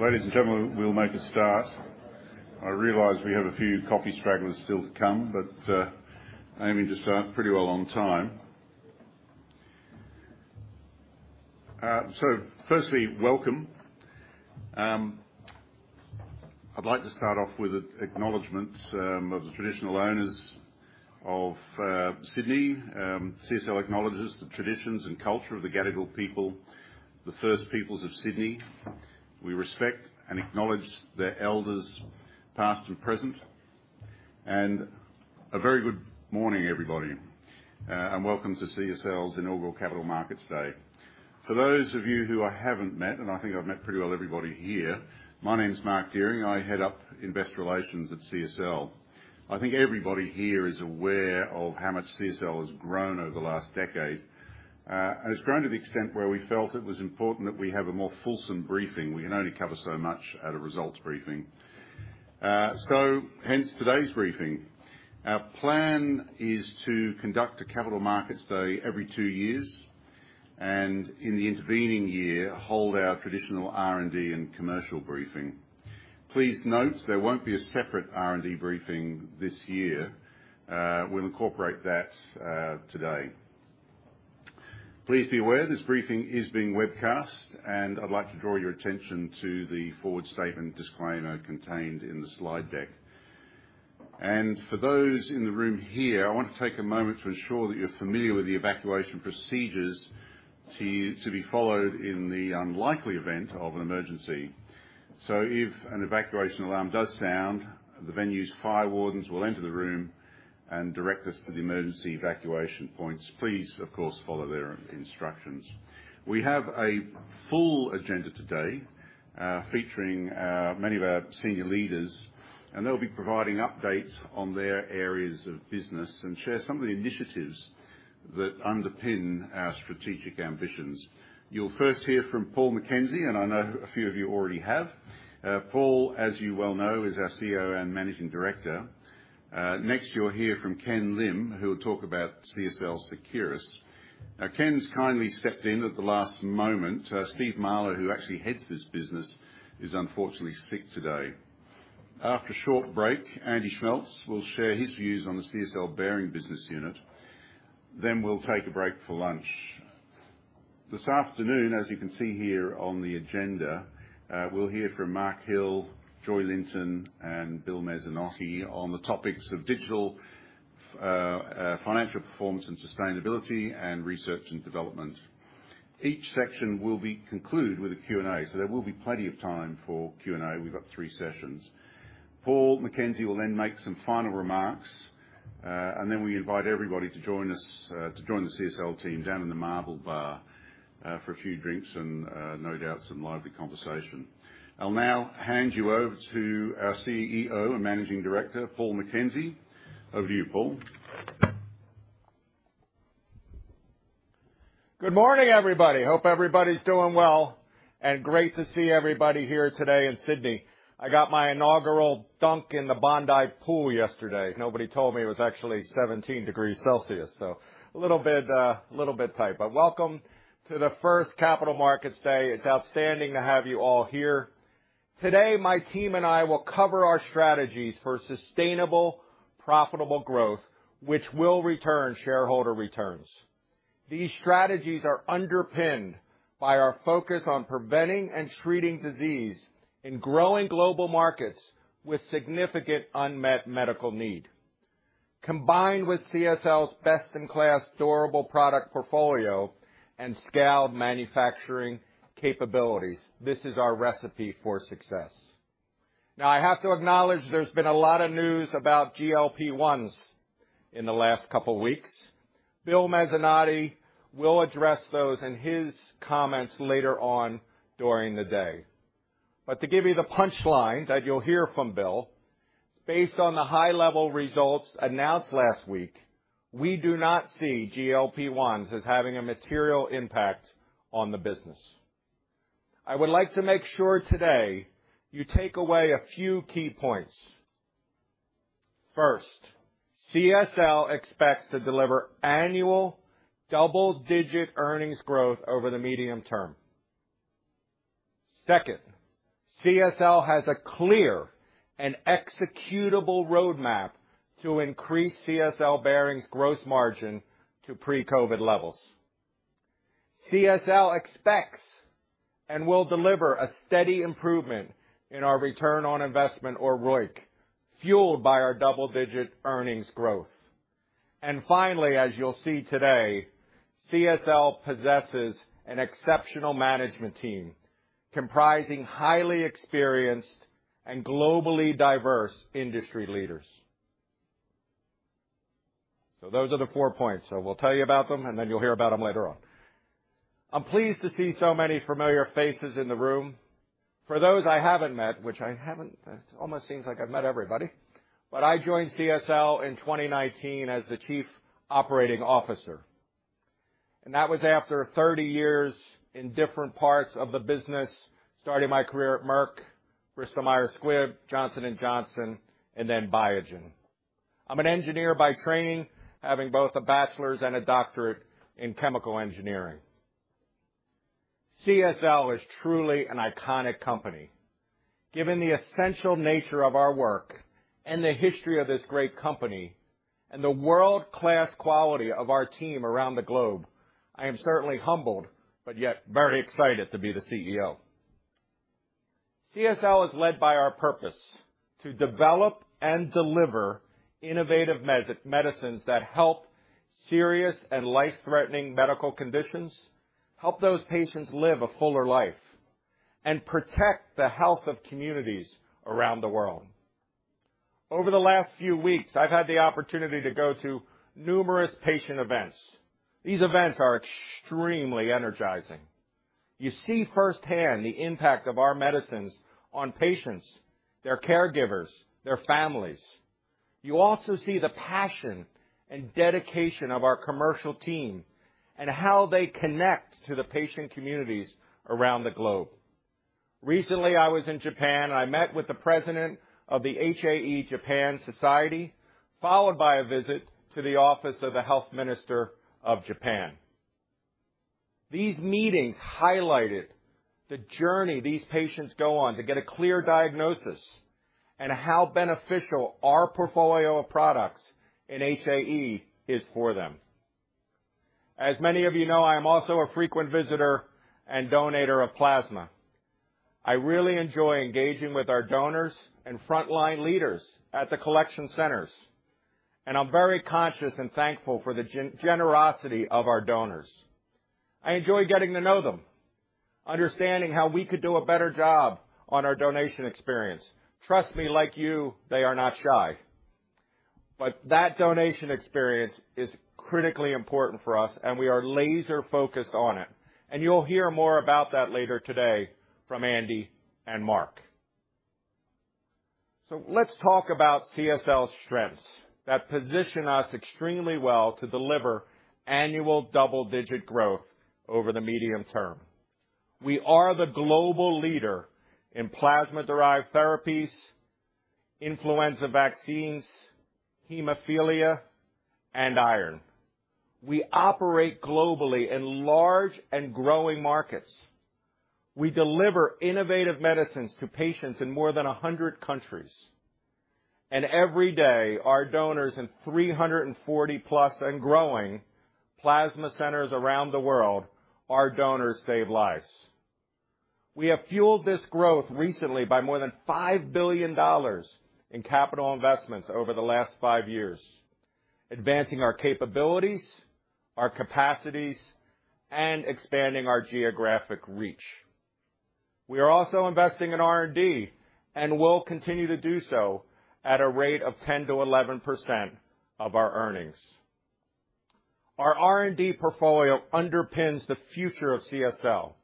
Ladies and gentlemen, we'll make a start. I realize we have a few coffee stragglers still to come, but, I mean, we just start pretty well on time. Firstly, welcome. I'd like to start off with a acknowledgement of the traditional owners of Sydney. CSL acknowledges the traditions and culture of the Gadigal people, the First Peoples of Sydney. We respect and acknowledge their elders, past and present, and a very good morning, everybody, and welcome to CSL's Inaugural Capital Markets Day. For those of you who I haven't met, and I think I've met pretty well everybody here, my name is Mark Dehring. I head up Investor Relations at CSL. I think everybody here is aware of how much CSL has grown over the last decade. And it's grown to the extent where we felt it was important that we have a more fulsome briefing. We can only cover so much at a results briefing. So hence today's briefing. Our plan is to conduct a Capital Markets Day every two years, and in the intervening year, hold our traditional R&D and commercial briefing. Please note there won't be a separate R&D briefing this year. We'll incorporate that today. Please be aware, this briefing is being webcast, and I'd like to draw your attention to the forward statement disclaimer contained in the slide deck. For those in the room here, I want to take a moment to ensure that you're familiar with the evacuation procedures to be followed in the unlikely event of an emergency. So if an evacuation alarm does sound, the venue's fire wardens will enter the room and direct us to the emergency evacuation points. Please, of course, follow their instructions. We have a full agenda today, featuring, many of our senior leaders, and they'll be providing updates on their areas of business and share some of the initiatives that underpin our strategic ambitions. You'll first hear from Paul McKenzie, and I know a few of you already have. Paul, as you well know, is our CEO and Managing Director. Next, you'll hear from Ken Lim, who will talk about CSL Seqirus. Now, Ken's kindly stepped in at the last moment. Steve Marlow, who actually heads this business, is unfortunately sick today. After a short break, Andy Schmeltz will share his views on the CSL Behring business unit. Then we'll take a break for lunch. This afternoon, as you can see here on the agenda, we'll hear from Mark Hill, Joy Linton, and Bill Mezzanotte on the topics of digital, financial performance and sustainability, and research and development. Each section will be concluded with a Q&A, so there will be plenty of time for Q&A. We've got three sessions. Paul McKenzie will then make some final remarks, and then we invite everybody to join us, to join the CSL team down in the Marble Bar, for a few drinks and, no doubt some lively conversation. I'll now hand you over to our CEO and Managing Director, Paul McKenzie. Over to you, Paul. Good morning, everybody. Hope everybody's doing well, and great to see everybody here today in Sydney. I got my inaugural dunk in the Bondi pool yesterday. Nobody told me it was actually 17 degrees Celsius, so a little bit, a little bit tight. But welcome to the first Capital Markets Day. It's outstanding to have you all here. Today, my team and I will cover our strategies for sustainable, profitable growth, which will return shareholder returns. These strategies are underpinned by our focus on preventing and treating disease in growing global markets with significant unmet medical need. Combined with CSL's best-in-class durable product portfolio and scaled manufacturing capabilities, this is our recipe for success. Now, I have to acknowledge there's been a lot of news about GLP-1s in the last couple weeks. Bill Mezzanotte will address those in his comments later on during the day. But to give you the punchline that you'll hear from Bill, based on the high-level results announced last week, we do not see GLP-1s as having a material impact on the business. I would like to make sure today you take away a few key points. First, CSL expects to deliver annual double-digit earnings growth over the medium term. Second, CSL has a clear and executable roadmap to increase CSL Behring's gross margin to pre-COVID levels. CSL expects and will deliver a steady improvement in our return on investment or ROIC, fueled by our double-digit earnings growth. And finally, as you'll see today, CSL possesses an exceptional management team, comprising highly experienced and globally diverse industry leaders. So those are the four points. So we'll tell you about them, and then you'll hear about them later on. I'm pleased to see so many familiar faces in the room. For those I haven't met, which I haven't. It almost seems like I've met everybody, but I joined CSL in 2019 as the Chief Operating Officer, and that was after 30 years in different parts of the business, starting my career at Merck, Bristol Myers Squibb, Johnson & Johnson, and then Biogen. I'm an engineer by training, having both a bachelor's and a doctorate in chemical engineering. CSL is truly an iconic company. Given the essential nature of our work and the history of this great company and the world-class quality of our team around the globe, I am certainly humbled, but yet very excited to be the CEO. CSL is led by our purpose to develop and deliver innovative medicines that help serious and life-threatening medical conditions, help those patients live a fuller life, and protect the health of communities around the world. Over the last few weeks, I've had the opportunity to go to numerous patient events. These events are extremely energizing. You see firsthand the impact of our medicines on patients, their caregivers, their families. You also see the passion and dedication of our commercial team and how they connect to the patient communities around the globe. Recently, I was in Japan, and I met with the president of the HAE Japan Society, followed by a visit to the office of the Health Minister of Japan. These meetings highlighted the journey these patients go on to get a clear diagnosis and how beneficial our portfolio of products in HAE is for them. As many of you know, I am also a frequent visitor and donor of plasma. I really enjoy engaging with our donors and frontline leaders at the collection centers, and I'm very conscious and thankful for the generosity of our donors. I enjoy getting to know them, understanding how we could do a better job on our donation experience. Trust me, like you, they are not shy, but that donation experience is critically important for us, and we are laser focused on it. And you'll hear more about that later today from Andy and Mark. So let's talk about CSL's strengths that position us extremely well to deliver annual double-digit growth over the medium term. We are the global leader in plasma-derived therapies, influenza vaccines, hemophilia, and iron. We operate globally in large and growing markets. We deliver innovative medicines to patients in more than 100 countries, and every day, our donors in 340+ and growing plasma centers around the world, our donors save lives. We have fueled this growth recently by more than $5 billion in capital investments over the last five years, advancing our capabilities, our capacities, and expanding our geographic reach. We are also investing in R&D and will continue to do so at a rate of 10%-11% of our earnings. Our R&D portfolio underpins the future of CSL,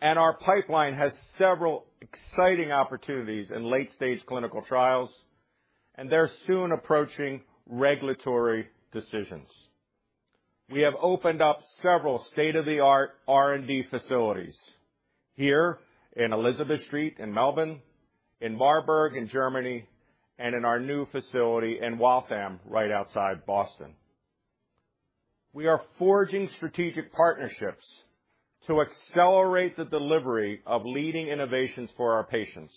and our pipeline has several exciting opportunities in late-stage clinical trials, and they're soon approaching regulatory decisions. We have opened up several state-of-the-art R&D facilities here in Elizabeth Street in Melbourne, in Marburg, in Germany, and in our new facility in Waltham, right outside Boston. We are forging strategic partnerships to accelerate the delivery of leading innovations for our patients,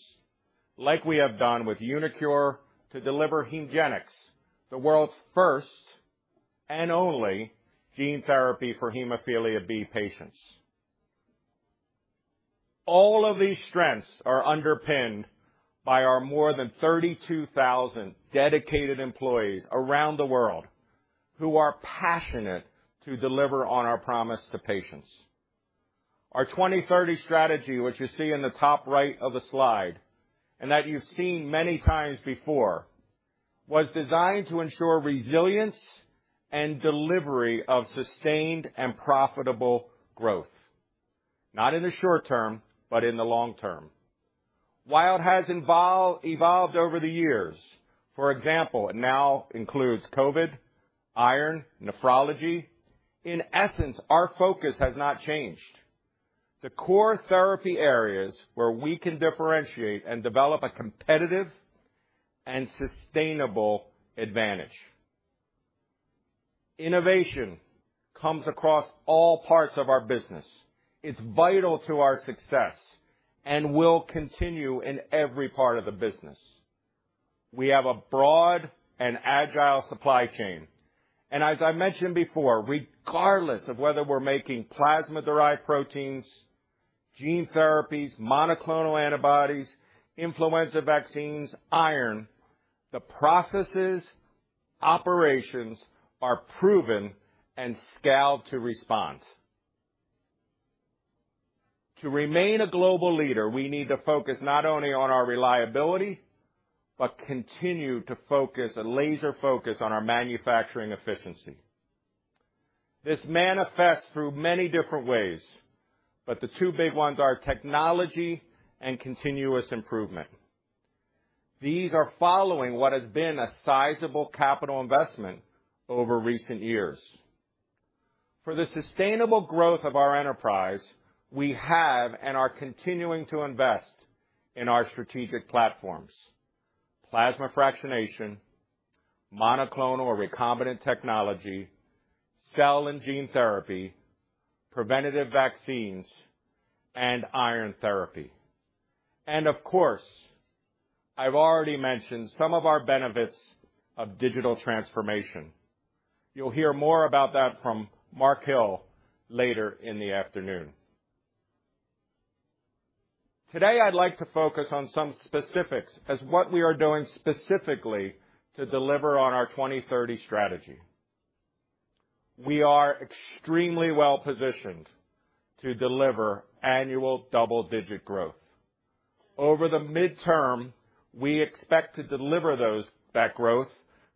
like we have done with uniQure to deliver HEMGENIX, the world's first and only gene therapy for hemophilia B patients. All of these strengths are underpinned by our more than 32,000 dedicated employees around the world who are passionate to deliver on our promise to patients. Our 2030 strategy, which you see in the top right of the slide and that you've seen many times before, was designed to ensure resilience and delivery of sustained and profitable growth, not in the short term, but in the long term. While it has evolved over the years, for example, it now includes COVID, iron, nephrology. In essence, our focus has not changed. The core therapy areas where we can differentiate and develop a competitive and sustainable advantage. Innovation comes across all parts of our business. It's vital to our success and will continue in every part of the business. We have a broad and agile supply chain, and as I mentioned before, regardless of whether we're making plasma-derived proteins, gene therapies, monoclonal antibodies, influenza vaccines, iron, the processes, operations are proven and scaled to respond. To remain a global leader, we need to focus not only on our reliability, but continue to focus a laser focus on our manufacturing efficiency. This manifests through many different ways, but the two big ones are technology and continuous improvement. These are following what has been a sizable capital investment over recent years. For the sustainable growth of our enterprise, we have and are continuing to invest in our strategic platforms: plasma fractionation, monoclonal or recombinant technology, cell and gene therapy, preventative vaccines, and iron therapy. And of course, I've already mentioned some of our benefits of digital transformation. You'll hear more about that from Mark Hill later in the afternoon. Today, I'd like to focus on some specifics as what we are doing specifically to deliver on our 2030 strategy. We are extremely well-positioned to deliver annual double-digit growth. Over the midterm, we expect to deliver that growth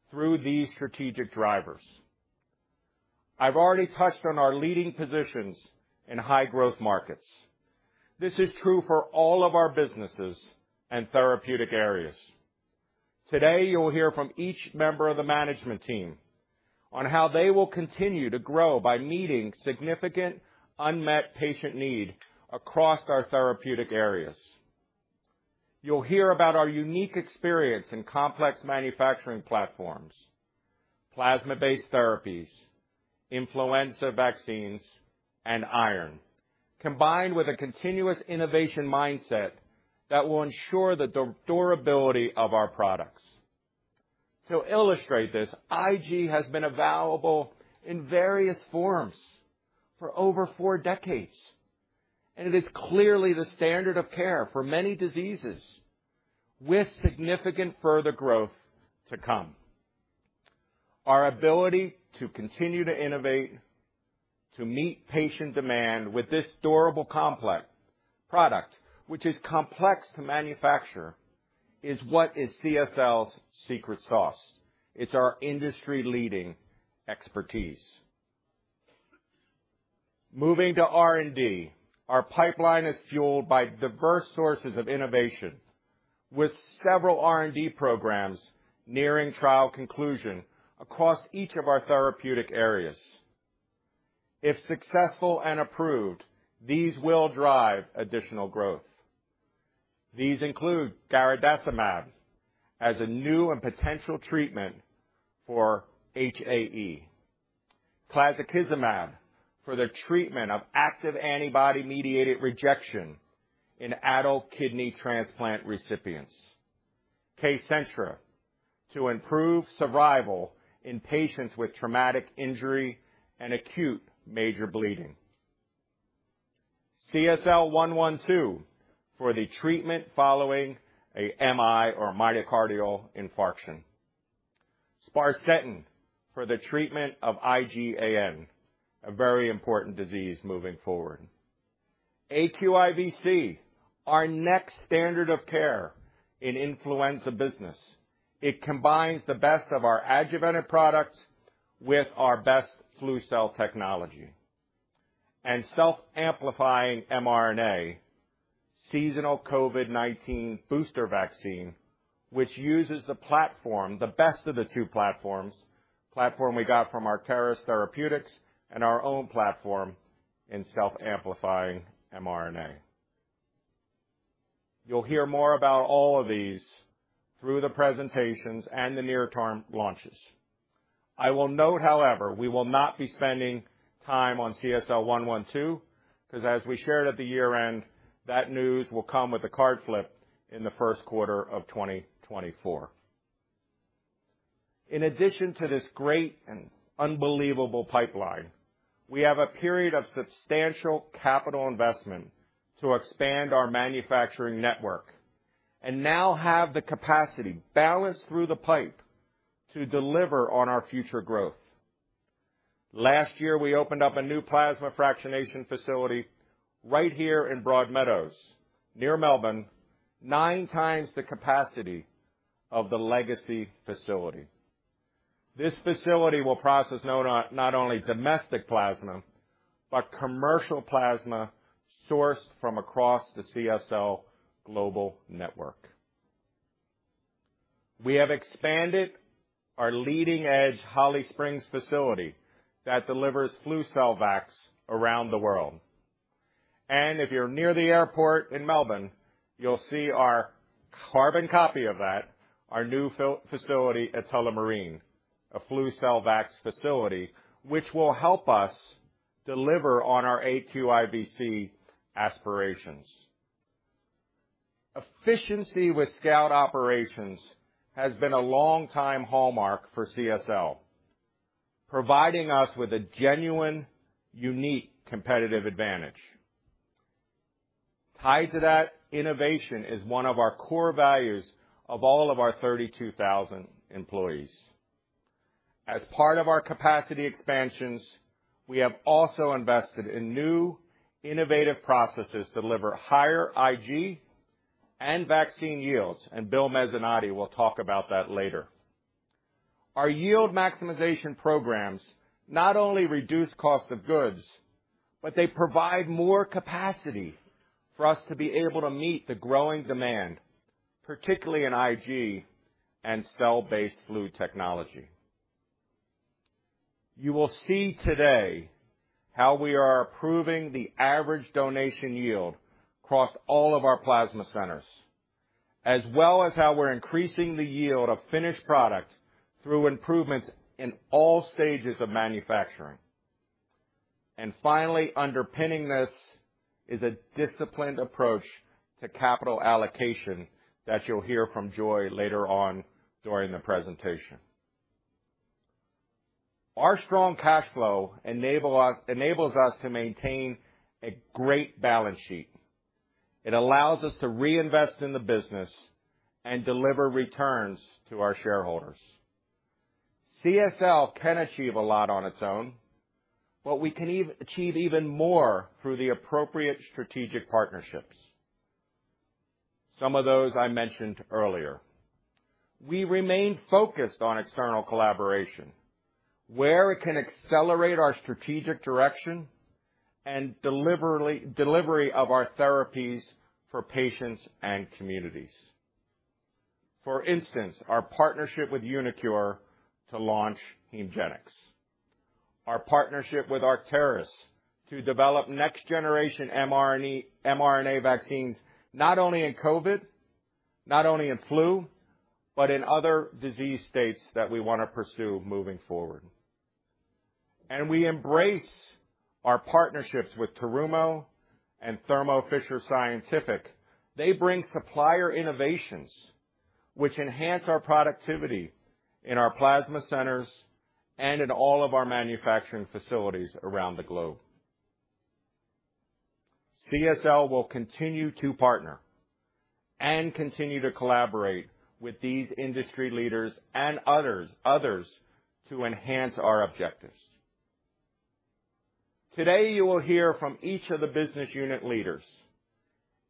through these strategic drivers. I've already touched on our leading positions in high growth markets. This is true for all of our businesses and therapeutic areas. Today, you will hear from each member of the management team on how they will continue to grow by meeting significant unmet patient need across our therapeutic areas. You'll hear about our unique experience in complex manufacturing platforms, plasma-based therapies, influenza vaccines, and iron, combined with a continuous innovation mindset that will ensure the durability of our products. To illustrate this, IG has been available in various forms for over four decades, and it is clearly the standard of care for many diseases, with significant further growth to come. Our ability to continue to innovate, to meet patient demand with this durable, complex product, which is complex to manufacture, is what is CSL's secret sauce. It's our industry-leading expertise. Moving to R&D, our pipeline is fueled by diverse sources of innovation, with several R&D programs nearing trial conclusion across each of our therapeutic areas. If successful and approved, these will drive additional growth. These include garadacimab as a new and potential treatment for HAE. Clazakizumab for the treatment of active antibody-mediated rejection in adult kidney transplant recipients. KCENTRA, to improve survival in patients with traumatic injury and acute major bleeding. CSL112, for the treatment following a MI or myocardial infarction. Sparsentan, for the treatment of IgAN, a very important disease moving forward. aQIVc, our next standard of care in influenza business. It combines the best of our adjuvanted products with our best flu cell technology. And self-amplifying mRNA, seasonal COVID-19 booster vaccine, which uses the platform, the best of the two platforms, platform we got from Arcturus Therapeutics and our own platform in self-amplifying mRNA. You'll hear more about all of these through the presentations and the near-term launches. I will note, however, we will not be spending time on CSL112, 'cause as we shared at the year-end, that news will come with a card flip in the first quarter of 2024. In addition to this great and unbelievable pipeline, we have a period of substantial capital investment to expand our manufacturing network, and now have the capacity balanced through the pipe to deliver on our future growth. Last year, we opened up a new plasma fractionation facility right here in Broadmeadows, near Melbourne, 9x the capacity of the legacy facility. This facility will process not only domestic plasma, but commercial plasma sourced from across the CSL global network. We have expanded our leading-edge Holly Springs facility that delivers Flucelvax around the world. And if you're near the airport in Melbourne, you'll see our carbon copy of that, our new facility at Tullamarine, a Flucelvax facility, which will help us deliver on our aQIVc aspirations. Efficiency with scale operations has been a long time hallmark for CSL, providing us with a genuine, unique competitive advantage. Tied to that, Innovation is one of our core values of all of our 32,000 employees. As part of our capacity expansions, we have also invested in new innovative processes to deliver higher IG and vaccine yields, and Bill Mezzanotte will talk about that later. Our yield maximization programs not only reduce cost of goods, but they provide more capacity for us to be able to meet the growing demand... particularly in IG and cell-based flu technology. You will see today how we are improving the average donation yield across all of our plasma centers, as well as how we're increasing the yield of finished product through improvements in all stages of manufacturing. And finally, underpinning this is a disciplined approach to capital allocation that you'll hear from Joy later on during the presentation. Our strong cash flow enable us-- enables us to maintain a great balance sheet. It allows us to reinvest in the business and deliver returns to our shareholders. CSL can achieve a lot on its own, but we can achieve even more through the appropriate strategic partnerships. Some of those I mentioned earlier. We remain focused on external collaboration, where it can accelerate our strategic direction and delivery of our therapies for patients and communities. For instance, our partnership with uniQure to launch HEMGENIX, our partnership with Arcturus to develop next generation mRNA, mRNA vaccines, not only in COVID, not only in flu, but in other disease states that we want to pursue moving forward. We embrace our partnerships with Terumo and Thermo Fisher Scientific. They bring supplier innovations, which enhance our productivity in our plasma centers and in all of our manufacturing facilities around the globe. CSL will continue to partner and continue to collaborate with these industry leaders and others, others, to enhance our objectives. Today, you will hear from each of the business unit leaders,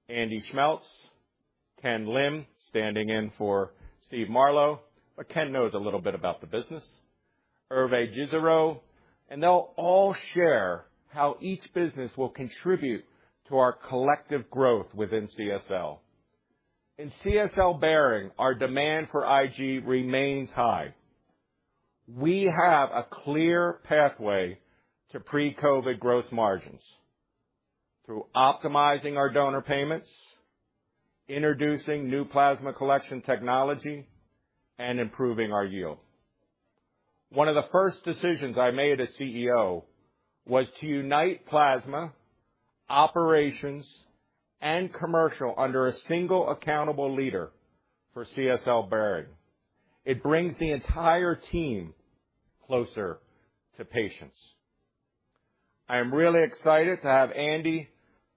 Andy Schmeltz, Ken Lim, standing in for Steve Marlow, but Ken knows a little bit about the business, Hervé Gisserot, and they'll all share how each business will contribute to our collective growth within CSL. In CSL Behring, our demand for IG remains high. We have a clear pathway to pre-COVID growth margins through optimizing our donor payments, introducing new plasma collection technology, and improving our yield. One of the first decisions I made as CEO was to unite plasma, operations, and commercial under a single accountable leader for CSL Behring. It brings the entire team closer to patients. I am really excited to have Andy,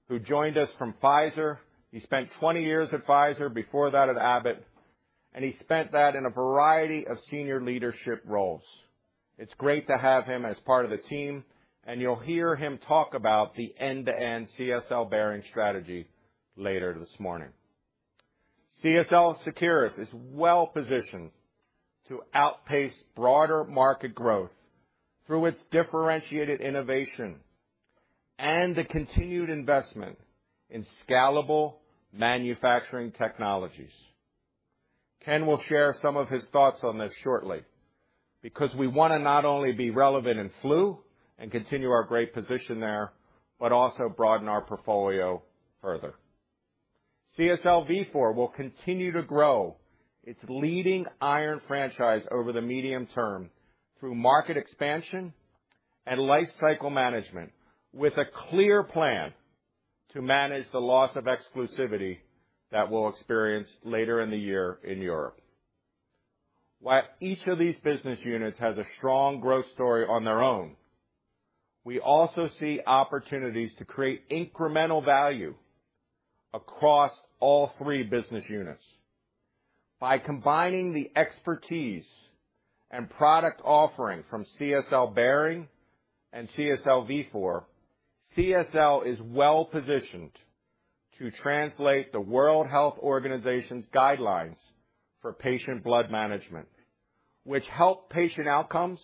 who joined us from Pfizer. He spent 20 years at Pfizer, before that at Abbott, and he spent that in a variety of senior leadership roles. It's great to have him as part of the team, and you'll hear him talk about the end-to-end CSL Behring strategy later this morning. CSL Seqirus is well-positioned to outpace broader market growth through its differentiated innovation and the continued investment in scalable manufacturing technologies. Ken will share some of his thoughts on this shortly, because we want to not only be relevant in flu and continue our great position there, but also broaden our portfolio further. CSL Vifor will continue to grow its leading iron franchise over the medium term through market expansion and lifecycle management, with a clear plan to manage the loss of exclusivity that we'll experience later in the year in Europe. While each of these business units has a strong growth story on their own, we also see opportunities to create incremental value across all three business units. By combining the expertise and product offering from CSL Behring and CSL Vifor, CSL is well-positioned to translate the World Health Organization's guidelines for patient blood management, which help patient outcomes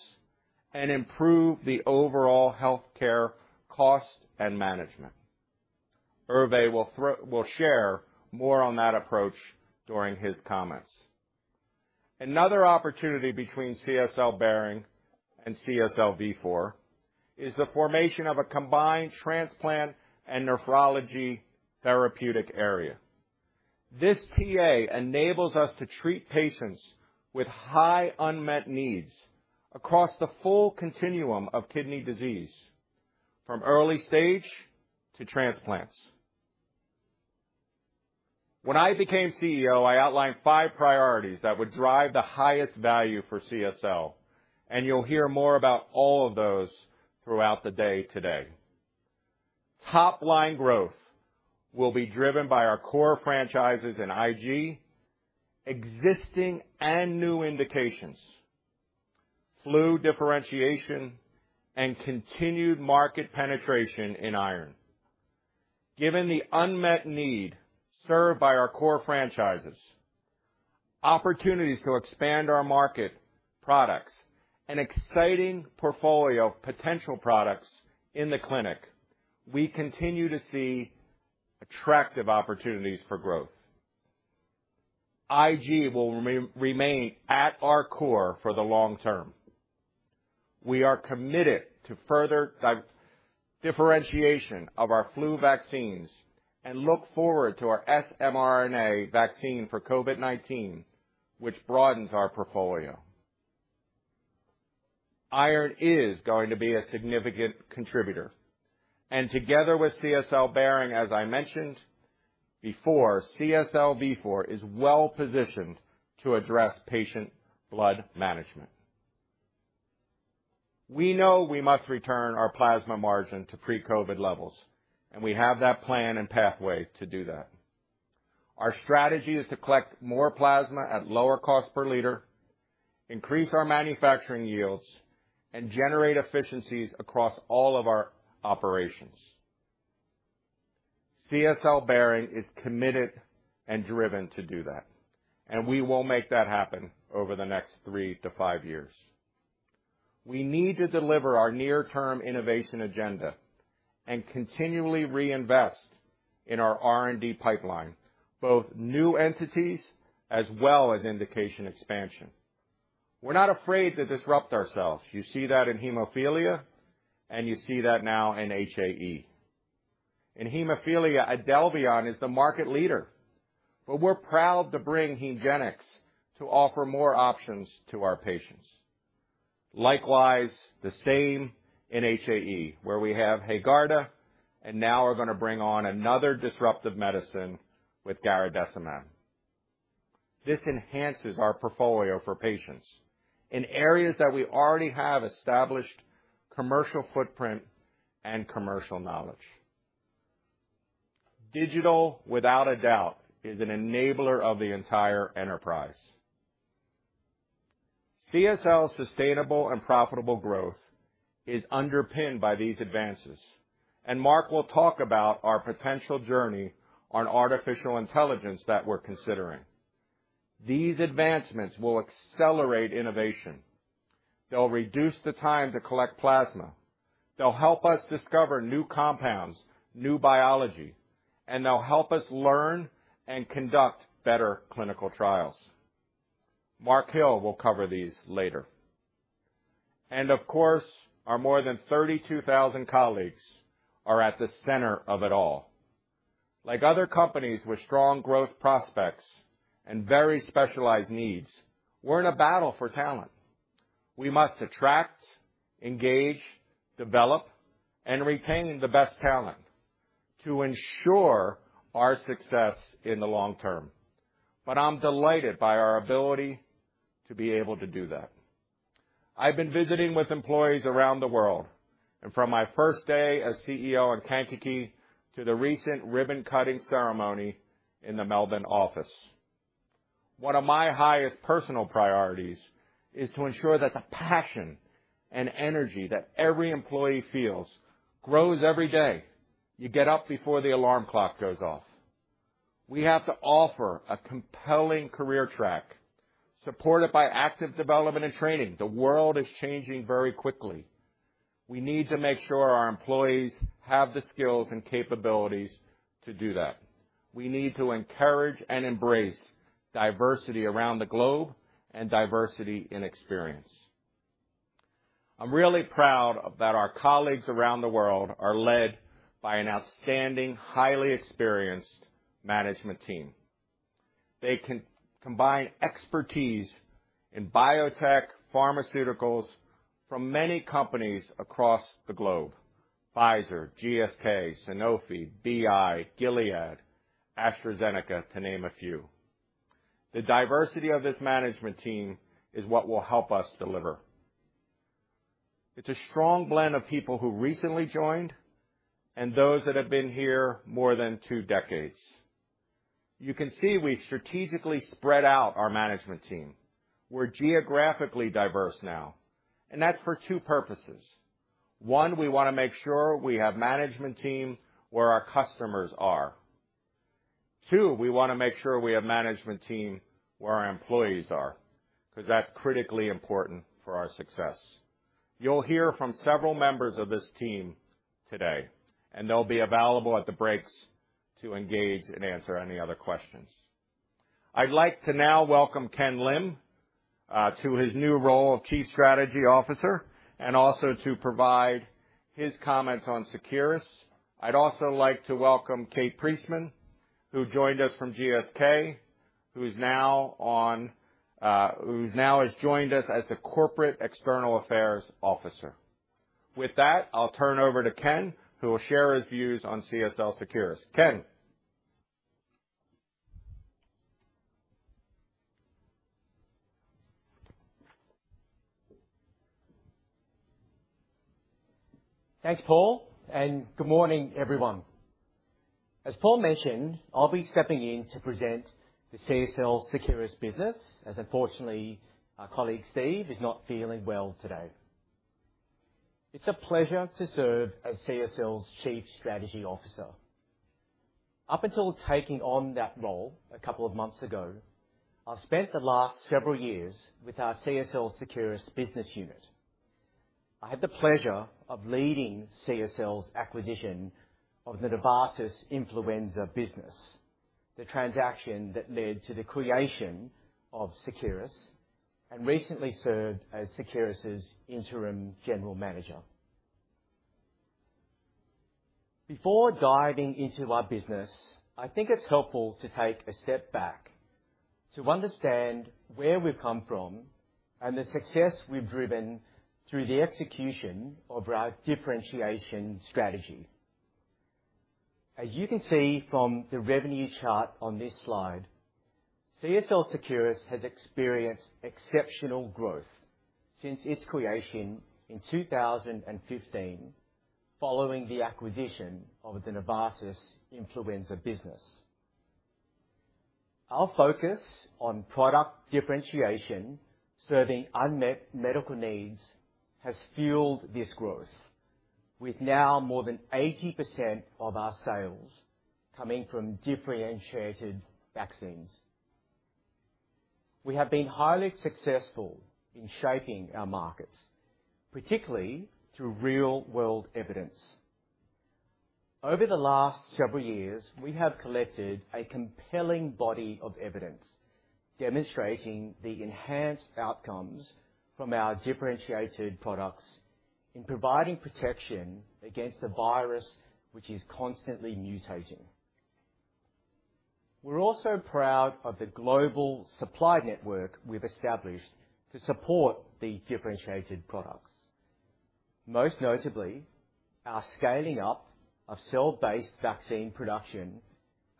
and improve the overall healthcare cost and management. Hervé will share more on that approach during his comments. Another opportunity between CSL Behring and CSL Vifor is the formation of a combined transplant and nephrology therapeutic area. This TA enables us to treat patients with high unmet needs across the full continuum of kidney disease, from early stage to transplants. When I became CEO, I outlined five priorities that would drive the highest value for CSL, and you'll hear more about all of those throughout the day today. Top-line growth will be driven by our core franchises in IG, existing and new indications, flu differentiation, and continued market penetration in iron. Given the unmet need served by our core franchises, opportunities to expand our market, products, and exciting portfolio of potential products in the clinic, we continue to see attractive opportunities for growth. IG will remain at our core for the long term. We are committed to further differentiation of our flu vaccines and look forward to our sa-mRNA vaccine for COVID-19, which broadens our portfolio. Iron is going to be a significant contributor, and together with CSL Behring, as I mentioned before, CSL Vifor is well-positioned to address patient blood management. We know we must return our plasma margin to pre-COVID levels, and we have that plan and pathway to do that. Our strategy is to collect more plasma at lower cost per liter, increase our manufacturing yields, and generate efficiencies across all of our operations. CSL Behring is committed and driven to do that, and we will make that happen over the next three to five years. We need to deliver our near-term innovation agenda and continually reinvest in our R&D pipeline, both new entities as well as indication expansion. We're not afraid to disrupt ourselves. You see that in hemophilia, and you see that now in HAE. In hemophilia, IDELVION is the market leader, but we're proud to bring HEMGENIX to offer more options to our patients. Likewise, the same in HAE, where we have HAEGARDA, and now we're going to bring on another disruptive medicine with garadacimab. This enhances our portfolio for patients in areas that we already have established commercial footprint and commercial knowledge. Digital, without a doubt, is an enabler of the entire enterprise. CSL's sustainable and profitable growth is underpinned by these advances, and Mark will talk about our potential journey on artificial intelligence that we're considering. These advancements will accelerate innovation. They'll reduce the time to collect plasma, they'll help us discover new compounds, new biology, and they'll help us learn and conduct better clinical trials. Mark Hill will cover these later. And of course, our more than 32,000 colleagues are at the center of it all. Like other companies with strong growth prospects and very specialized needs, we're in a battle for talent. We must attract, engage, develop, and retain the best talent to ensure our success in the long term. But I'm delighted by our ability to be able to do that. I've been visiting with employees around the world, and from my first day as CEO in Kankakee to the recent ribbon-cutting ceremony in the Melbourne office. One of my highest personal priorities is to ensure that the passion and energy that every employee feels grows every day. You get up before the alarm clock goes off. We have to offer a compelling career track, supported by active development and training. The world is changing very quickly. We need to make sure our employees have the skills and capabilities to do that. We need to encourage and embrace diversity around the globe and diversity in experience. I'm really proud that our colleagues around the world are led by an outstanding, highly experienced management team. They combine expertise in biotech pharmaceuticals from many companies across the globe: Pfizer, GSK, Sanofi, BI, Gilead, AstraZeneca, to name a few. The diversity of this management team is what will help us deliver. It's a strong blend of people who recently joined and those that have been here more than two decades. You can see we've strategically spread out our management team. We're geographically diverse now, and that's for two purposes. One, we want to make sure we have management team where our customers are. Two, we want to make sure we have management team where our employees are, because that's critically important for our success. You'll hear from several members of this team today, and they'll be available at the breaks to engage and answer any other questions. I'd like to now welcome Ken Lim to his new role of Chief Strategy Officer, and also to provide his comments on Seqirus. I'd also like to welcome Kate Priestman, who joined us from GSK, who is now on, who now has joined us as the Corporate External Affairs Officer. With that, I'll turn over to Ken, who will share his views on CSL Seqirus. Ken? Thanks, Paul, and good morning, everyone. As Paul mentioned, I'll be stepping in to present the CSL Seqirus business, as unfortunately, our colleague, Steve, is not feeling well today. It's a pleasure to serve as CSL's Chief Strategy Officer. Up until taking on that role a couple of months ago, I've spent the last several years with our CSL Seqirus business unit. I had the pleasure of leading CSL's acquisition of the Novartis influenza business, the transaction that led to the creation of Seqirus, and recently served as Seqirus' Interim General Manager. Before diving into our business, I think it's helpful to take a step back to understand where we've come from and the success we've driven through the execution of our differentiation strategy. As you can see from the revenue chart on this slide, CSL Seqirus has experienced exceptional growth since its creation in 2015, following the acquisition of the Novartis influenza business. Our focus on product differentiation, serving unmet medical needs, has fueled this growth, with now more than 80% of our sales coming from differentiated vaccines. We have been highly successful in shaping our markets, particularly through real-world evidence. Over the last several years, we have collected a compelling body of evidence, demonstrating the enhanced outcomes from our differentiated products in providing protection against a virus which is constantly mutating. We're also proud of the global supply network we've established to support the differentiated products. Most notably, our scaling up of cell-based vaccine production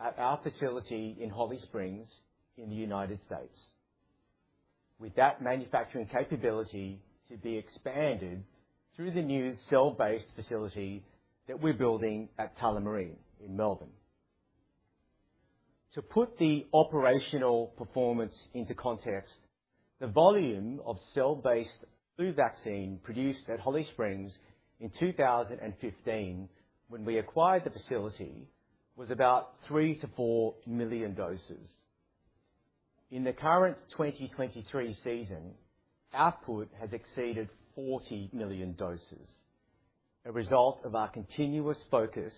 at our facility in Holly Springs in the United States. With that manufacturing capability to be expanded through the new cell-based facility that we're building at Tullamarine in Melbourne. To put the operational performance into context, the volume of cell-based flu vaccine produced at Holly Springs in 2015, when we acquired the facility, was about 3 million-4 million doses. In the current 2023 season, output has exceeded 40 million doses, a result of our continuous focus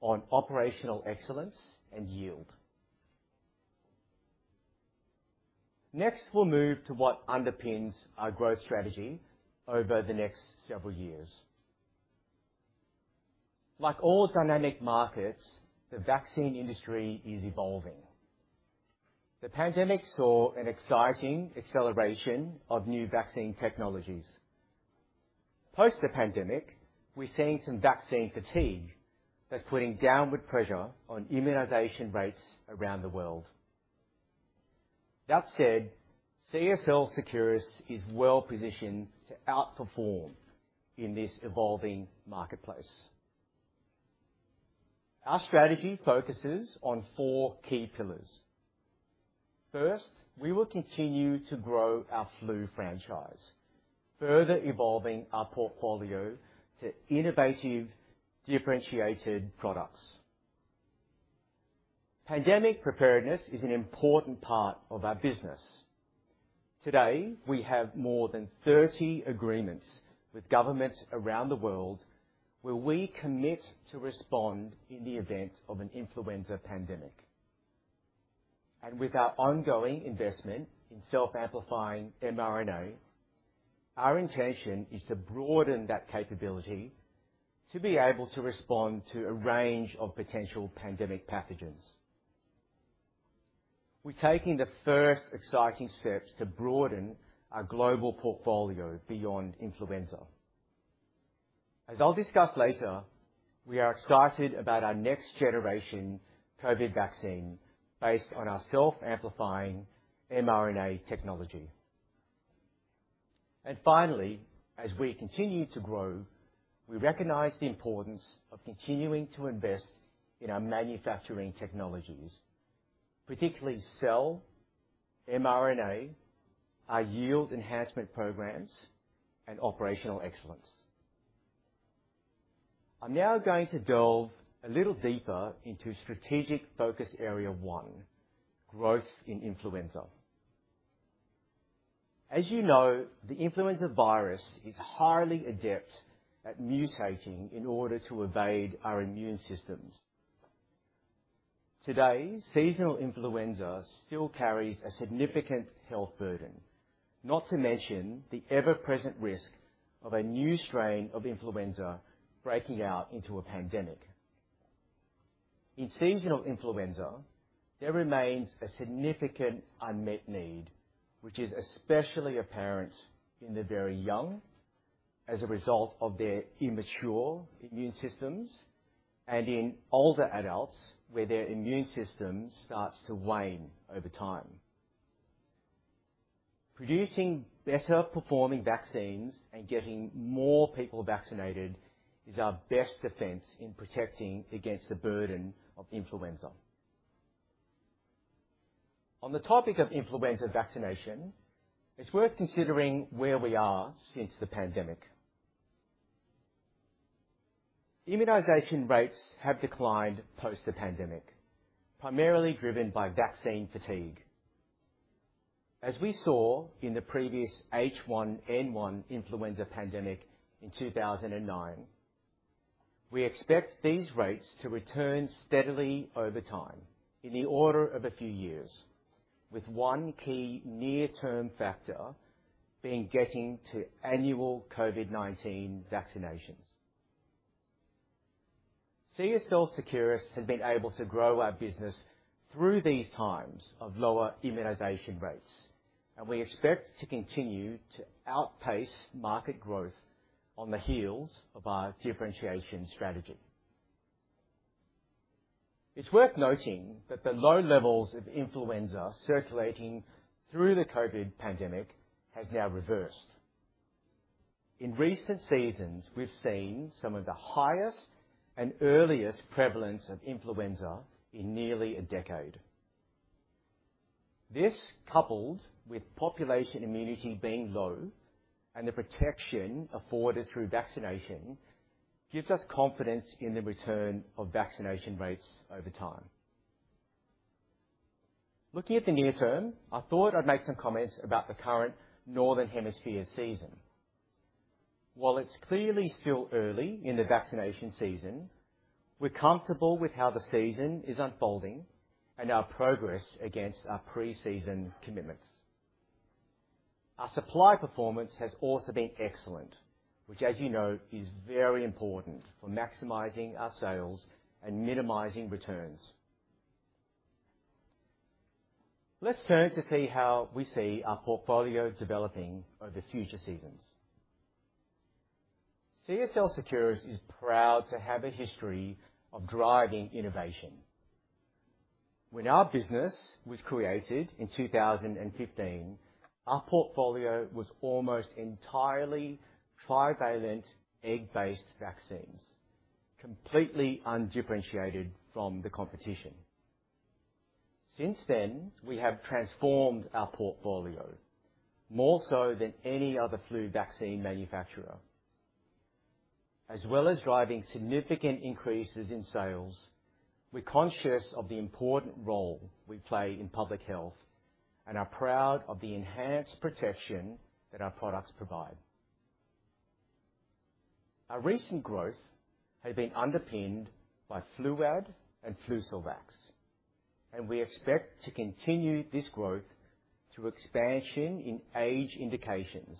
on operational excellence and yield. Next, we'll move to what underpins our growth strategy over the next several years. Like all dynamic markets, the vaccine industry is evolving. The pandemic saw an exciting acceleration of new vaccine technologies. Post the pandemic, we're seeing some vaccine fatigue that's putting downward pressure on immunization rates around the world. That said, CSL Seqirus is well-positioned to outperform in this evolving marketplace. Our strategy focuses on four key pillars. First, we will continue to grow our flu franchise, further evolving our portfolio to innovative, differentiated products. Pandemic preparedness is an important part of our business. Today, we have more than 30 agreements with governments around the world, where we commit to respond in the event of an influenza pandemic. And with our ongoing investment in self-amplifying mRNA, our intention is to broaden that capability to be able to respond to a range of potential pandemic pathogens. We're taking the first exciting steps to broaden our global portfolio beyond influenza. As I'll discuss later, we are excited about our next-generation COVID vaccine based on our self-amplifying mRNA technology. And finally, as we continue to grow, we recognize the importance of continuing to invest in our manufacturing technologies, particularly cell, mRNA, our yield enhancement programs, and operational excellence. I'm now going to delve a little deeper into strategic focus area one, growth in influenza. As you know, the influenza virus is highly adept at mutating in order to evade our immune systems. Today, seasonal influenza still carries a significant health burden, not to mention the ever-present risk of a new strain of influenza breaking out into a pandemic. In seasonal influenza, there remains a significant unmet need, which is especially apparent in the very young as a result of their immature immune systems, and in older adults, where their immune system starts to wane over time. Producing better performing vaccines and getting more people vaccinated is our best defense in protecting against the burden of influenza. On the topic of influenza vaccination, it's worth considering where we are since the pandemic. Immunization rates have declined post the pandemic, primarily driven by vaccine fatigue. As we saw in the previous H1N1 influenza pandemic in 2009, we expect these rates to return steadily over time, in the order of a few years, with one key near-term factor being getting to annual COVID-19 vaccinations. CSL Seqirus has been able to grow our business through these times of lower immunization rates, and we expect to continue to outpace market growth on the heels of our differentiation strategy. It's worth noting that the low levels of influenza circulating through the COVID pandemic has now reversed. In recent seasons, we've seen some of the highest and earliest prevalence of influenza in nearly a decade. This, coupled with population immunity being low and the protection afforded through vaccination, gives us confidence in the return of vaccination rates over time. Looking at the near term, I thought I'd make some comments about the current Northern Hemisphere season. While it's clearly still early in the vaccination season, we're comfortable with how the season is unfolding and our progress against our pre-season commitments. Our supply performance has also been excellent, which, as you know, is very important for maximizing our sales and minimizing returns. Let's turn to see how we see our portfolio developing over future seasons. CSL Seqirus is proud to have a history of driving innovation. When our business was created in 2015, our portfolio was almost entirely trivalent egg-based vaccines, completely undifferentiated from the competition. Since then, we have transformed our portfolio more so than any other flu vaccine manufacturer. As well as driving significant increases in sales, we're conscious of the important role we play in public health and are proud of the enhanced protection that our products provide. Our recent growth has been underpinned by Fluad and Flucelvax, and we expect to continue this growth through expansion in age indications,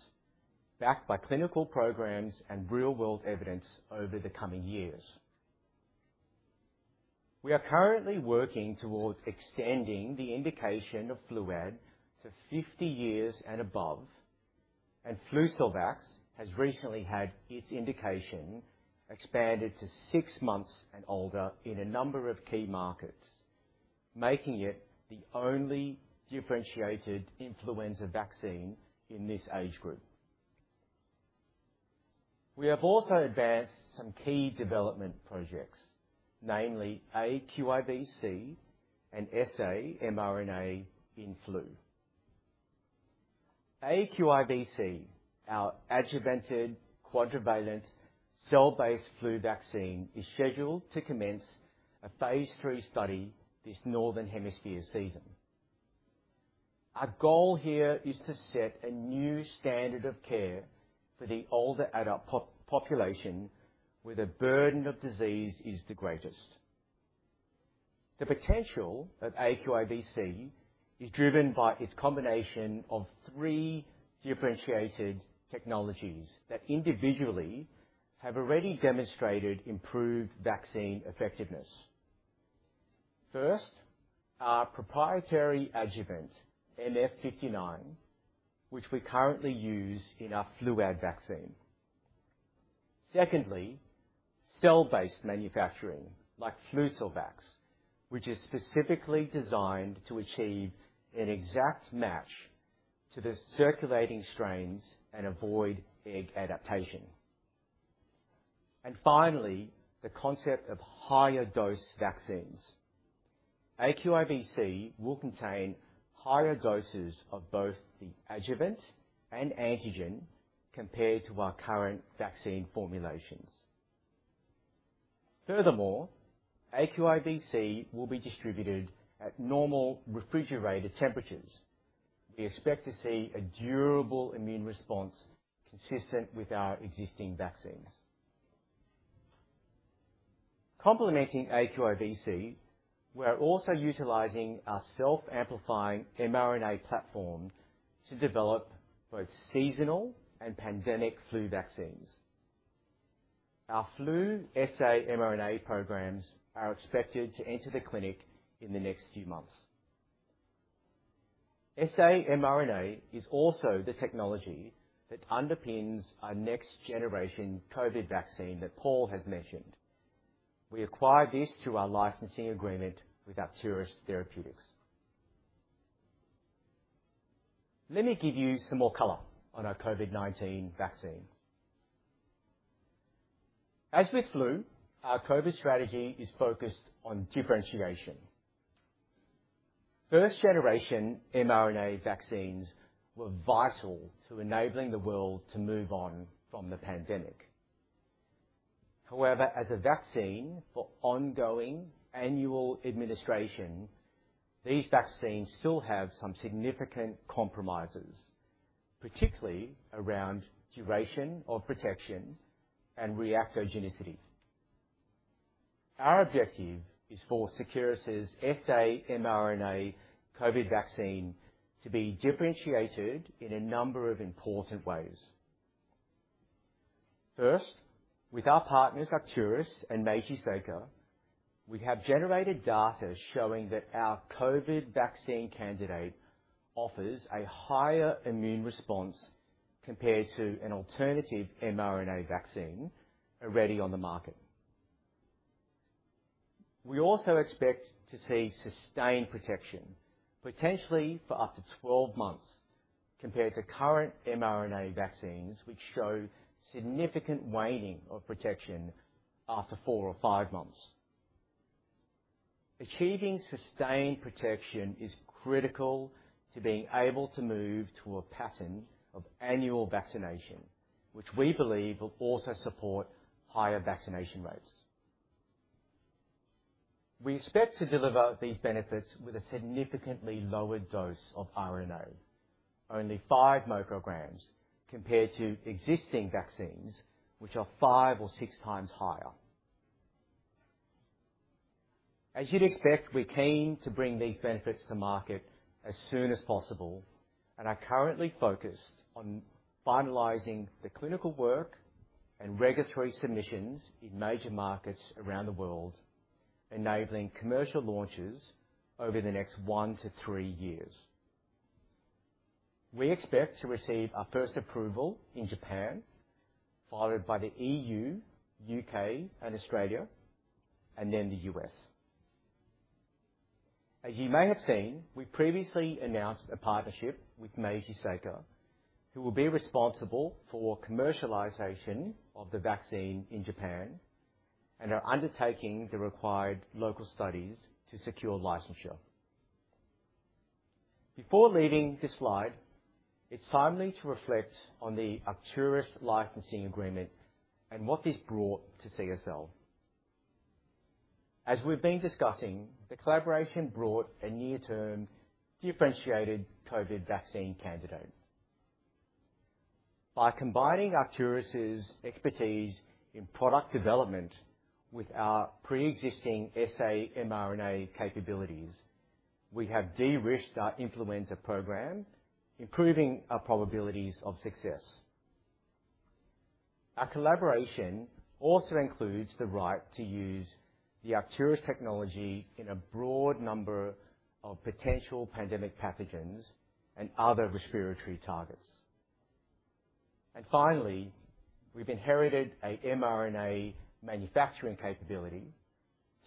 backed by clinical programs and real-world evidence over the coming years. We are currently working towards extending the indication of Fluad to 50 years and above, and Flucelvax has recently had its indication expanded to six months and older in a number of key markets, making it the only differentiated influenza vaccine in this age group. We have also advanced some key development projects, namely aQIVc and sa-mRNA in flu. aQIVc, our adjuvanted quadrivalent cell-based flu vaccine, is scheduled to commence a phase III study this Northern Hemisphere season. Our goal here is to set a new standard of care for the older adult population, where the burden of disease is the greatest. The potential of aQIVc is driven by its combination of three differentiated technologies that individually have already demonstrated improved vaccine effectiveness. First, our proprietary adjuvant, MF59, which we currently use in our Fluad vaccine. Secondly, cell-based manufacturing, like Flucelvax, which is specifically designed to achieve an exact match to the circulating strains and avoid egg adaptation. And finally, the concept of higher-dose vaccines. aQIVc will contain higher doses of both the adjuvant and antigen compared to our current vaccine formulations. Furthermore, aQIVc will be distributed at normal refrigerated temperatures. We expect to see a durable immune response consistent with our existing vaccines. Complementing aQIVc, we are also utilizing our self-amplifying mRNA platform to develop both seasonal and pandemic flu vaccines. Our flu sa-mRNA programs are expected to enter the clinic in the next few months. sa-mRNA is also the technology that underpins our next generation COVID vaccine that Paul has mentioned. We acquired this through our licensing agreement with Arcturus Therapeutics. Let me give you some more color on our COVID-19 vaccine. As with flu, our COVID strategy is focused on differentiation. First generation mRNA vaccines were vital to enabling the world to move on from the pandemic. However, as a vaccine for ongoing annual administration, these vaccines still have some significant compromises, particularly around duration of protection and reactogenicity. Our objective is for Seqirus's sa-mRNA COVID vaccine to be differentiated in a number of important ways. First, with our partners, Arcturus and Meiji Seika, we have generated data showing that our COVID vaccine candidate offers a higher immune response compared to an alternative mRNA vaccine already on the market. We also expect to see sustained protection, potentially for up to 12 months, compared to current mRNA vaccines, which show significant waning of protection after four or five months. Achieving sustained protection is critical to being able to move to a pattern of annual vaccination, which we believe will also support higher vaccination rates. We expect to deliver these benefits with a significantly lower dose of RNA, only 5 µg, compared to existing vaccines, which are 5x or 6x higher. As you'd expect, we're keen to bring these benefits to market as soon as possible, and are currently focused on finalizing the clinical work and regulatory submissions in major markets around the world, enabling commercial launches over the next one to three years. We expect to receive our first approval in Japan, followed by the EU, U.K. and Australia, and then the U.S. As you may have seen, we previously announced a partnership with Meiji Seika, who will be responsible for commercialization of the vaccine in Japan and are undertaking the required local studies to secure licensure. Before leaving this slide, it's timely to reflect on the Arcturus licensing agreement and what this brought to CSL. As we've been discussing, the collaboration brought a near-term differentiated COVID vaccine candidate. By combining Arcturus' expertise in product development with our pre-existing sa-mRNA capabilities, we have de-risked our influenza program, improving our probabilities of success. Our collaboration also includes the right to use the Arcturus technology in a broad number of potential pandemic pathogens and other respiratory targets. And finally, we've inherited a mRNA manufacturing capability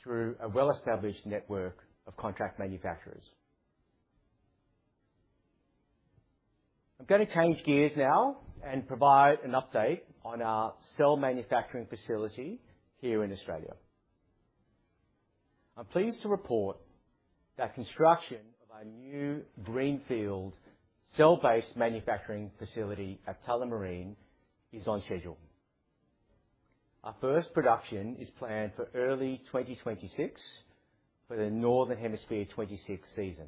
through a well-established network of contract manufacturers. I'm going to change gears now and provide an update on our cell manufacturing facility here in Australia. I'm pleased to report that construction of our new greenfield cell-based manufacturing facility at Tullamarine is on schedule. Our first production is planned for early 2026 for the Northern Hemisphere 2026 season.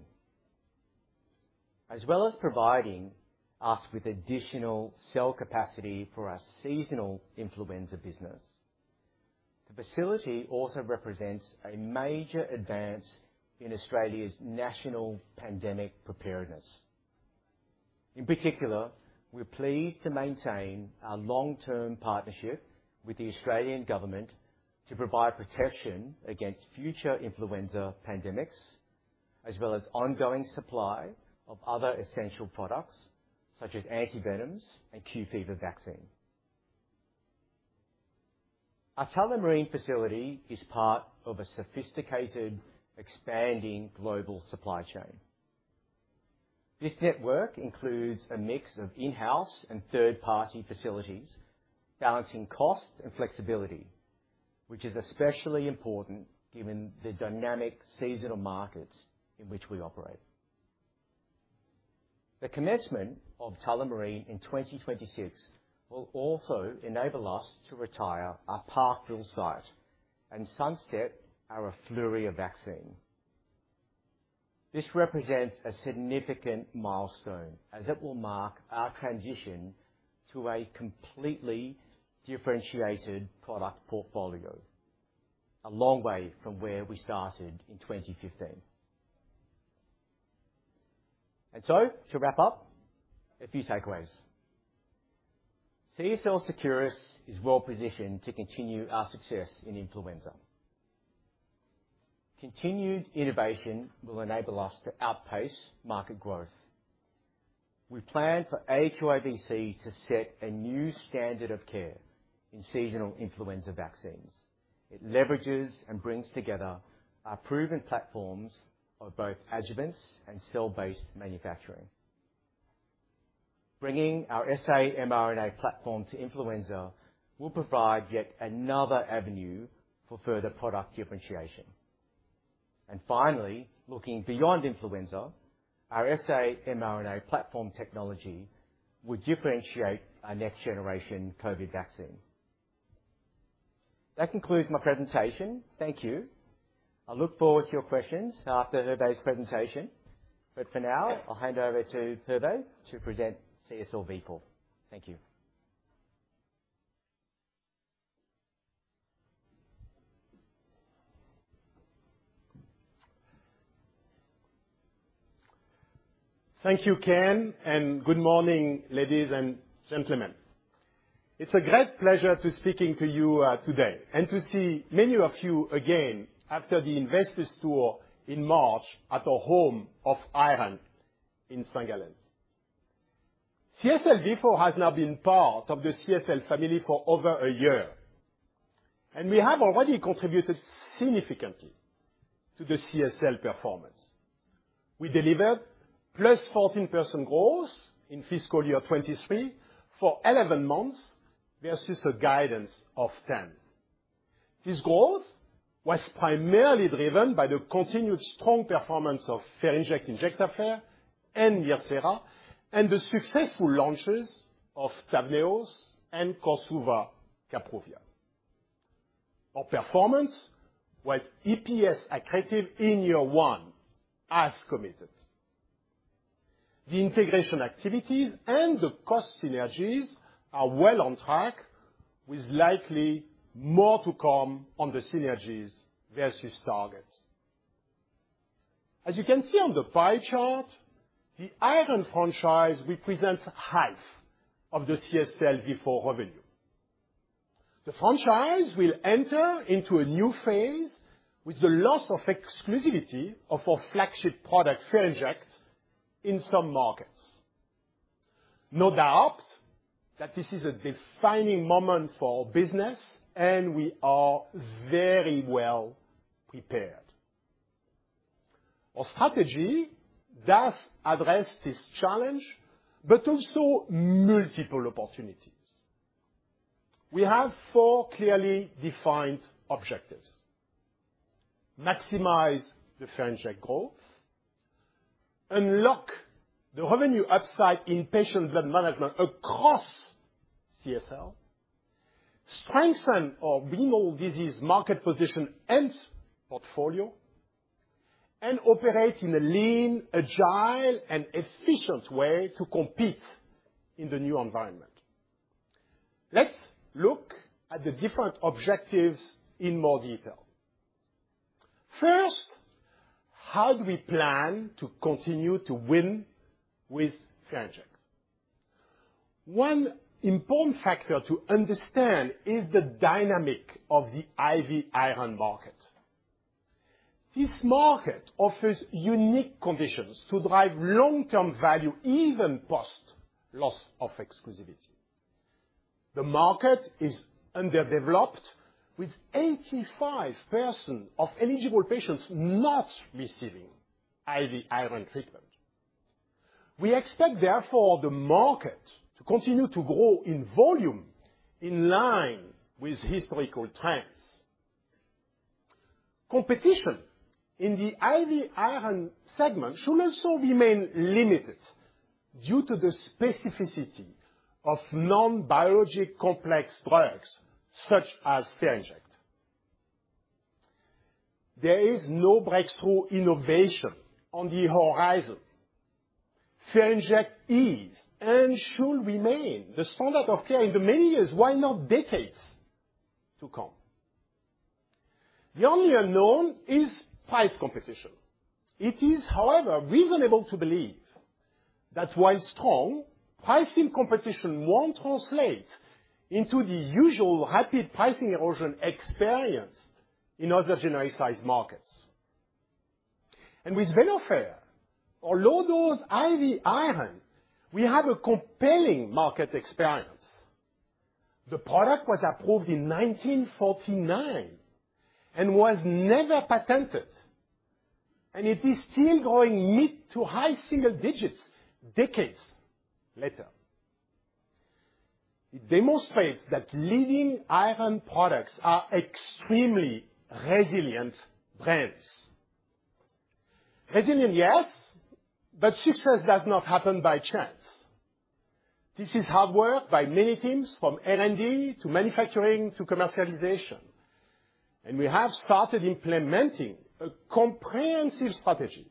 As well as providing us with additional cell capacity for our seasonal influenza business, the facility also represents a major advance in Australia's national pandemic preparedness. In particular, we're pleased to maintain our long-term partnership with the Australian government to provide protection against future influenza pandemics, as well as ongoing supply of other essential products, such as antivenoms and Q fever vaccine. Our Tullamarine facility is part of a sophisticated, expanding global supply chain. This network includes a mix of in-house and third-party facilities, balancing cost and flexibility, which is especially important given the dynamic seasonal markets in which we operate. The commencement of Tullamarine in 2026 will also enable us to retire our Parkville site and sunset our Afluria vaccine. This represents a significant milestone as it will mark our transition to a completely differentiated product portfolio, a long way from where we started in 2015. And so, to wrap up, a few takeaways. CSL Seqirus is well positioned to continue our success in influenza. Continued innovation will enable us to outpace market growth. We plan for aQIVc to set a new standard of care in seasonal influenza vaccines. It leverages and brings together our proven platforms of both adjuvants and cell-based manufacturing.... Bringing our sa-mRNA platform to influenza will provide yet another avenue for further product differentiation. And finally, looking beyond influenza, our sa-mRNA platform technology will differentiate our next generation COVID vaccine. That concludes my presentation. Thank you. I look forward to your questions after Hervé's presentation, but for now, I'll hand over to Hervé to present CSL Vifor. Thank you. Thank you, Ken, and good morning, ladies and gentlemen. It's a great pleasure to speaking to you today, and to see many of you again after the Investors Tour in March at the Home of Iron in St. Gallen. CSL Vifor has now been part of the CSL family for over a year, and we have already contributed significantly to the CSL performance. We delivered +14% growth in fiscal year 2023 for 11 months versus a guidance of 10%. This growth was primarily driven by the continued strong performance of Ferinject, Injectafer, and MIRCERA, and the successful launches of TAVNEOS and KORSUVA/Kapruvia. Our performance was EPS accretive in year one, as committed. The integration activities and the cost synergies are well on track, with likely more to come on the synergies versus targets. As you can see on the pie chart, the iron franchise represents 1/2 of the CSL Vifor revenue. The franchise will enter into a new phase with the loss of exclusivity of our flagship product, Ferinject, in some markets. No doubt that this is a defining moment for our business, and we are very well prepared. Our strategy does address this challenge, but also multiple opportunities. We have four clearly defined objectives: maximize the Ferinject growth, unlock the revenue upside in patient blood management across CSL, strengthen our renal disease market position and portfolio, and operate in a lean, agile, and efficient way to compete in the new environment. Let's look at the different objectives in more detail. First, how do we plan to continue to win with Ferinject? One important factor to understand is the dynamic of the IV iron market. This market offers unique conditions to drive long-term value, even post-loss of exclusivity. The market is underdeveloped, with 85% of eligible patients not receiving IV iron treatment. We expect, therefore, the market to continue to grow in volume in line with historical trends. Competition in the IV iron segment should also remain limited due to the specificity of non-biologic complex products, such as Ferinject. There is no breakthrough innovation on the horizon. Ferinject is, and should remain, the standard of care in the many years, why not decades, to come. The only unknown is price competition. It is, however, reasonable to believe that while strong, pricing competition won't translate into the usual rapid pricing erosion experienced in other genericized markets. And with Venofer, our low-dose IV iron, we have a compelling market experience. The product was approved in 1949 and was never patented, and it is still growing mid- to high-single digits decades later. It demonstrates that leading iron products are extremely resilient brands. Resilient, yes, but success does not happen by chance. This is hard work by many teams, from R&D, to manufacturing, to commercialization, and we have started implementing a comprehensive strategy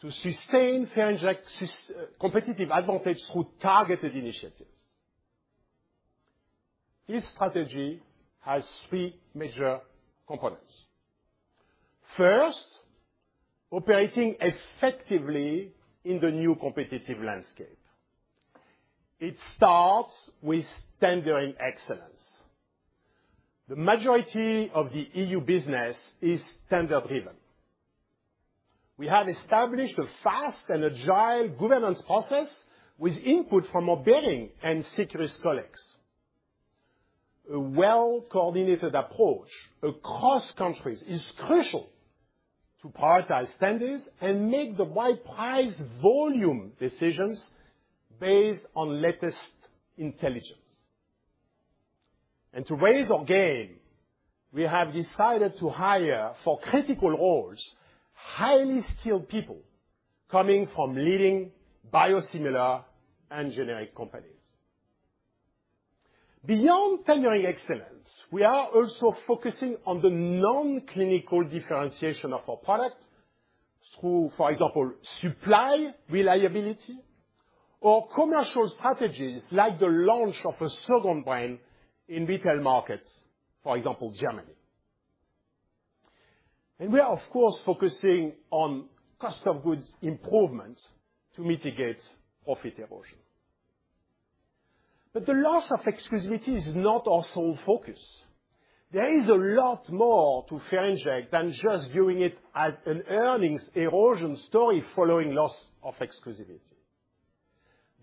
to sustain Ferinject's sustained competitive advantage through targeted initiatives. This strategy has three major components. First, operating effectively in the new competitive landscape. It starts with tendering excellence. The majority of the EU business is tender-driven. We have established a fast and agile governance process with input from our bidding and pricing colleagues. A well-coordinated approach across countries is crucial to prioritize standards and make the right price volume decisions based on latest intelligence. To raise our game, we have decided to hire, for critical roles, highly skilled people coming from leading biosimilar and generic companies. Beyond tailoring excellence, we are also focusing on the non-clinical differentiation of our product through, for example, supply reliability or commercial strategies, like the launch of a second brand in retail markets, for example, Germany. We are, of course, focusing on cost of goods improvements to mitigate profit erosion. The loss of exclusivity is not our sole focus. There is a lot more to Ferinject than just viewing it as an earnings erosion story following loss of exclusivity.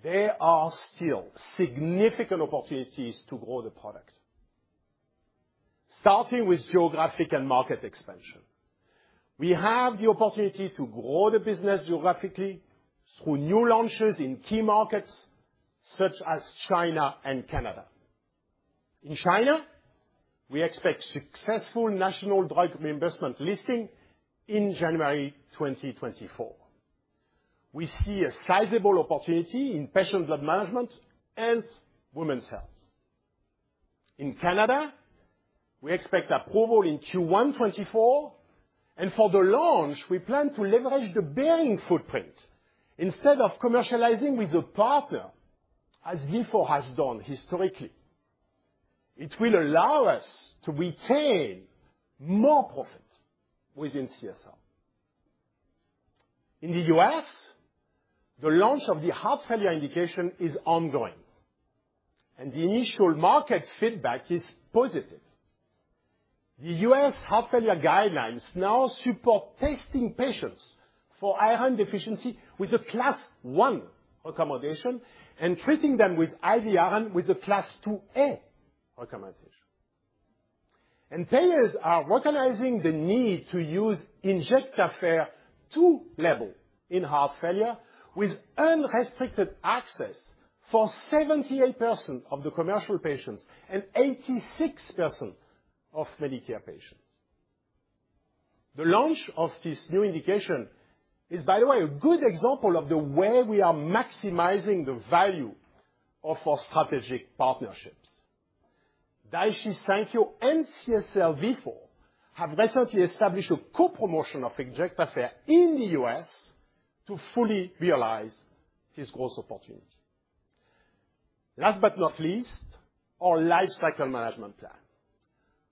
There are still significant opportunities to grow the product, starting with geographic and market expansion. We have the opportunity to grow the business geographically through new launches in key markets such as China and Canada. In China, we expect successful national drug reimbursement listing in January 2024. We see a sizable opportunity in patient blood management and women's health. In Canada, we expect approval in Q1 2024, and for the launch, we plan to leverage the Behring footprint instead of commercializing with a partner, as Vifor has done historically. It will allow us to retain more profit within CSL. In the U.S., the launch of the heart failure indication is ongoing, and the initial market feedback is positive. The U.S. heart failure guidelines now support testing patients for iron deficiency with a Class 1 Recommendation, and treating them with IV iron with a Class 2A Recommendation. And payers are recognizing the need to use Injectafer to label in heart failure, with unrestricted access for 78% of the commercial patients and 86% of Medicare patients. The launch of this new indication is, by the way, a good example of the way we are maximizing the value of our strategic partnerships. Daiichi Sankyo and CSL Vifor have recently established a co-promotion of Injectafer in the U.S. to fully realize this growth opportunity. Last but not least, our life cycle management plan.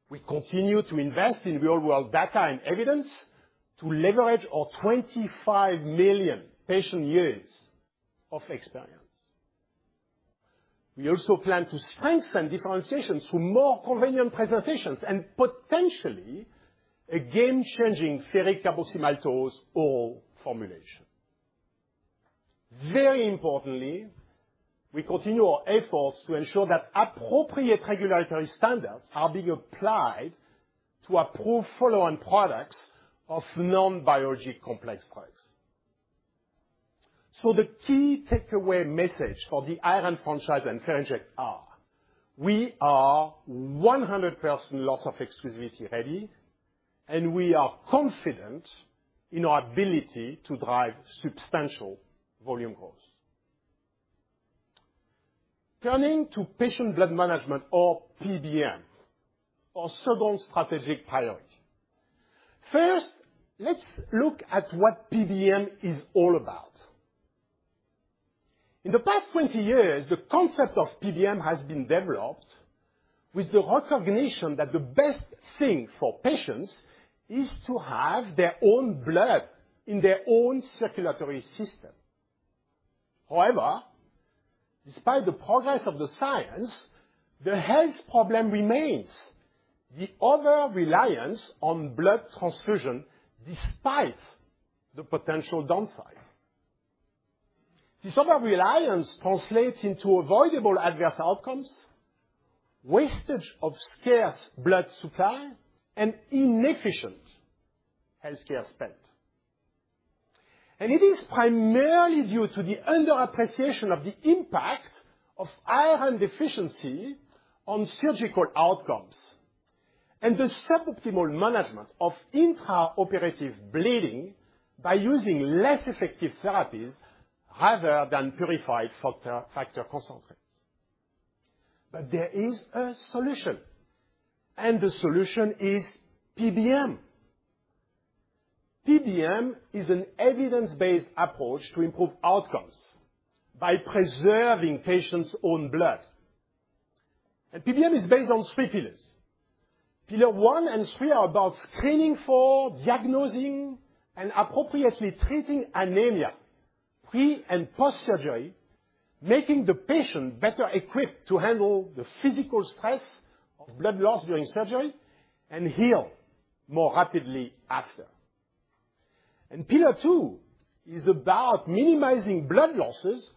We continue to invest in real-world data and evidence to leverage our 25 million patient years of experience. We also plan to strengthen differentiations through more convenient presentations and potentially a game-changing ferric carboxymaltose oral formulation. Very importantly, we continue our efforts to ensure that appropriate regulatory standards are being applied to approve follow-on products of non-biologic complex drugs. So the key takeaway message for the iron franchise and Ferinject are: we are 100% loss of exclusivity ready, and we are confident in our ability to drive substantial volume growth. Turning to patient blood management, or PBM, our second strategic priority. First, let's look at what PBM is all about. In the past 20 years, the concept of PBM has been developed with the recognition that the best thing for patients is to have their own blood in their own circulatory system. However, despite the progress of the science, the health problem remains: the overreliance on blood transfusion, despite the potential downside. This overreliance translates into avoidable adverse outcomes, wastage of scarce blood supply, and inefficient healthcare spent. It is primarily due to the underappreciation of the impact of iron deficiency on surgical outcomes, and the suboptimal management of intraoperative bleeding by using less effective therapies rather than purified factor, factor concentrates. There is a solution, and the solution is PBM. PBM is an evidence-based approach to improve outcomes by preserving patients' own blood, and PBM is based on three pillars. Pillar one and three are about screening for, diagnosing, and appropriately treating anemia pre- and post-surgery, making the patient better equipped to handle the physical stress of blood loss during surgery and heal more rapidly after, and pillar two is about minimizing blood losses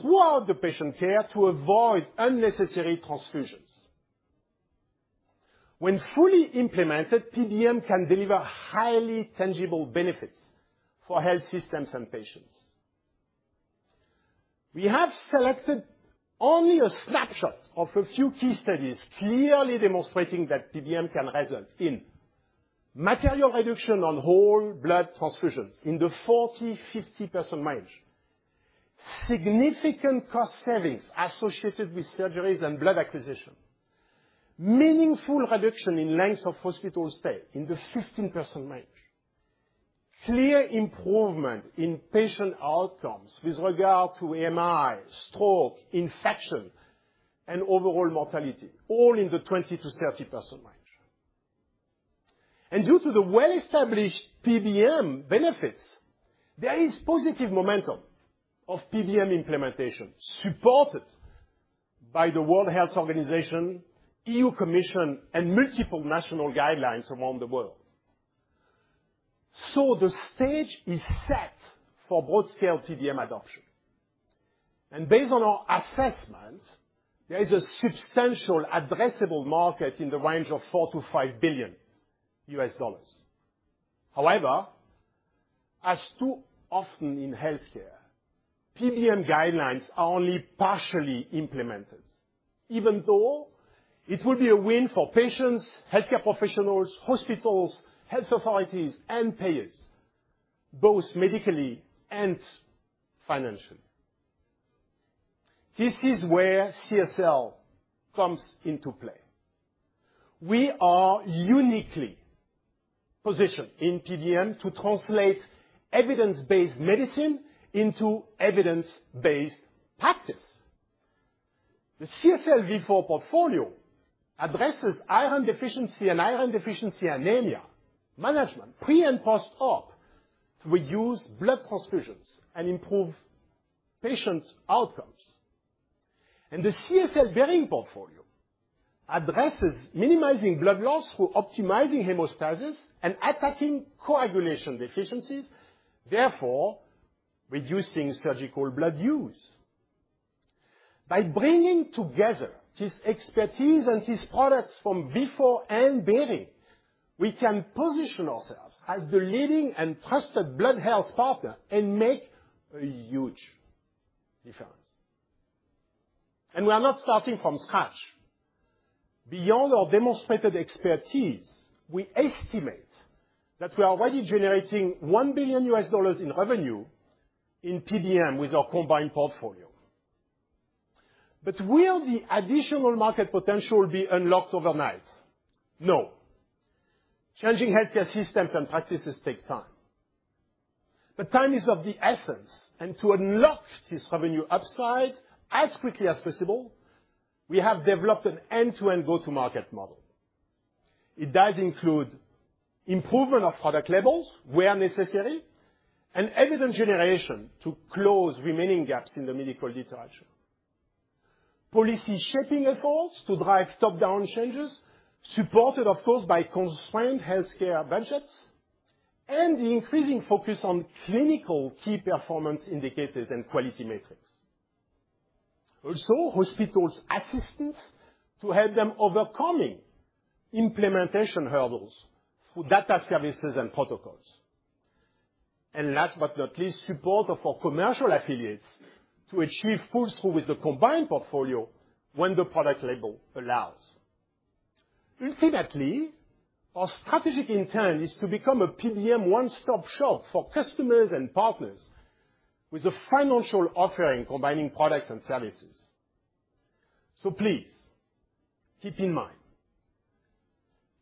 throughout the patient care to avoid unnecessary transfusions. When fully implemented, PBM can deliver highly tangible benefits for health systems and patients. We have selected only a snapshot of a few key studies, clearly demonstrating that PBM can result in material reduction on whole blood transfusions in the 40%-50% range, significant cost savings associated with surgeries and blood acquisition, meaningful reduction in length of hospital stay in the 15% range, clear improvement in patient outcomes with regard to AMI, stroke, infection, and overall mortality, all in the 20%-30% range. Due to the well-established PBM benefits, there is positive momentum of PBM implementation, supported by the World Health Organization, EU Commission, and multiple national guidelines around the world. The stage is set for broad scale PBM adoption, and based on our assessment, there is a substantial addressable market in the range of $4 billion-$5 billion. However, as too often in healthcare, PBM guidelines are only partially implemented, even though it will be a win for patients, healthcare professionals, hospitals, health authorities, and payers, both medically and financially. This is where CSL comes into play. We are uniquely positioned in PBM to translate evidence-based medicine into evidence-based practice. The CSL Vifor portfolio addresses iron deficiency and iron deficiency anemia management, pre- and post-op, to reduce blood transfusions and improve patient outcomes. The CSL Behring portfolio addresses minimizing blood loss through optimizing hemostasis and attacking coagulation deficiencies, therefore, reducing surgical blood use. By bringing together this expertise and these products from Vifor and Behring, we can position ourselves as the leading and trusted blood health partner and make a huge difference. We are not starting from scratch. Beyond our demonstrated expertise, we estimate that we are already generating $1 billion in revenue in PBM with our combined portfolio. But will the additional market potential be unlocked overnight? No. Changing healthcare systems and practices take time, but time is of the essence, and to unlock this revenue upside as quickly as possible, we have developed an end-to-end go-to-market model. It does include improvement of product labels where necessary, and evidence generation to close remaining gaps in the medical literature. Policy shaping efforts to drive top-down changes, supported, of course, by constrained healthcare budgets, and the increasing focus on clinical key performance indicators and quality metrics. Also, hospitals assistance to help them overcoming implementation hurdles through data services and protocols. And last but not least, support of our commercial affiliates to achieve pull through with the combined portfolio when the product label allows. Ultimately, our strategic intent is to become a PBM one-stop shop for customers and partners with a financial offering, combining products and services. So please, keep in mind,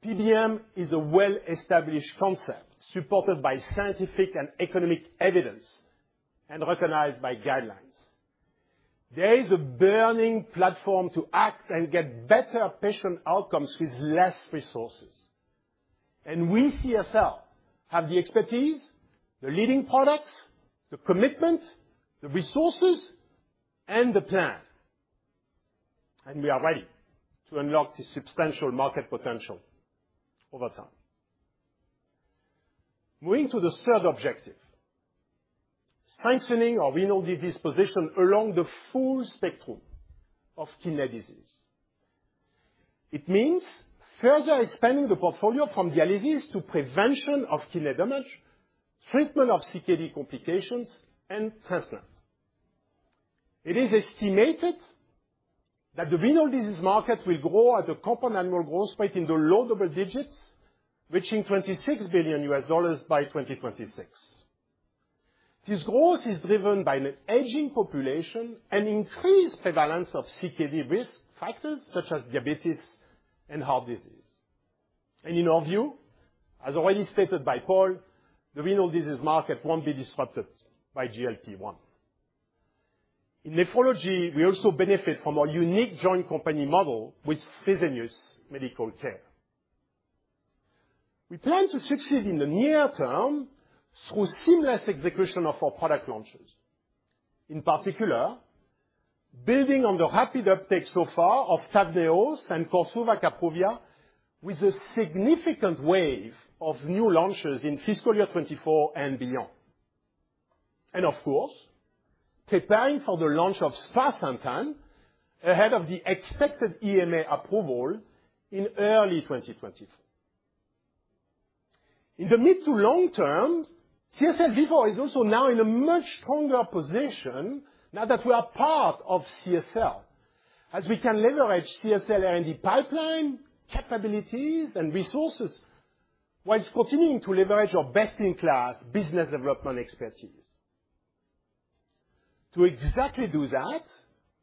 PBM is a well-established concept supported by scientific and economic evidence and recognized by guidelines. There is a burning platform to act and get better patient outcomes with less resources, and we, CSL, have the expertise, the leading products, the commitment, the resources, and the plan, and we are ready to unlock this substantial market potential over time. Moving to the third objective, strengthening our renal disease position along the full spectrum of kidney disease. It means further expanding the portfolio from dialysis to prevention of kidney damage, treatment of CKD complications, and transplant. It is estimated that the renal disease market will grow at a compound annual growth rate in the low double digits, reaching $26 billion by 2026. This growth is driven by an aging population and increased prevalence of CKD risk factors such as diabetes and heart disease. And in our view, as already stated by Paul, the renal disease market won't be disrupted by GLP-1. In nephrology, we also benefit from our unique joint company model with Fresenius Medical Care. We plan to succeed in the near term through seamless execution of our product launches. In particular, building on the rapid uptake so far of TAVNEOS and KORSUVA/Kapruvia, with a significant wave of new launches in fiscal year 2024 and beyond. And of course, preparing for the launch of sparsentan ahead of the expected EMA approval in early 2022. In the mid- to long-term, CSL Vifor is also now in a much stronger position now that we are part of CSL, as we can leverage CSL R&D pipeline, capabilities, and resources, while continuing to leverage our best-in-class business development expertise. To exactly do that,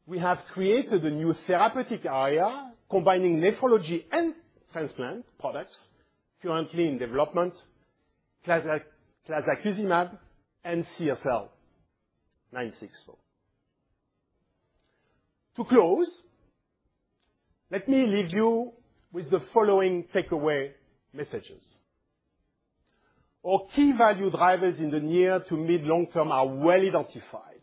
we have created a new therapeutic area, combining nephrology and transplant products currently in development, clazakizumab and CSL964. To close, let me leave you with the following takeaway messages: Our key value drivers in the near- to mid- to long-term are well identified.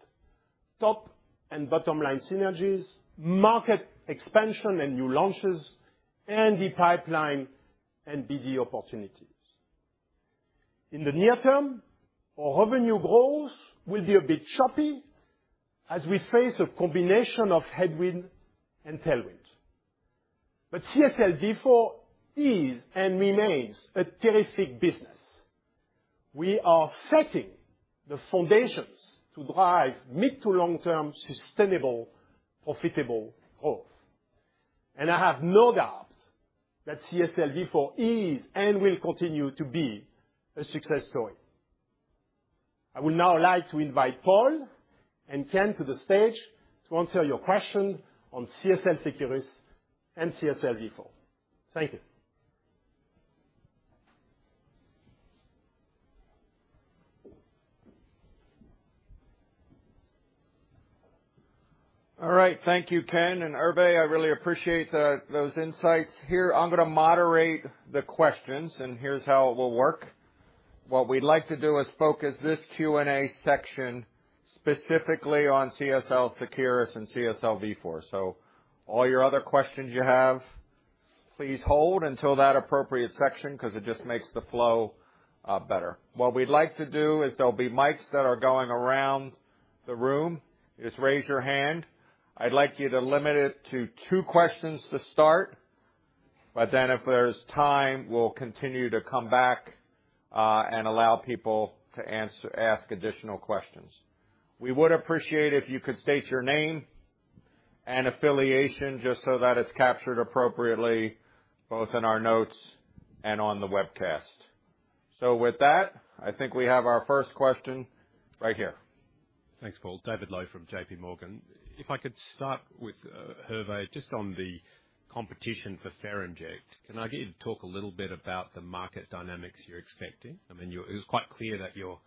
Top and bottom line synergies, market expansion and new launches, R&D pipeline, and BD opportunities. In the near term, our revenue growth will be a bit choppy as we face a combination of headwind and tailwind. But CSL Vifor is and remains a terrific business. We are setting the foundations to drive mid to long-term, sustainable, profitable growth, and I have no doubts that CSL Vifor is and will continue to be a success story. I would now like to invite Paul and Ken to the stage to answer your question on CSL Seqirus and CSL Vifor. Thank you. All right. Thank you, Ken and Hervé. I really appreciate those insights here. I'm going to moderate the questions, and here's how it will work. What we'd like to do is focus this Q&A section specifically on CSL Seqirus and CSL Vifor. So all your other questions you have, please hold until that appropriate section, 'cause it just makes the flow better. What we'd like to do is there'll be mics that are going around the room. Just raise your hand. I'd like you to limit it to two questions to start, but then if there's time, we'll continue to come back and allow people to ask additional questions. We would appreciate if you could state your name and affiliation, just so that it's captured appropriately, both in our notes and on the webcast. So with that, I think we have our first question right here. Thanks, Paul. David Low from JPMorgan. If I could start with, Hervé, just on the competition for Ferinject, can I get you to talk a little bit about the market dynamics you're expecting? I mean, you- it was quite clear that you're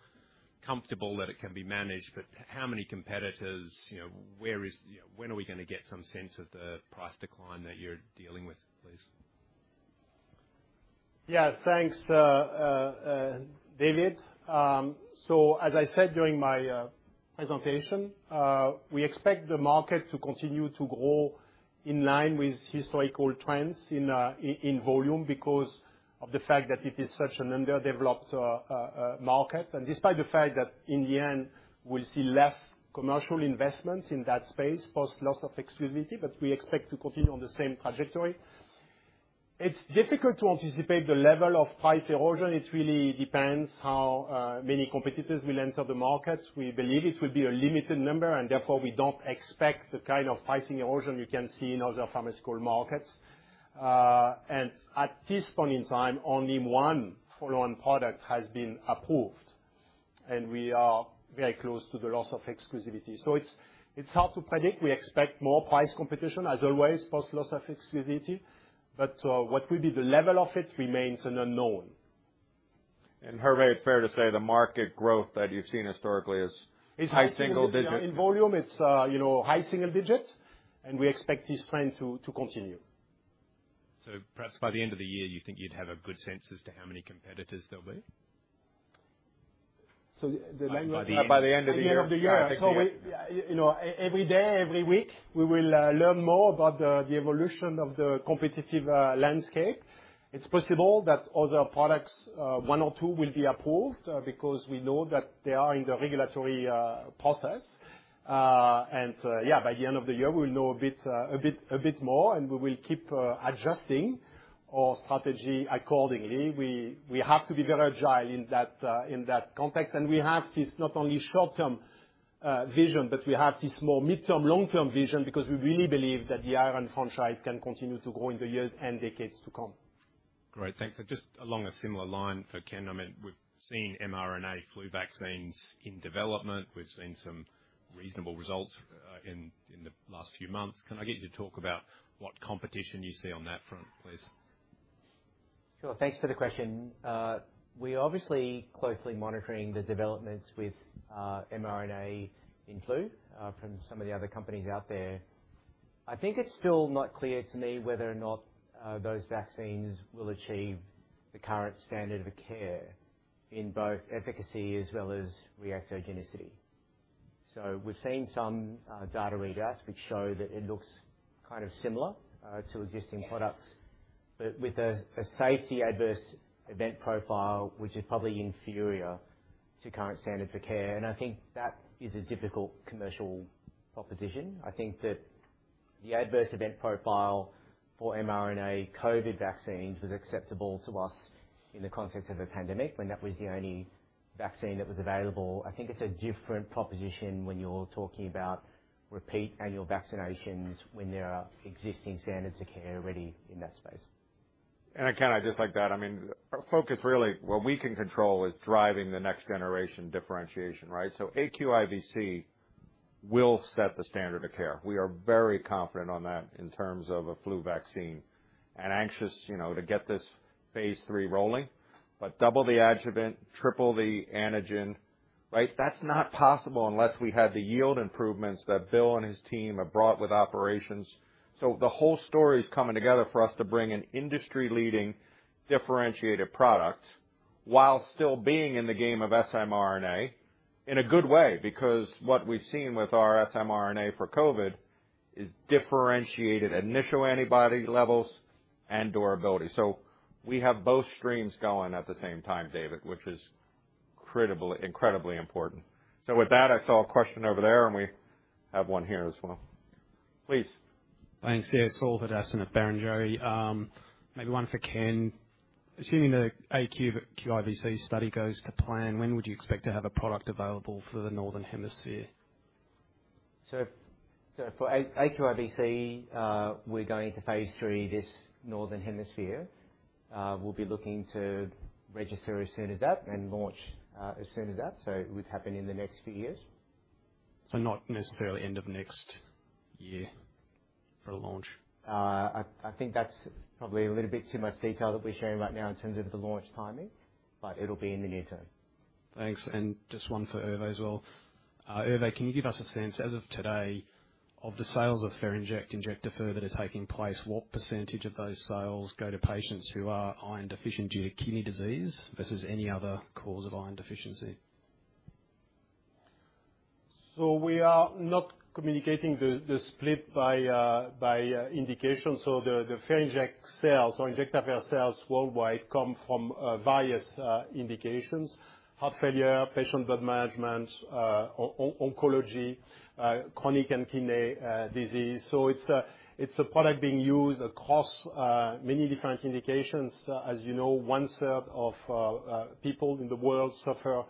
comfortable that it can be managed, but how many competitors, you know, where is, you know, when are we going to get some sense of the price decline that you're dealing with, please? Yeah. Thanks, David. So as I said during my presentation, we expect the market to continue to grow in line with historical trends in volume, because of the fact that it is such an underdeveloped market. And despite the fact that, in the end, we'll see less commercial investment in that space, post loss of exclusivity, but we expect to continue on the same trajectory. It's difficult to anticipate the level of price erosion. It really depends how many competitors will enter the market. We believe it will be a limited number, and therefore, we don't expect the kind of pricing erosion you can see in other pharmaceutical markets. And at this point in time, only one follow-on product has been approved, and we are very close to the loss of exclusivity. So it's hard to predict. We expect more price competition, as always, post loss of exclusivity, but what will be the level of it remains an unknown. Hervé, it's fair to say the market growth that you've seen historically is high single digits? In volume, it's, you know, high single digits, and we expect this trend to continue. Perhaps by the end of the year, you think you'd have a good sense as to how many competitors there'll be? The language— By the end of the year. By the end of the year. End of the year. So, we, you know, every day, every week, we will learn more about the evolution of the competitive landscape. It's possible that other products, one or two, will be approved, because we know that they are in the regulatory process. And, yeah, by the end of the year, we will know a bit, a bit, a bit more, and we will keep adjusting our strategy accordingly. We have to be very agile in that context. And we have this not only short-term vision, but we have this more mid-term, long-term vision, because we really believe that the iron franchise can continue to grow in the years and decades to come. Great, thanks. So just along a similar line for Ken, I mean, we've seen mRNA flu vaccines in development. We've seen some reasonable results in the last few months. Can I get you to talk about what competition you see on that front, please? Sure. Thanks for the question. We're obviously closely monitoring the developments with mRNA in flu from some of the other companies out there.... I think it's still not clear to me whether or not those vaccines will achieve the current standard of care in both efficacy as well as reactogenicity. So we've seen some data readouts, which show that it looks kind of similar to existing products, but with a safety adverse event profile, which is probably inferior to current standard for care. And I think that is a difficult commercial proposition. I think that the adverse event profile for mRNA COVID vaccines was acceptable to us in the context of a pandemic, when that was the only vaccine that was available. I think it's a different proposition when you're talking about repeat annual vaccinations when there are existing standards of care already in that space. And, Ken, I'd just like that. I mean, our focus, really, what we can control is driving the next generation differentiation, right? So aQIVc will set the standard of care. We are very confident on that in terms of a flu vaccine and anxious, you know, to get this phase III rolling. But double the adjuvant, triple the antigen, right? That's not possible unless we had the yield improvements that Bill and his team have brought with operations. So the whole story is coming together for us to bring an industry-leading differentiated product while still being in the game of sa-mRNA in a good way, because what we've seen with our sa-mRNA for COVID is differentiated initial antibody levels and durability. So we have both streams going at the same time, David, which is critically, incredibly important. With that, I saw a question over there, and we have one here as well. Please. Thanks. Yeah, Saul Hadassin at Barrenjoey. Maybe one for Ken. Assuming the aQIVc study goes to plan, when would you expect to have a product available for the Northern Hemisphere? So for aQIVc, we're going to phase III, this Northern Hemisphere. We'll be looking to register as soon as that and launch, as soon as that, so it would happen in the next few years. Not necessarily end of next year for launch? I think that's probably a little bit too much detail that we're sharing right now in terms of the launch timing, but it'll be in the near term. Thanks. And just one for Hervé as well. Hervé, can you give us a sense, as of today, of the sales of Ferinject Injectafer that are taking place, what percentage of those sales go to patients who are iron deficient due to kidney disease versus any other cause of iron deficiency? So we are not communicating the split by indication. So the Ferinject sales or Injectafer sales worldwide come from various indications: heart failure, patient blood management, oncology, chronic and kidney disease. So it's a product being used across many different indications. As you know, one-third of people in the world suffer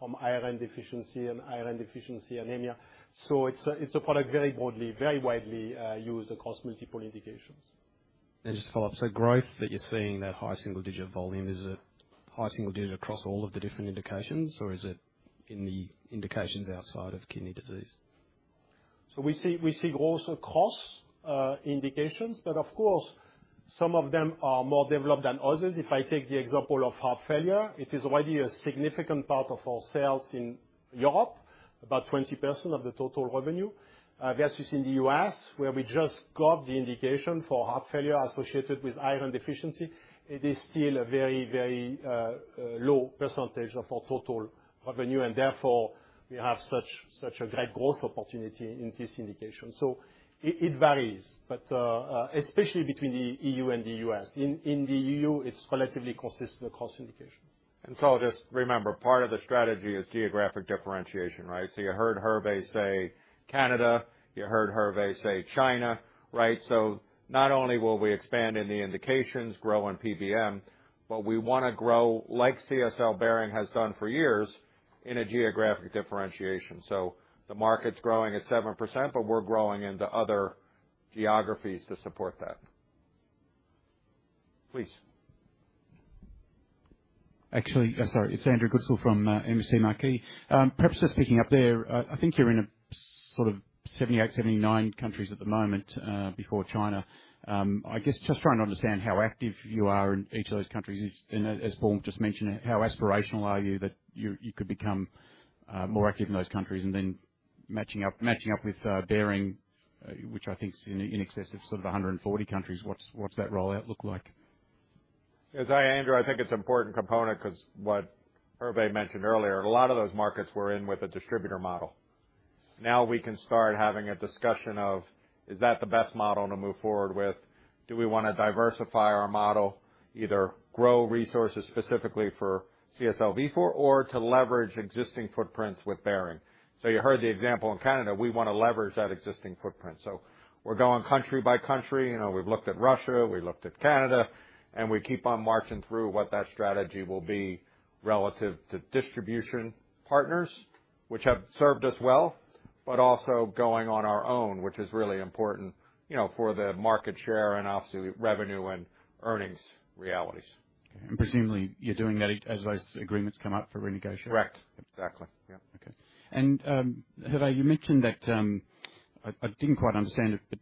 from iron deficiency and iron deficiency anemia. So it's a product very broadly, very widely used across multiple indications. Just to follow up, so growth that you're seeing, that high single digit volume, is it high single digit across all of the different indications, or is it in the indications outside of kidney disease? So we see, we see growth across, indications, but of course, some of them are more developed than others. If I take the example of heart failure, it is already a significant part of our sales in Europe, about 20% of the total revenue. Versus in the U.S., where we just got the indication for heart failure associated with iron deficiency, it is still a very, very, low percentage of our total revenue, and therefore, we have such, such a great growth opportunity in this indication. So it, it varies, but especially between the EU and the U.S. In, in the EU, it's relatively consistent across indications. I'll just remember, part of the strategy is geographic differentiation, right? So you heard Hervé say Canada, you heard Hervé say China, right? So not only will we expand in the indications, grow on PBM, but we wanna grow like CSL Behring has done for years in a geographic differentiation. So the market's growing at 7%, but we're growing into other geographies to support that. Please. Actually, sorry, it's Andrew Goodsall from MST Marquee. Perhaps just picking up there, I think you're in a sort of 78, 79 countries at the moment, before China. I guess just trying to understand how active you are in each of those countries is, and as Paul just mentioned, how aspirational are you that you, you could become more active in those countries? And then matching up, matching up with Behring, which I think is in excess of sort of 140 countries. What's, what's that rollout look like? Yes, Andrew, I think it's an important component 'cause what Hervé mentioned earlier, a lot of those markets we're in with a distributor model. Now we can start having a discussion of: Is that the best model to move forward with? Do we wanna diversify our model, either grow resources specifically for CSL Vifor or to leverage existing footprints with Behring? So you heard the example in Canada, we wanna leverage that existing footprint. So we're going country by country. You know, we've looked at Russia, we looked at Canada, and we keep on marching through what that strategy will be relative to distribution partners, which have served us well, but also going on our own, which is really important, you know, for the market share and obviously revenue and earnings realities. Presumably, you're doing that as those agreements come up for renegotiation? Correct. Exactly. Yeah. Okay. And, Hervé, you mentioned that... I didn't quite understand it, but,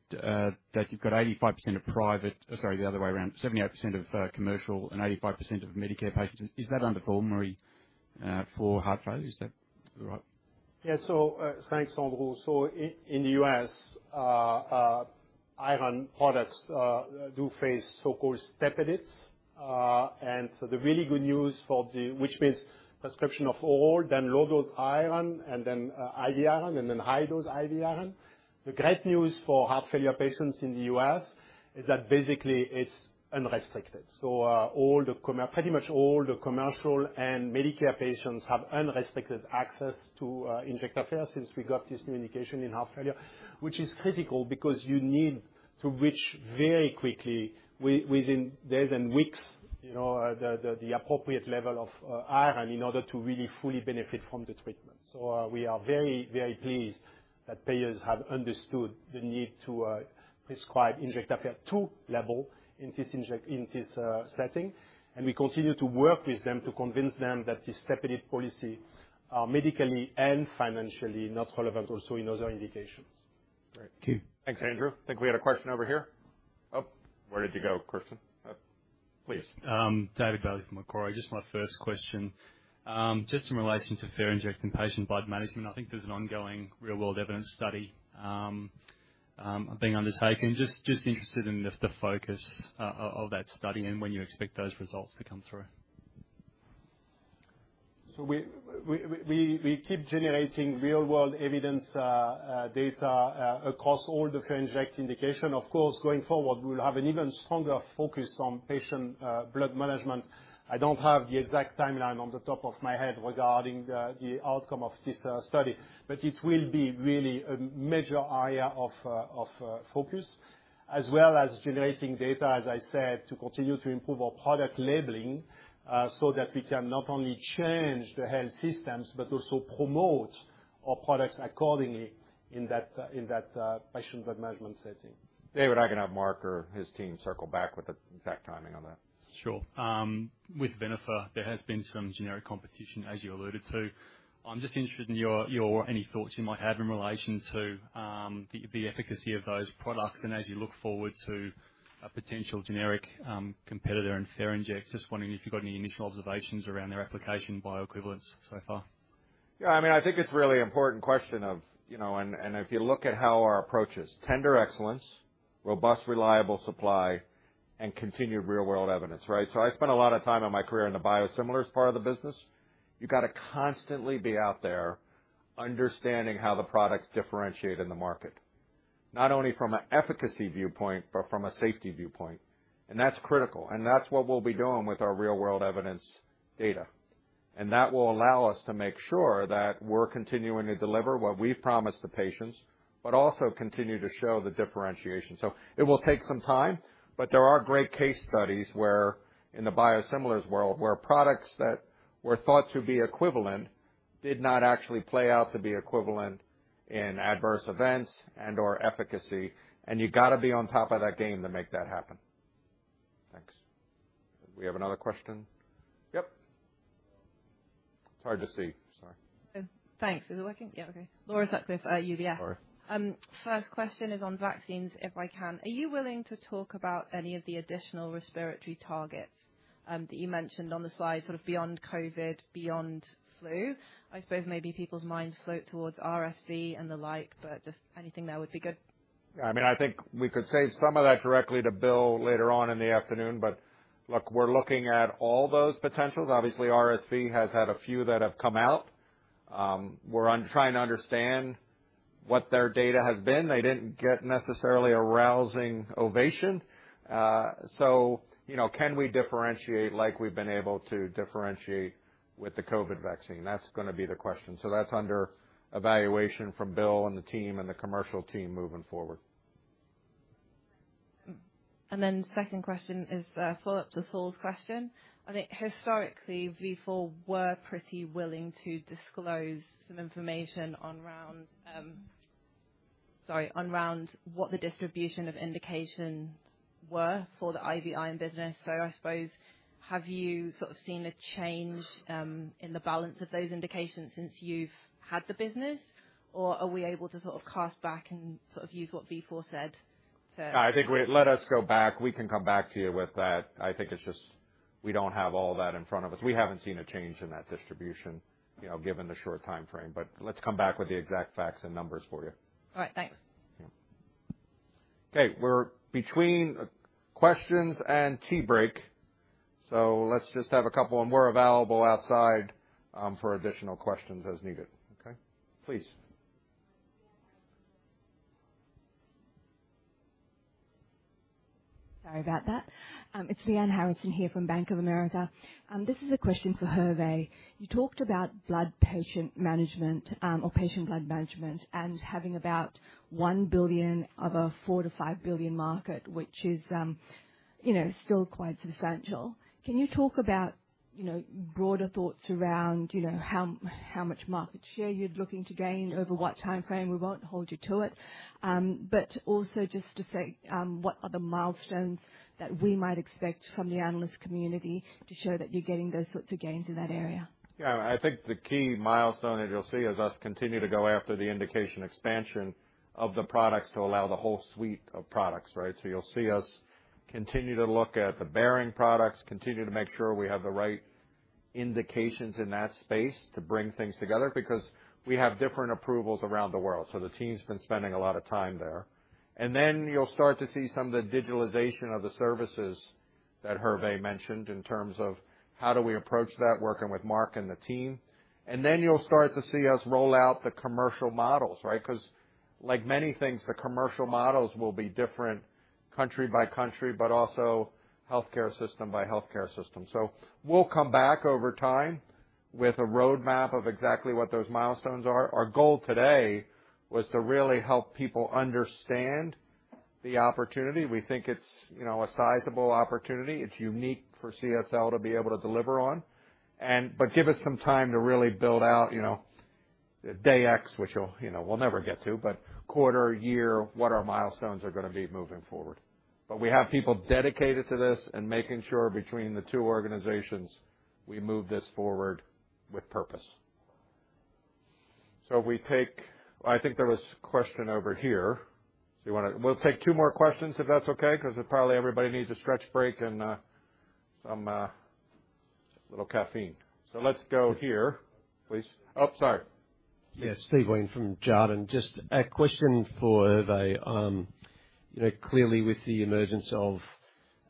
that you've got 85% of private, sorry, the other way around, 78% of commercial and 85% of Medicare patients. Is that under formulary for heart failure? Is that-... Yeah, so, thanks, Andrew. So in the U.S., iron products do face so-called step edits. And so the really good news for which means prescription of oral, then low-dose iron, and then, IV iron, and then high-dose IV iron. The great news for heart failure patients in the U.S. is that basically, it's unrestricted. So, pretty much all the commercial and Medicare patients have unrestricted access to, Injectafer since we got this new indication in heart failure, which is critical because you need to reach very quickly, within days and weeks, you know, the appropriate level of iron in order to really fully benefit from the treatment. We are very, very pleased that payers have understood the need to prescribe Injectafer to label in this setting. We continue to work with them to convince them that this step edit policy are medically and financially not relevant also in other indications. Great. Thank you. Thanks, Andrew. I think we had a question over here. Oh, where did you go, Christian? Oh, please. David Bailey from Macquarie. Just my first question, just in relation to Ferinject and patient blood management, I think there's an ongoing real world evidence study being undertaken. Just interested in the focus of that study and when you expect those results to come through. So we keep generating real world evidence data across all the Ferinject indication. Of course, going forward, we'll have an even stronger focus on Patient Blood Management. I don't have the exact timeline on the top of my head regarding the outcome of this study, but it will be really a major area of focus, as well as generating data, as I said, to continue to improve our product labeling, so that we can not only change the health systems, but also promote our products accordingly in that patient blood management setting. David, I can have Mark or his team circle back with the exact timing on that. Sure. With Venofer, there has been some generic competition, as you alluded to. I'm just interested in any thoughts you might have in relation to, the efficacy of those products, and as you look forward to a potential generic competitor in Ferinject, just wondering if you've got any initial observations around their application bioequivalence so far? Yeah, I mean, I think it's a really important question of, you know. And if you look at how our approach is, tender excellence, robust, reliable supply, and continued real-world evidence, right? So I spent a lot of time in my career in the biosimilars part of the business. You've got to constantly be out there understanding how the products differentiate in the market, not only from an efficacy viewpoint, but from a safety viewpoint. And that's critical, and that's what we'll be doing with our real-world evidence data. And that will allow us to make sure that we're continuing to deliver what we've promised to patients, but also continue to show the differentiation. It will take some time, but there are great case studies where, in the biosimilars world, products that were thought to be equivalent did not actually play out to be equivalent in adverse events and/or efficacy, and you've got to be on top of that game to make that happen. Thanks. We have another question? Yep. It's hard to see. Sorry. Thanks. Is it working? Yeah. Okay. Laura Sutcliffe, UBS. Laura. First question is on vaccines, if I can. Are you willing to talk about any of the additional respiratory targets that you mentioned on the slide, sort of beyond COVID, beyond flu? I suppose maybe people's minds float towards RSV and the like, but just anything there would be good. Yeah, I mean, I think we could save some of that directly to Bill later on in the afternoon. But look, we're looking at all those potentials. Obviously, RSV has had a few that have come out. We're on trying to understand what their data has been. They didn't get necessarily a rousing ovation. So, you know, can we differentiate like we've been able to differentiate with the COVID vaccine? That's going to be the question. So that's under evaluation from Bill and the team, and the commercial team moving forward. Second question is a follow-up to Saul's question. I think historically, Vifor was pretty willing to disclose some information around what the distribution of indications was for the IV iron business. So I suppose, have you sort of seen a change in the balance of those indications since you've had the business, or are we able to sort of cast back and sort of use what Vifor said to- I think. Let us go back. We can come back to you with that. I think it's just we don't have all that in front of us. We haven't seen a change in that distribution, you know, given the short time frame, but let's come back with the exact facts and numbers for you. All right. Thanks. Yeah. Okay, we're between questions and tea break, so let's just have a couple, and we're available outside, for additional questions as needed. Okay? Please. Sorry about that. It's Lyanne Harrison here from Bank of America. This is a question for Hervé. You talked about blood patient management, or Patient blood Management, and having about $1 billion of a $4 billion-$5 billion market, which is, you know, still quite substantial. Can you talk about, you know, broader thoughts around, you know, how much market share you're looking to gain over what time frame? We won't hold you to it. But also just to say, what are the milestones that we might expect from the analyst community to show that you're getting those sorts of gains in that area? Yeah, I think the key milestone that you'll see is us continue to go after the indication expansion of the products to allow the whole suite of products, right? So you'll see us continue to look at the Behring products, continue to make sure we have the right indications in that space to bring things together, because we have different approvals around the world. So the team's been spending a lot of time there. And then you'll start to see some of the digitalization of the services that Hervé mentioned, in terms of how do we approach that, working with Mark and the team. And then you'll start to see us roll out the commercial models, right? Because like many things, the commercial models will be different country by country, but also healthcare system by healthcare system. So we'll come back over time with a roadmap of exactly what those milestones are. Our goal today was to really help people understand the opportunity. We think it's, you know, a sizable opportunity. It's unique for CSL to be able to deliver on, but give us some time to really build out, you know, day X, which, you'll, you know, we'll never get to, but quarter, year, what our milestones are gonna be moving forward. But we have people dedicated to this and making sure between the two organizations, we move this forward with purpose. So we take... I think there was a question over here. So you wanna-- We'll take two more questions if that's okay, 'cause probably everybody needs a stretch break and, some little caffeine. So let's go here, please. Oh, sorry. Yes, Steve Wheen from Jarden. Just a question for Hervé. You know, clearly with the emergence of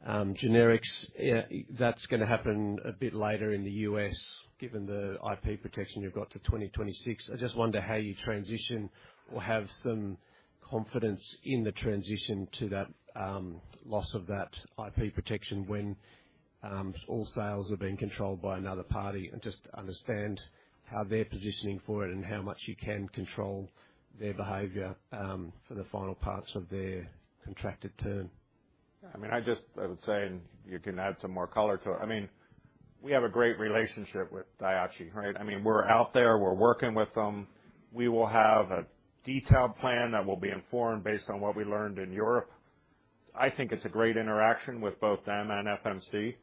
generics, that's gonna happen a bit later in the U.S., given the IP protection you've got to 2026. I just wonder how you transition or have some confidence in the transition to that loss of that IP protection when all sales are being controlled by another party. And just understand how they're positioning for it and how much you can control their behavior for the final parts of their contracted term. I mean, I just, I would say, and you can add some more color to it: I mean, we have a great relationship with Daiichi, right? I mean, we're out there, we're working with them. We will have a detailed plan that will be informed based on what we learned in Europe. I think it's a great interaction with both them and FMC.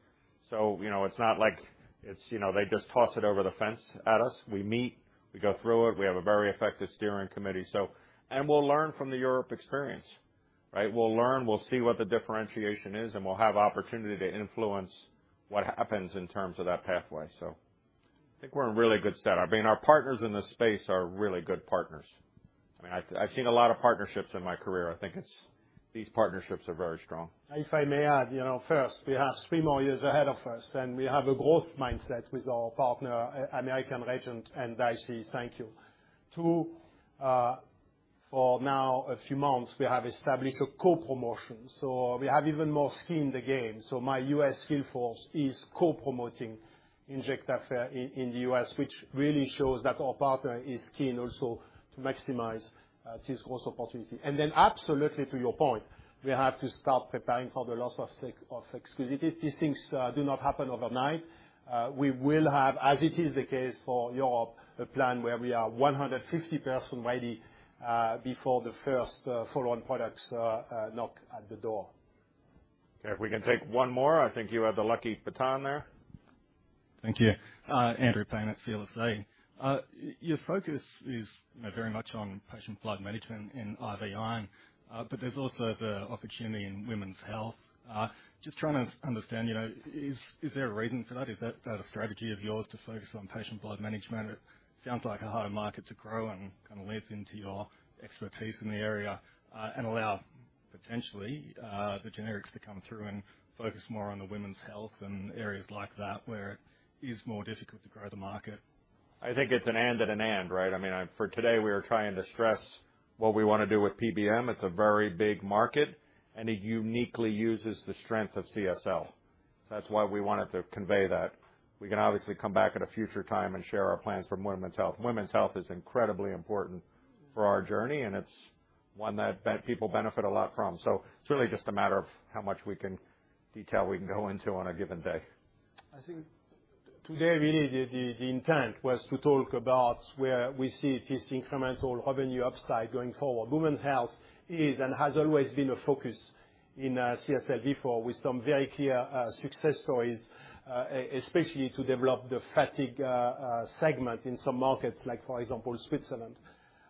So, you know, it's not like it's, you know, they just toss it over the fence at us. We meet, we go through it. We have a very effective steering committee, so... And we'll learn from the Europe experience, right? We'll learn, we'll see what the differentiation is, and we'll have opportunity to influence what happens in terms of that pathway. So I think we're in a really good state. I mean, our partners in this space are really good partners. I mean, I've, I've seen a lot of partnerships in my career. I think it's, these partnerships are very strong. If I may add, you know, first, we have three more years ahead of us, and we have a growth mindset with our partner, American Regent and Daiichi Sankyo. Two, for now, a few months, we have established a co-promotion, so we have even more skin in the game. So my U.S. sales force is co-promoting Injectafer in, in the U.S., which really shows that our partner is keen also to maximize this growth opportunity. And then absolutely, to your point, we have to start preparing for the loss of exclusivity. These things do not happen overnight. We will have, as it is the case for Europe, a plan where we are 150% ready before the first follow-on products knock at the door. Okay, if we can take one more, I think you have the lucky baton there. Thank you. Andrew Paine at CLSA. Your focus is, you know, very much on patient blood management and IV iron, but there's also the opportunity in women's health. Just trying to understand, you know, is, is there a reason for that? Is that, that a strategy of yours to focus on Patient Blood Management? It sounds like a higher market to grow and kind of lends into your expertise in the area, and allow potentially, the generics to come through and focus more on the women's health and areas like that, where it is more difficult to grow the market. I think it's an and and an and, right? I mean, for today, we are trying to stress what we want to do with PBM. It's a very big market, and it uniquely uses the strength of CSL. So that's why we wanted to convey that. We can obviously come back at a future time and share our plans for women's health. Women's health is incredibly important for our journey, and it's one that people benefit a lot from. So it's really just a matter of how much detail we can go into on a given day. I think today, really, the intent was to talk about where we see this incremental revenue upside going forward. Women's health is and has always been a focus in CSL before, with some very clear success stories, especially to develop the fatigue segment in some markets, like, for example, Switzerland.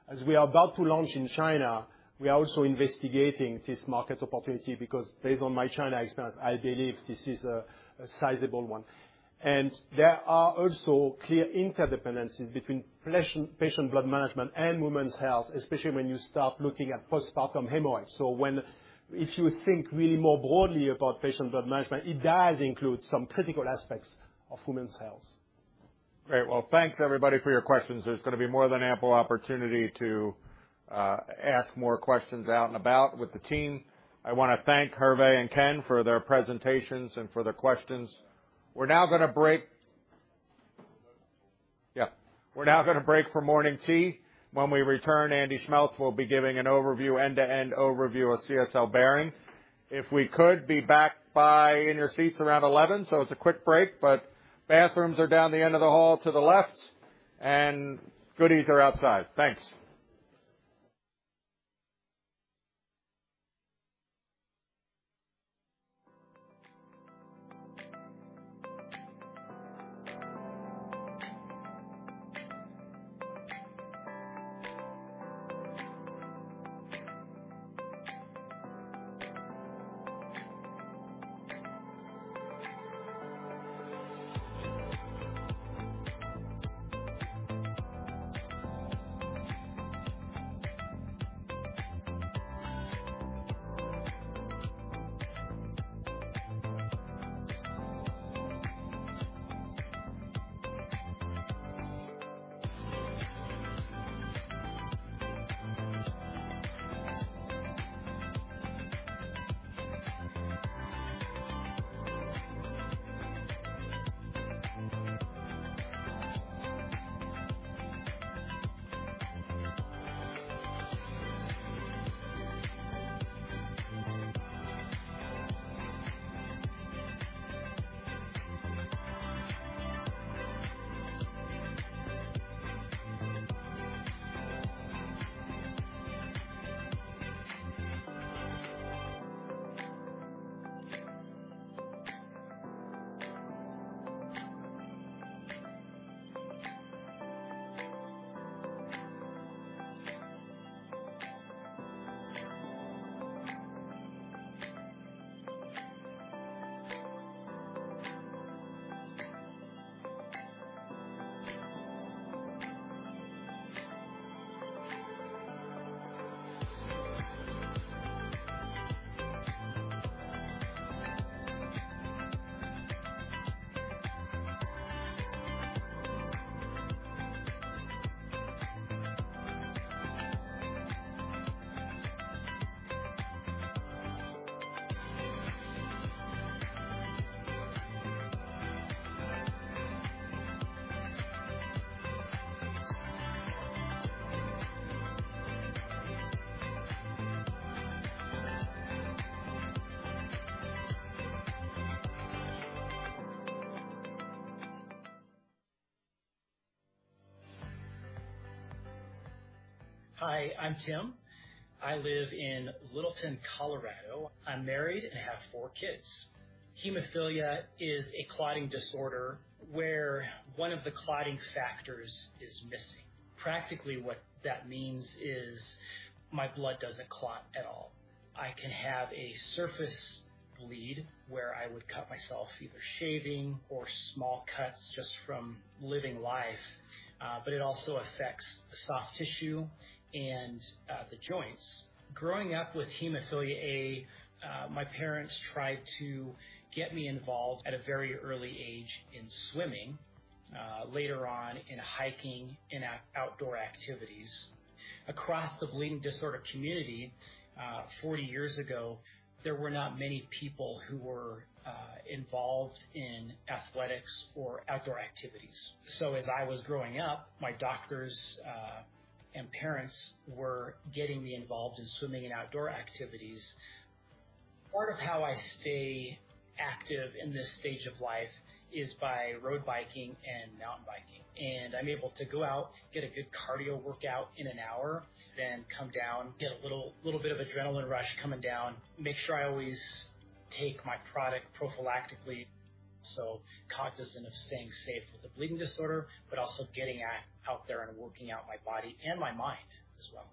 As we are about to launch in China, we are also investigating this market opportunity, because based on my China experience, I believe this is a sizable one. And there are also clear interdependencies between Patient Blood Management and women's health, especially when you start looking at postpartum hemorrhage. If you think really more broadly about Patient Blood Management, it does include some critical aspects of women's health. Great. Well, thanks, everybody, for your questions. There's gonna be more than ample opportunity to ask more questions out and about with the team. I wanna thank Hervé and Ken for their presentations and for their questions. We're now gonna break for morning tea. When we return, Andy Schmeltz will be giving an overview, end-to-end overview of CSL Behring. If we could, be back in your seats around 11:00 A.M., so it's a quick break, but bathrooms are down the end of the hall to the left, and goodies are outside. Thanks. Hi, I'm Tim. I live in Littleton, Colorado. I'm married and have four kids. Hemophilia is a clotting disorder where one of the clotting factors is missing. Practically, what that means is my blood doesn't clot at all. I can have a surface bleed where I would cut myself either shaving or small cuts just from living life, but it also affects the soft tissue and the joints. Growing up with hemophilia A, my parents tried to get me involved at a very early age in swimming, later on in hiking and outdoor activities. Across the bleeding disorder community, 40 years ago, there were not many people who were involved in athletics or outdoor activities. So as I was growing up, my doctors and parents were getting me involved in swimming and outdoor activities. Part of how I stay active in this stage of life is by road biking and mountain biking, and I'm able to go out, get a good cardio workout in an hour, then come down, get a little, little bit of adrenaline rush coming down. Make sure I always take my product prophylactically, so cognizant of staying safe with a bleeding disorder, but also getting out there and working out my body and my mind as well.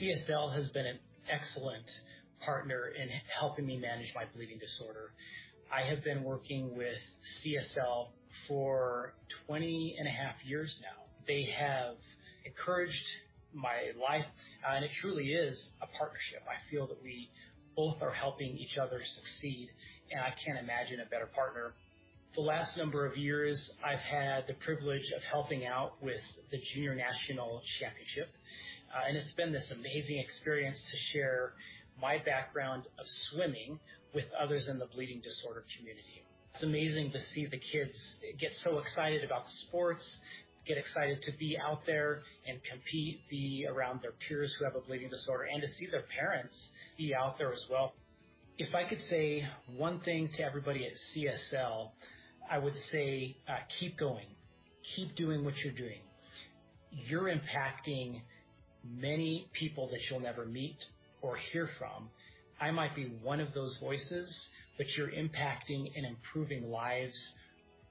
CSL has been an excellent partner in helping me manage my bleeding disorder. I have been working with CSL for 20.5 years now. They have encouraged my life, and it truly is a partnership. I feel that we both are helping each other succeed, and I can't imagine a better partner. For the last number of years, I've had the privilege of helping out with the Junior National Championship, and it's been this amazing experience to share my background of swimming with others in the bleeding disorder community. It's amazing to see the kids get so excited about the sports, get excited to be out there and compete, be around their peers who have a bleeding disorder, and to see their parents be out there as well. If I could say one thing to everybody at CSL, I would say, "Keep going. Keep doing what you're doing. You're impacting many people that you'll never meet or hear from. I might be one of those voices, but you're impacting and improving lives,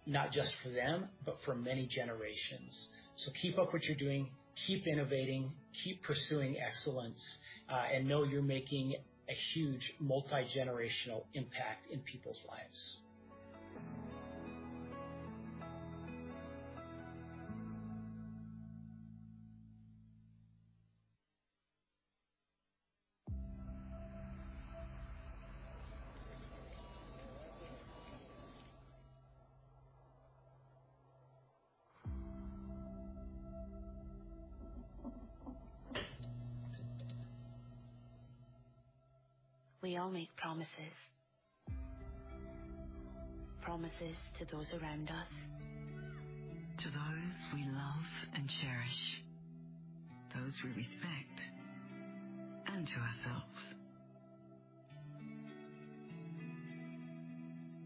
not just for them, but for many generations. So keep up what you're doing, keep innovating, keep pursuing excellence, and know you're making a huge multi-generational impact in people's lives. We all make promises. Promises to those around us. To those we love and cherish, those we respect, and to ourselves.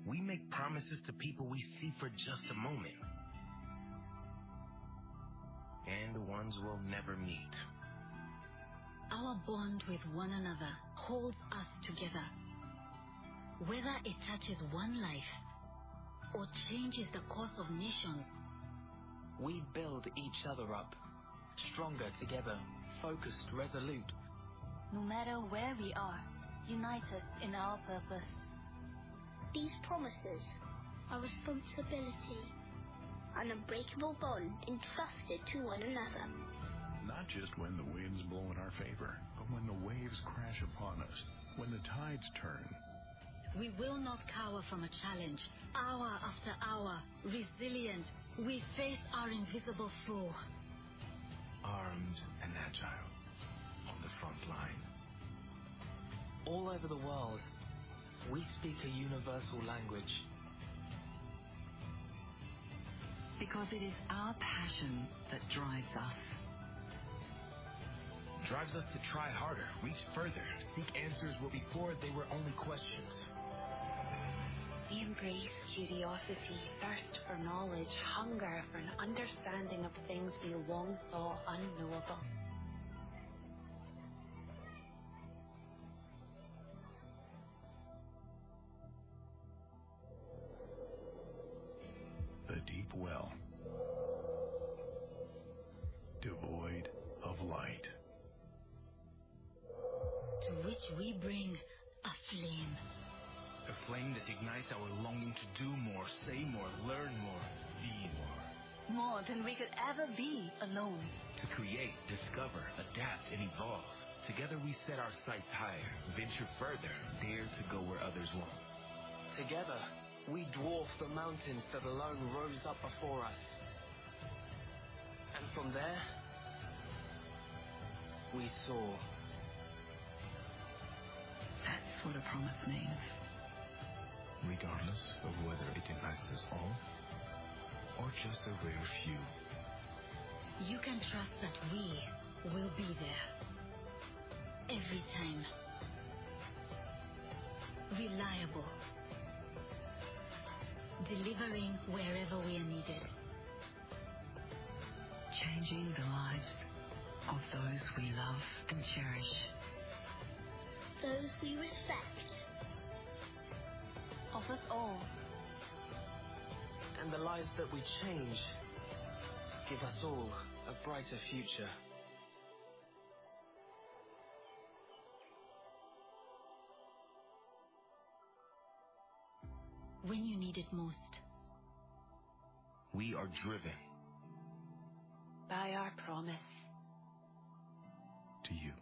We make promises to people we see for just a moment, and the ones we'll never meet. Our bond with one another holds us together. Whether it touches one life or changes the course of nations. We build each other up, stronger together, focused, resolute. No matter where we are, united in our purpose. These promises, our responsibility, an unbreakable bond entrusted to one another. Not just when the winds blow in our favor, but when the waves crash upon us, when the tides turn. We will not cower from a challenge. Hour after hour, resilient, we face our invisible foe. Armed and agile on the front line. All over the world, we speak a universal language. Because it is our passion that drives us. Drives us to try harder, reach further, seek answers where before they were only questions. We embrace curiosity, thirst for knowledge, hunger for an understanding of things we once thought unknowable. The deep well, devoid of light. To which we bring a flame. A flame that ignites our longing to do more, say more, learn more, be more. More than we could ever be alone. To create, discover, adapt, and evolve. Together, we set our sights higher, venture further, dare to go where others won't. Together, we dwarf the mountains that alone rose up before us. And from there, we soar. That's what a promise means. Regardless of whether it impacts us all or just a rare few. You can trust that we will be there every time. Reliable, delivering wherever we are needed. Changing the lives of those we love and cherish. Those we respect. Of us all. The lives that we change give us all a brighter future. When you need it most. We are driven. By our promise- -to you.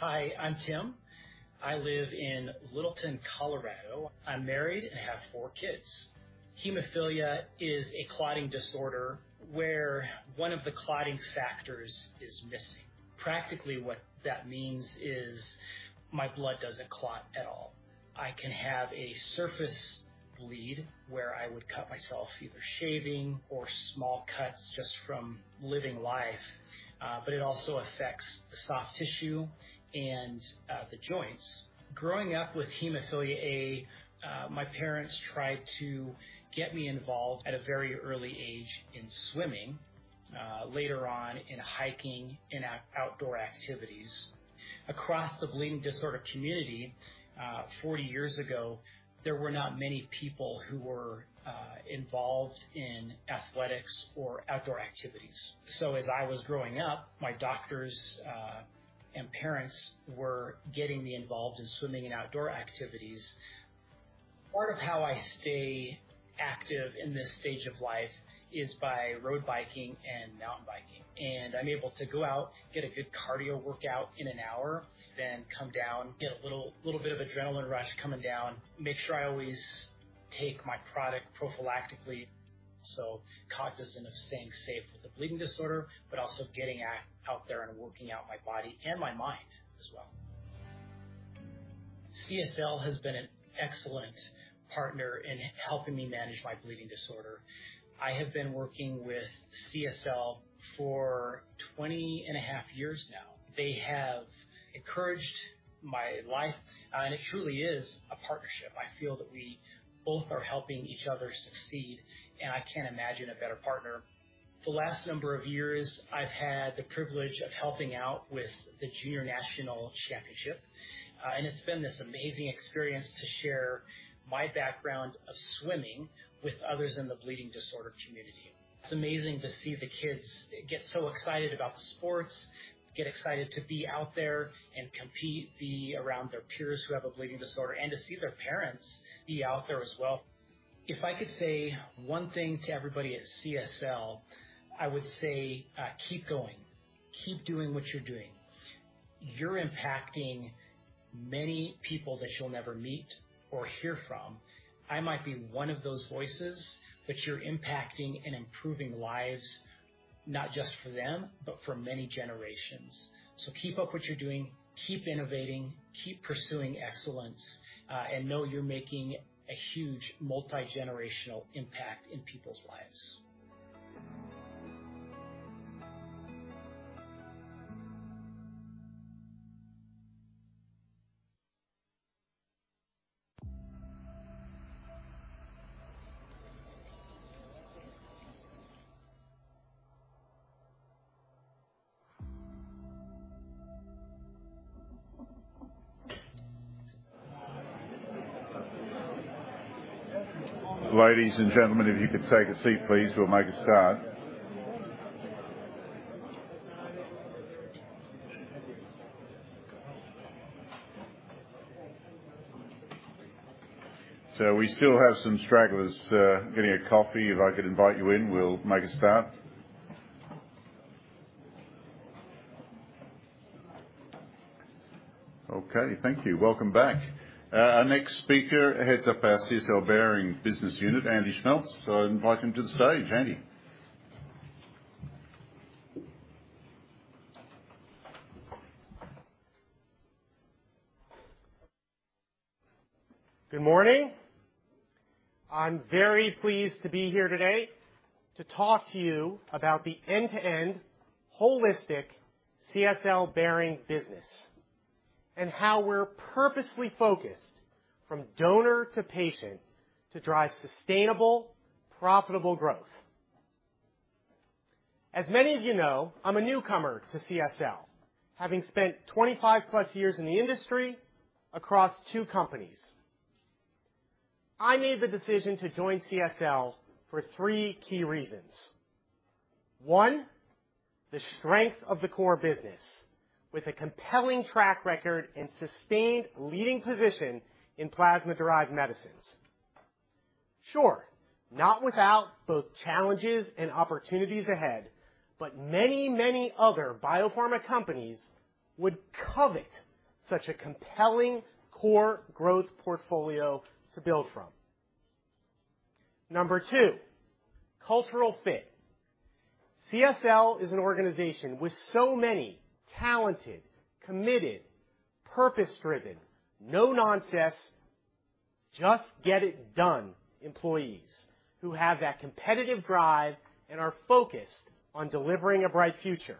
Hi, I'm Tim. I live in Littleton, Colorado. I'm married and have four kids. Hemophilia is a clotting disorder where one of the clotting factors is missing. Practically, what that means is my blood doesn't clot at all. I can have a surface bleed where I would cut myself either shaving or small cuts just from living life. But it also affects the soft tissue... and the joints. Growing up with hemophilia A, my parents tried to get me involved at a very early age in swimming, later on in hiking and outdoor activities. Across the bleeding disorder community, 40 years ago, there were not many people who were involved in athletics or outdoor activities. So as I was growing up, my doctors and parents were getting me involved in swimming and outdoor activities. Part of how I stay active in this stage of life is by road biking and mountain biking, and I'm able to go out, get a good cardio workout in an hour, then come down, get a little, little bit of adrenaline rush coming down, make sure I always take my product prophylactically, so cognizant of staying safe with a bleeding disorder, but also getting out there and working out my body and my mind as well. CSL has been an excellent partner in helping me manage my bleeding disorder. I have been working with CSL for 20.5 years now. They have encouraged my life, and it truly is a partnership. I feel that we both are helping each other succeed, and I can't imagine a better partner. The last number of years, I've had the privilege of helping out with the Junior National Championship, and it's been this amazing experience to share my background of swimming with others in the bleeding disorder community. It's amazing to see the kids get so excited about the sports, get excited to be out there and compete, be around their peers who have a bleeding disorder, and to see their parents be out there as well. If I could say one thing to everybody at CSL, I would say, "Keep going. Keep doing what you're doing. You're impacting many people that you'll never meet or hear from. I might be one of those voices, but you're impacting and improving lives, not just for them, but for many generations. So keep up what you're doing, keep innovating, keep pursuing excellence, and know you're making a huge multigenerational impact in people's lives. Ladies and gentlemen, if you could take a seat, please, we'll make a start. So we still have some stragglers, getting a coffee. If I could invite you in, we'll make a start. Okay. Thank you. Welcome back. Our next speaker heads up our CSL Behring business unit, Andy Schmeltz. So I invite him to the stage. Andy? Good morning. I'm very pleased to be here today to talk to you about the end-to-end holistic CSL Behring business and how we're purposely focused from donor to patient to drive sustainable, profitable growth. As many of you know, I'm a newcomer to CSL, having spent 25+ years in the industry across two companies. I made the decision to join CSL for three key reasons. One, the strength of the core business with a compelling track record and sustained leading position in plasma-derived medicines. Sure, not without both challenges and opportunities ahead, but many, many other biopharma companies would covet such a compelling core growth portfolio to build from. Number two, cultural fit. CSL is an organization with so many talented, committed, purpose-driven, no-nonsense, just-get-it-done employees who have that competitive drive and are focused on delivering a bright future,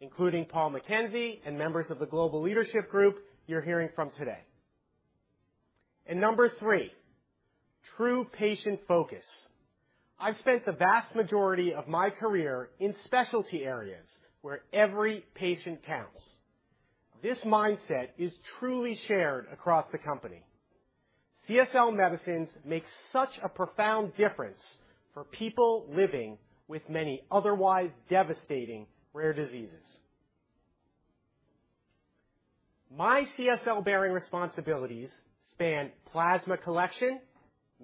including Paul McKenzie and members of the Global Leadership Group you're hearing from today. Number three, true patient focus. I've spent the vast majority of my career in specialty areas where every patient counts. This mindset is truly shared across the company. CSL medicines make such a profound difference for people living with many otherwise devastating rare diseases. My CSL Behring responsibilities span plasma collection,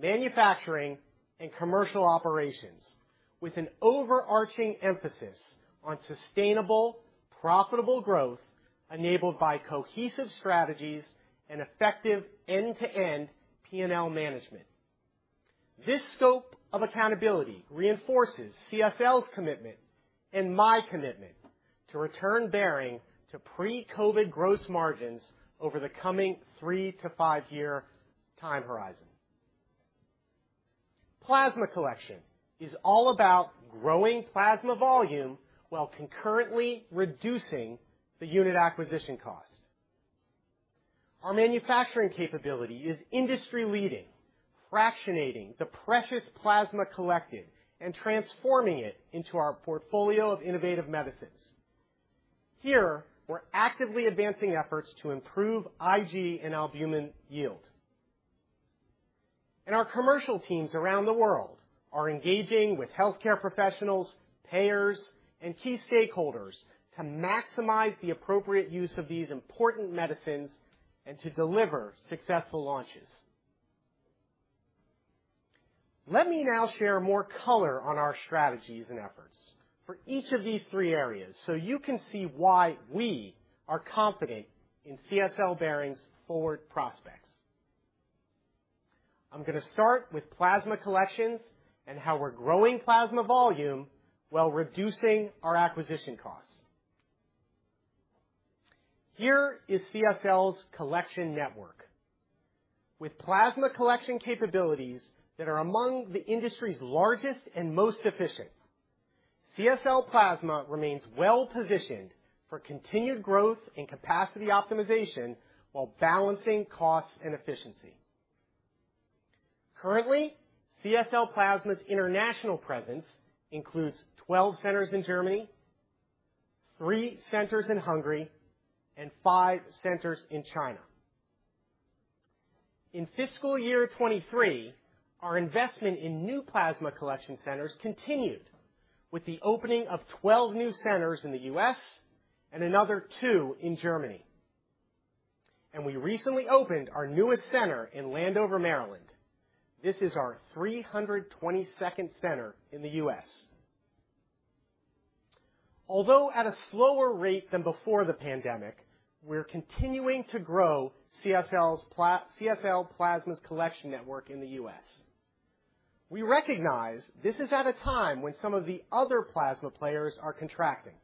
manufacturing, and commercial operations with an overarching emphasis on sustainable, profitable growth enabled by cohesive strategies and effective end-to-end P&L management. This scope of accountability reinforces CSL's commitment and my commitment to return Behring to pre-COVID gross margins over the coming three- to five-year time horizon. Plasma collection is all about growing plasma volume while concurrently reducing the unit acquisition cost. Our manufacturing capability is industry-leading, fractionating the precious plasma collected and transforming it into our portfolio of innovative medicines. Here, we're actively advancing efforts to improve IG and albumin yield. Our commercial teams around the world are engaging with healthcare professionals, payers, and key stakeholders to maximize the appropriate use of these important medicines and to deliver successful launches. Let me now share more color on our strategies and efforts for each of these three areas, so you can see why we are confident in CSL Behring's forward prospects. I'm going to start with plasma collections and how we're growing plasma volume while reducing our acquisition costs. Here is CSL's collection network. With plasma collection capabilities that are among the industry's largest and most efficient, CSL Plasma remains well-positioned for continued growth and capacity optimization while balancing costs and efficiency. Currently, CSL Plasma's international presence includes 12 centers in Germany, three centers in Hungary, and five centers in China. In fiscal year 2023, our investment in new plasma collection centers continued, with the opening of 12 new centers in the U.S. and another two in Germany, and we recently opened our newest center in Landover, Maryland. This is our 322nd center in the U.S. Although at a slower rate than before the pandemic, we're continuing to grow CSL Plasma's collection network in the U.S. We recognize this is at a time when some of the other plasma players are contracting,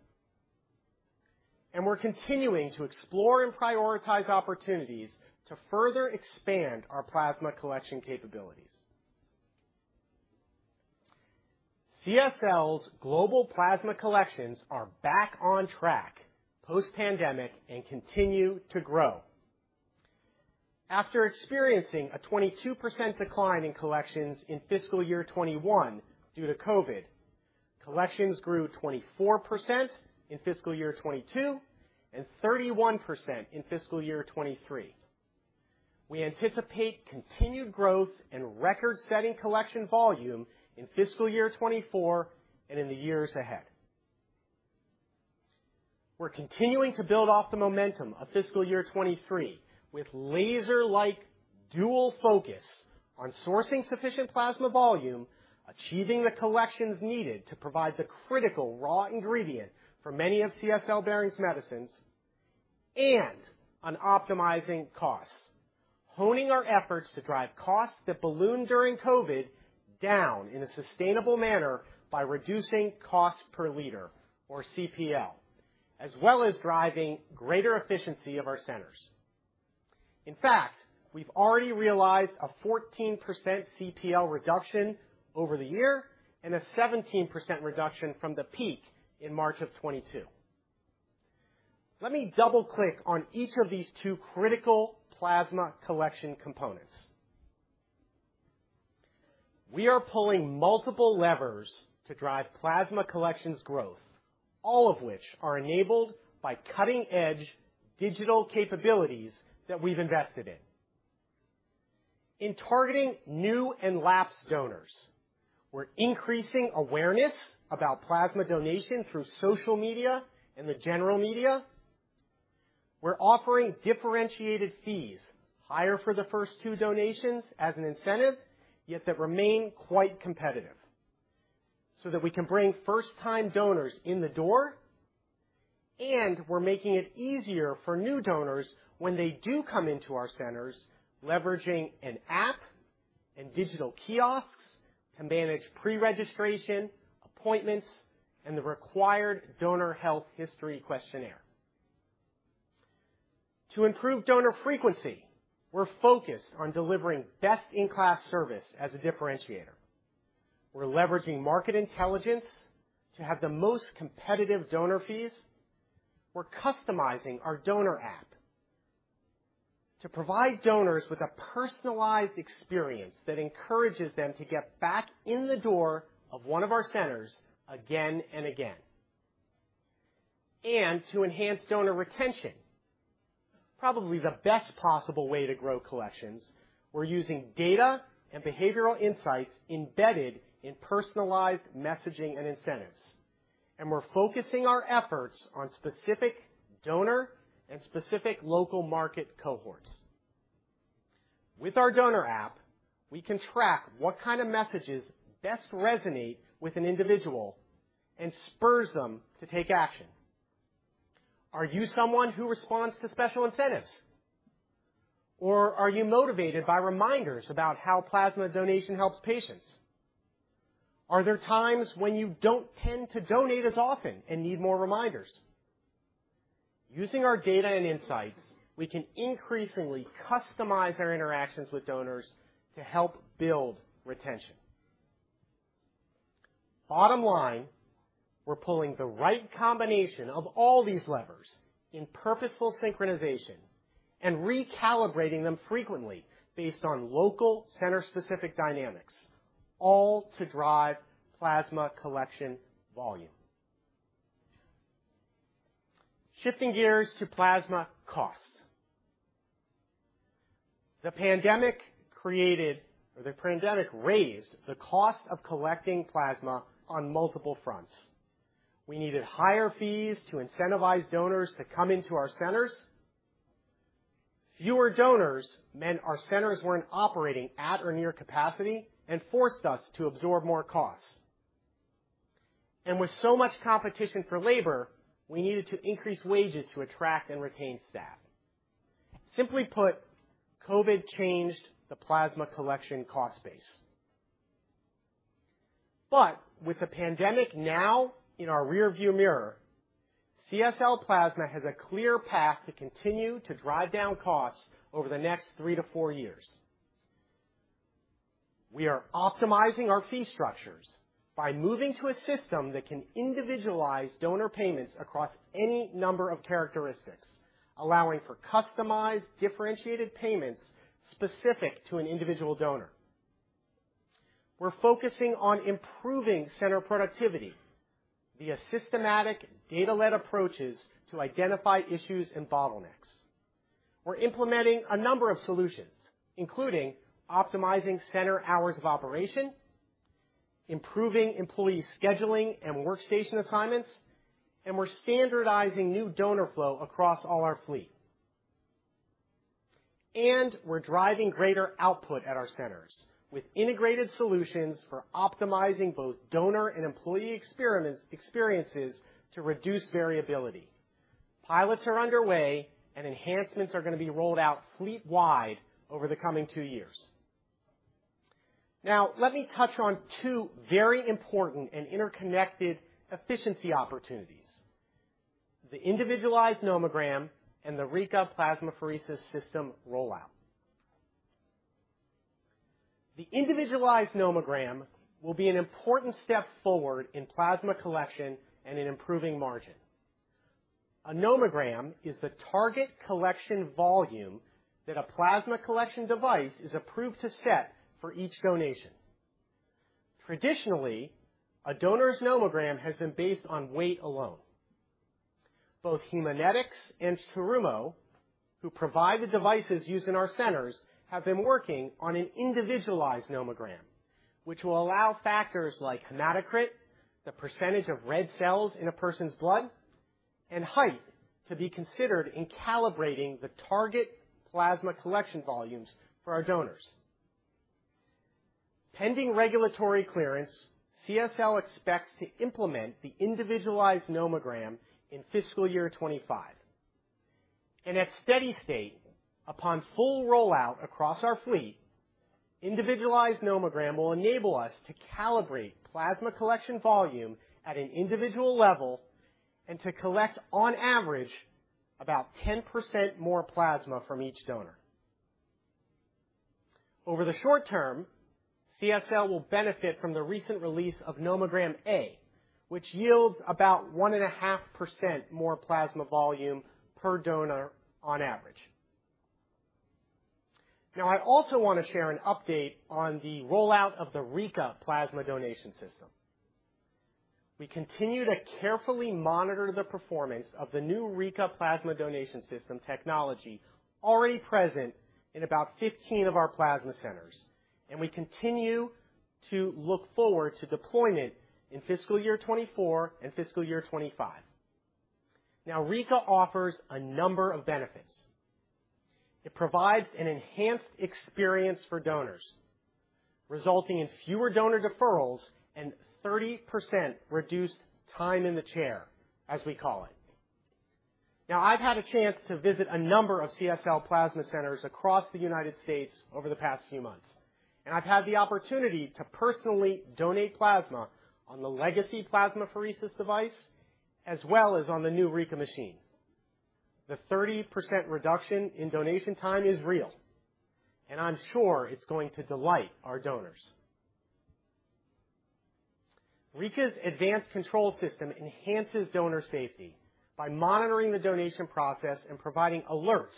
and we're continuing to explore and prioritize opportunities to further expand our plasma collection capabilities. CSL's global plasma collections are back on track post-pandemic and continue to grow. After experiencing a 22% decline in collections in fiscal year 2021 due to COVID, collections grew 24% in fiscal year 2022 and 31% in fiscal year 2023. We anticipate continued growth and record-setting collection volume in fiscal year 2024 and in the years ahead. We're continuing to build off the momentum of fiscal year 2023 with laser-like dual focus on sourcing sufficient plasma volume, achieving the collections needed to provide the critical raw ingredient for many of CSL Behring's medicines, and on optimizing costs, honing our efforts to drive costs that ballooned during COVID down in a sustainable manner by reducing cost per liter or CPL, as well as driving greater efficiency of our centers. In fact, we've already realized a 14% CPL reduction over the year and a 17% reduction from the peak in March 2022. Let me double-click on each of these two critical plasma collection components. We are pulling multiple levers to drive plasma collections growth, all of which are enabled by cutting-edge digital capabilities that we've invested in. In targeting new and lapsed donors, we're increasing awareness about plasma donation through social media and the general media. We're offering differentiated fees, higher for the first two donations as an incentive, yet that remain quite competitive, so that we can bring first-time donors in the door. And we're making it easier for new donors when they do come into our centers, leveraging an app and digital kiosks to manage pre-registration, appointments, and the required donor health history questionnaire. To improve donor frequency, we're focused on delivering best-in-class service as a differentiator. We're leveraging market intelligence to have the most competitive donor fees. We're customizing our donor app to provide donors with a personalized experience that encourages them to get back in the door of one of our centers again and again. To enhance donor retention, probably the best possible way to grow collections, we're using data and behavioral insights embedded in personalized messaging and incentives, and we're focusing our efforts on specific donor and specific local market cohorts. With our donor app, we can track what kind of messages best resonate with an individual and spurs them to take action. Are you someone who responds to special incentives, or are you motivated by reminders about how plasma donation helps patients? Are there times when you don't tend to donate as often and need more reminders?... Using our data and insights, we can increasingly customize our interactions with donors to help build retention. Bottom line, we're pulling the right combination of all these levers in purposeful synchronization and recalibrating them frequently based on local center-specific dynamics, all to drive plasma collection volume. Shifting gears to plasma costs. The pandemic raised the cost of collecting plasma on multiple fronts. We needed higher fees to incentivize donors to come into our centers. Fewer donors meant our centers weren't operating at or near capacity and forced us to absorb more costs. And with so much competition for labor, we needed to increase wages to attract and retain staff. Simply put, COVID changed the plasma collection cost base. But with the pandemic now in our rearview mirror, CSL Plasma has a clear path to continue to drive down costs over the next three to four years. We are optimizing our fee structures by moving to a system that can individualize donor payments across any number of characteristics, allowing for customized, differentiated payments specific to an individual donor. We're focusing on improving center productivity via systematic, data-led approaches to identify issues and bottlenecks. We're implementing a number of solutions, including optimizing center hours of operation, improving employee scheduling and workstation assignments, and we're standardizing new donor flow across all our fleet. We're driving greater output at our centers with integrated solutions for optimizing both donor and employee experiences to reduce variability. Pilots are underway, and enhancements are going to be rolled out fleet-wide over the coming two years. Now, let me touch on two very important and interconnected efficiency opportunities, the individualized nomogram and the Rika plasmapheresis system rollout. The individualized nomogram will be an important step forward in plasma collection and in improving margin. A nomogram is the target collection volume that a plasma collection device is approved to set for each donation. Traditionally, a donor's nomogram has been based on weight alone. Both Haemonetics and Terumo, who provide the devices used in our centers, have been working on an individualized nomogram, which will allow factors like hematocrit, the percentage of red cells in a person's blood, and height to be considered in calibrating the target plasma collection volumes for our donors. Pending regulatory clearance, CSL expects to implement the individualized nomogram in fiscal year 2025, and at steady state, upon full rollout across our fleet, individualized nomogram will enable us to calibrate plasma collection volume at an individual level and to collect, on average, about 10% more plasma from each donor. Over the short term, CSL will benefit from the recent release of Nomogram A, which yields about 1.5% more plasma volume per donor on average. Now, I also want to share an update on the rollout of the Rika plasma donation system. We continue to carefully monitor the performance of the new Rika plasma donation system technology already present in about 15 of our plasma centers, and we continue to look forward to deployment in fiscal year 2024 and fiscal year 2025. Now, Rika offers a number of benefits. It provides an enhanced experience for donors, resulting in fewer donor deferrals and 30% reduced time in the chair, as we call it. Now, I've had a chance to visit a number of CSL Plasma centers across the United States over the past few months, and I've had the opportunity to personally donate plasma on the legacy plasmapheresis device, as well as on the new Rika machine. The 30% reduction in donation time is real, and I'm sure it's going to delight our donors. Rika's advanced control system enhances donor safety by monitoring the donation process and providing alerts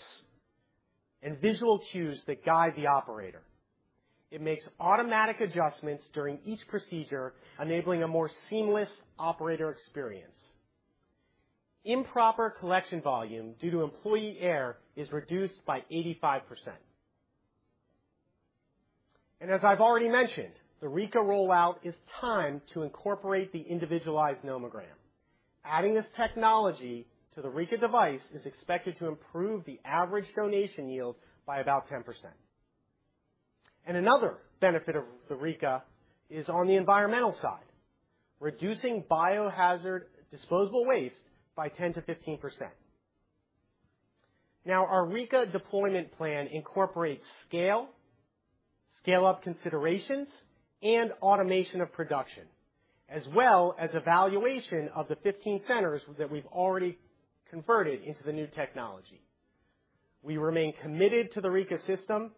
and visual cues that guide the operator. It makes automatic adjustments during each procedure, enabling a more seamless operator experience. Improper collection volume due to employee error is reduced by 85%. As I've already mentioned, the Rika rollout is timed to incorporate the individualized nomogram. Adding this technology to the Rika device is expected to improve the average donation yield by about 10%. Another benefit of the Rika is on the environmental side, reducing biohazard disposable waste by 10%-15%. Now, our Rika deployment plan incorporates scale, scale-up considerations, and automation of production, as well as evaluation of the 15 centers that we've already converted into the new technology. We remain committed to the Rika system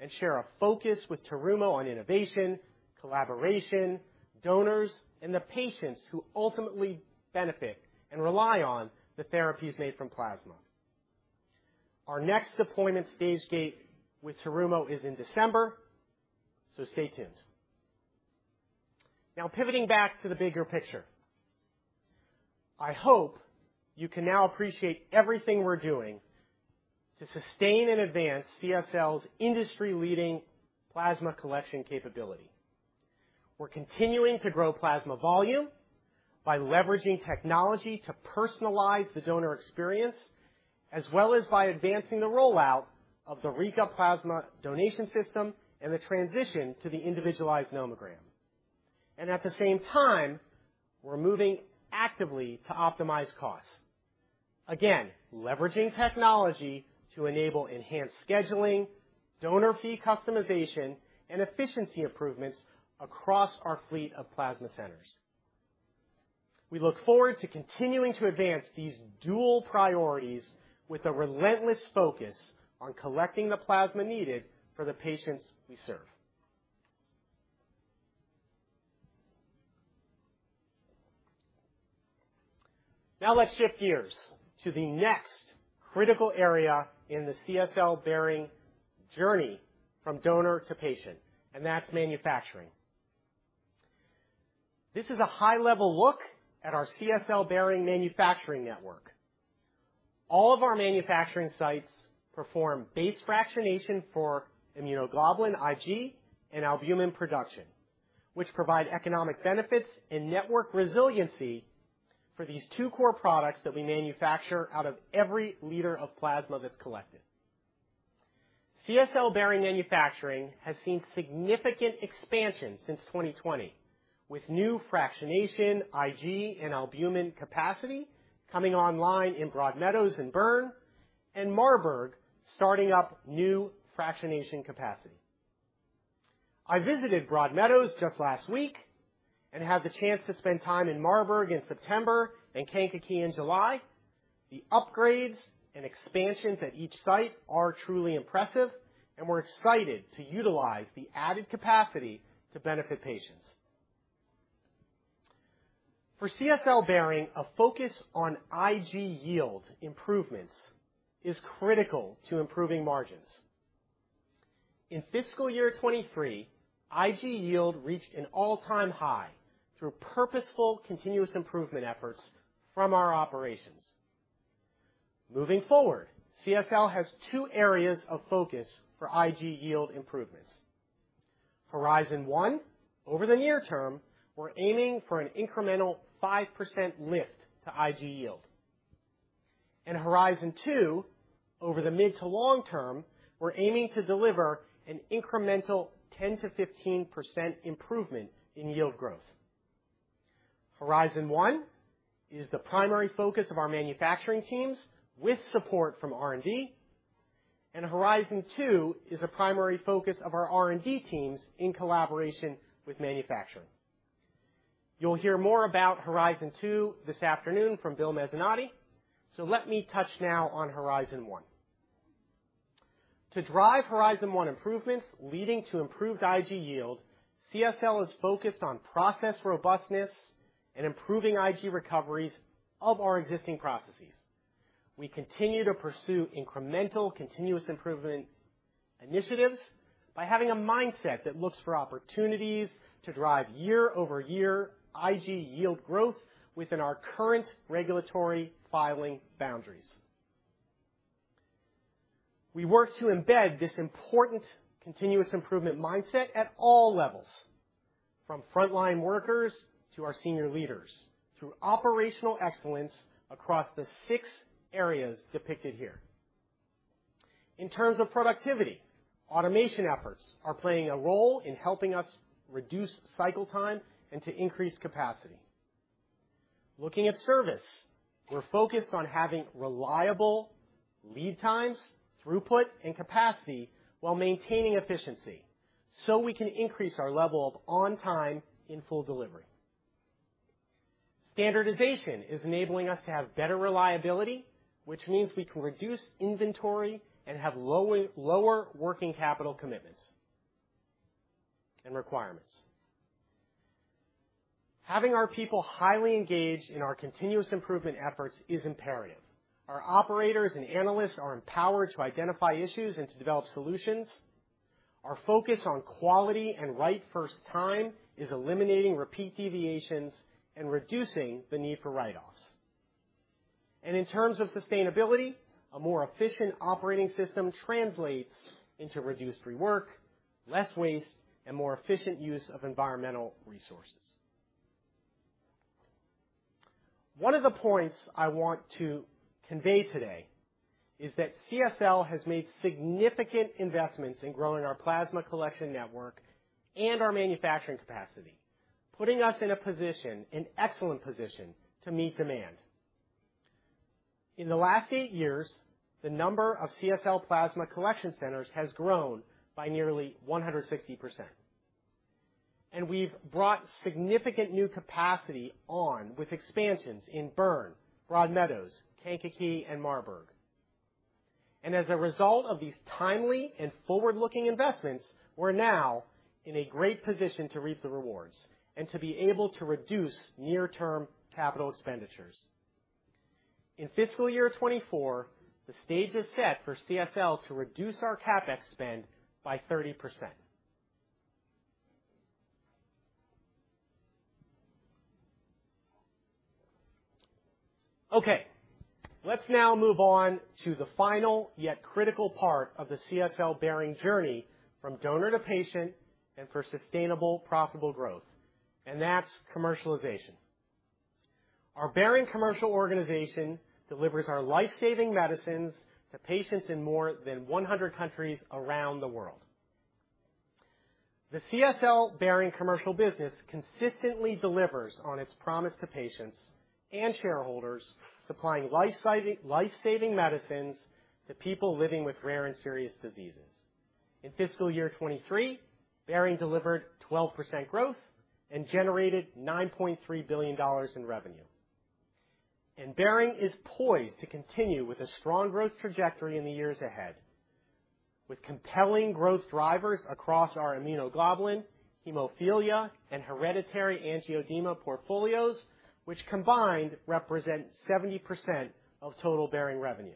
and share a focus with Terumo on innovation, collaboration, donors, and the patients who ultimately benefit and rely on the therapies made from plasma. Our next deployment stage gate with Terumo is in December, so stay tuned. Now, pivoting back to the bigger picture, I hope you can now appreciate everything we're doing to sustain and advance CSL's industry-leading plasma collection capability. We're continuing to grow plasma volume by leveraging technology to personalize the donor experience, as well as by advancing the rollout of the Rika plasma donation system and the transition to the individualized nomogram. We're moving actively to optimize costs. Again, leveraging technology to enable enhanced scheduling, donor fee customization, and efficiency improvements across our fleet of plasma centers. We look forward to continuing to advance these dual priorities with a relentless focus on collecting the plasma needed for the patients we serve. Now, let's shift gears to the next critical area in the CSL Behring journey from donor to patient, and that's manufacturing. This is a high-level look at our CSL Behring manufacturing network. All of our manufacturing sites perform base fractionation for immunoglobulin, IG, and albumin production, which provide economic benefits and network resiliency for these two core products that we manufacture out of every liter of plasma that's collected. CSL Behring manufacturing has seen significant expansion since 2020, with new fractionation, IG, and albumin capacity coming online in Broadmeadows and Bern, and Marburg starting up new fractionation capacity. I visited Broadmeadows just last week and had the chance to spend time in Marburg in September and Kankakee in July. The upgrades and expansions at each site are truly impressive, and we're excited to utilize the added capacity to benefit patients. For CSL Behring, a focus on IG yield improvements is critical to improving margins. In fiscal year 2023, IG yield reached an all-time high through purposeful, continuous improvement efforts from our operations. Moving forward, CSL has two areas of focus for IG yield improvements. Horizon 1, over the near term, we're aiming for an incremental 5% lift to IG yield. In Horizon 2, over the mid to long term, we're aiming to deliver an incremental 10%-15% improvement in yield growth. Horizon 1 is the primary focus of our manufacturing teams with support from R&D, and Horizon 2 is a primary focus of our R&D teams in collaboration with manufacturing. You'll hear more about Horizon 2 this afternoon from Bill Mezzanotte, so let me touch now on Horizon 1. To drive Horizon One improvements, leading to improved IG yield, CSL is focused on process robustness and improving IG recoveries of our existing processes. We continue to pursue incremental continuous improvement initiatives by having a mindset that looks for opportunities to drive year-over-year IG yield growth within our current regulatory filing boundaries. We work to embed this important continuous improvement mindset at all levels, from frontline workers to our senior leaders, through operational excellence across the six areas depicted here. In terms of productivity, automation efforts are playing a role in helping us reduce cycle time and to increase capacity. Looking at service, we're focused on having reliable lead times, throughput, and capacity while maintaining efficiency, so we can increase our level of on-time in-full delivery. Standardization is enabling us to have better reliability, which means we can reduce inventory and have lower, lower working capital commitments and requirements. Having our people highly engaged in our continuous improvement efforts is imperative. Our operators and analysts are empowered to identify issues and to develop solutions. Our focus on quality and right first time is eliminating repeat deviations and reducing the need for write-offs. In terms of sustainability, a more efficient operating system translates into reduced rework, less waste, and more efficient use of environmental resources. One of the points I want to convey today is that CSL has made significant investments in growing our plasma collection network and our manufacturing capacity, putting us in a position, an excellent position, to meet demand. In the last eight years, the number of CSL Plasma collection centers has grown by nearly 160%, and we've brought significant new capacity on with expansions in Bern, Broadmeadows, Kankakee, and Marburg. As a result of these timely and forward-looking investments, we're now in a great position to reap the rewards and to be able to reduce near-term capital expenditures. In fiscal year 2024, the stage is set for CSL to reduce our CapEx spend by 30%. Okay, let's now move on to the final, yet critical part of the CSL Behring journey from donor to patient and for sustainable, profitable growth, and that's commercialization. Our Behring commercial organization delivers our life-saving medicines to patients in more than 100 countries around the world. The CSL Behring commercial business consistently delivers on its promise to patients and shareholders, supplying life-saving medicines to people living with rare and serious diseases. In fiscal year 2023, Behring delivered 12% growth and generated $9.3 billion in revenue. Behring is poised to continue with a strong growth trajectory in the years ahead, with compelling growth drivers across our immunoglobulin, hemophilia, and hereditary angioedema portfolios, which combined represent 70% of total Behring revenue.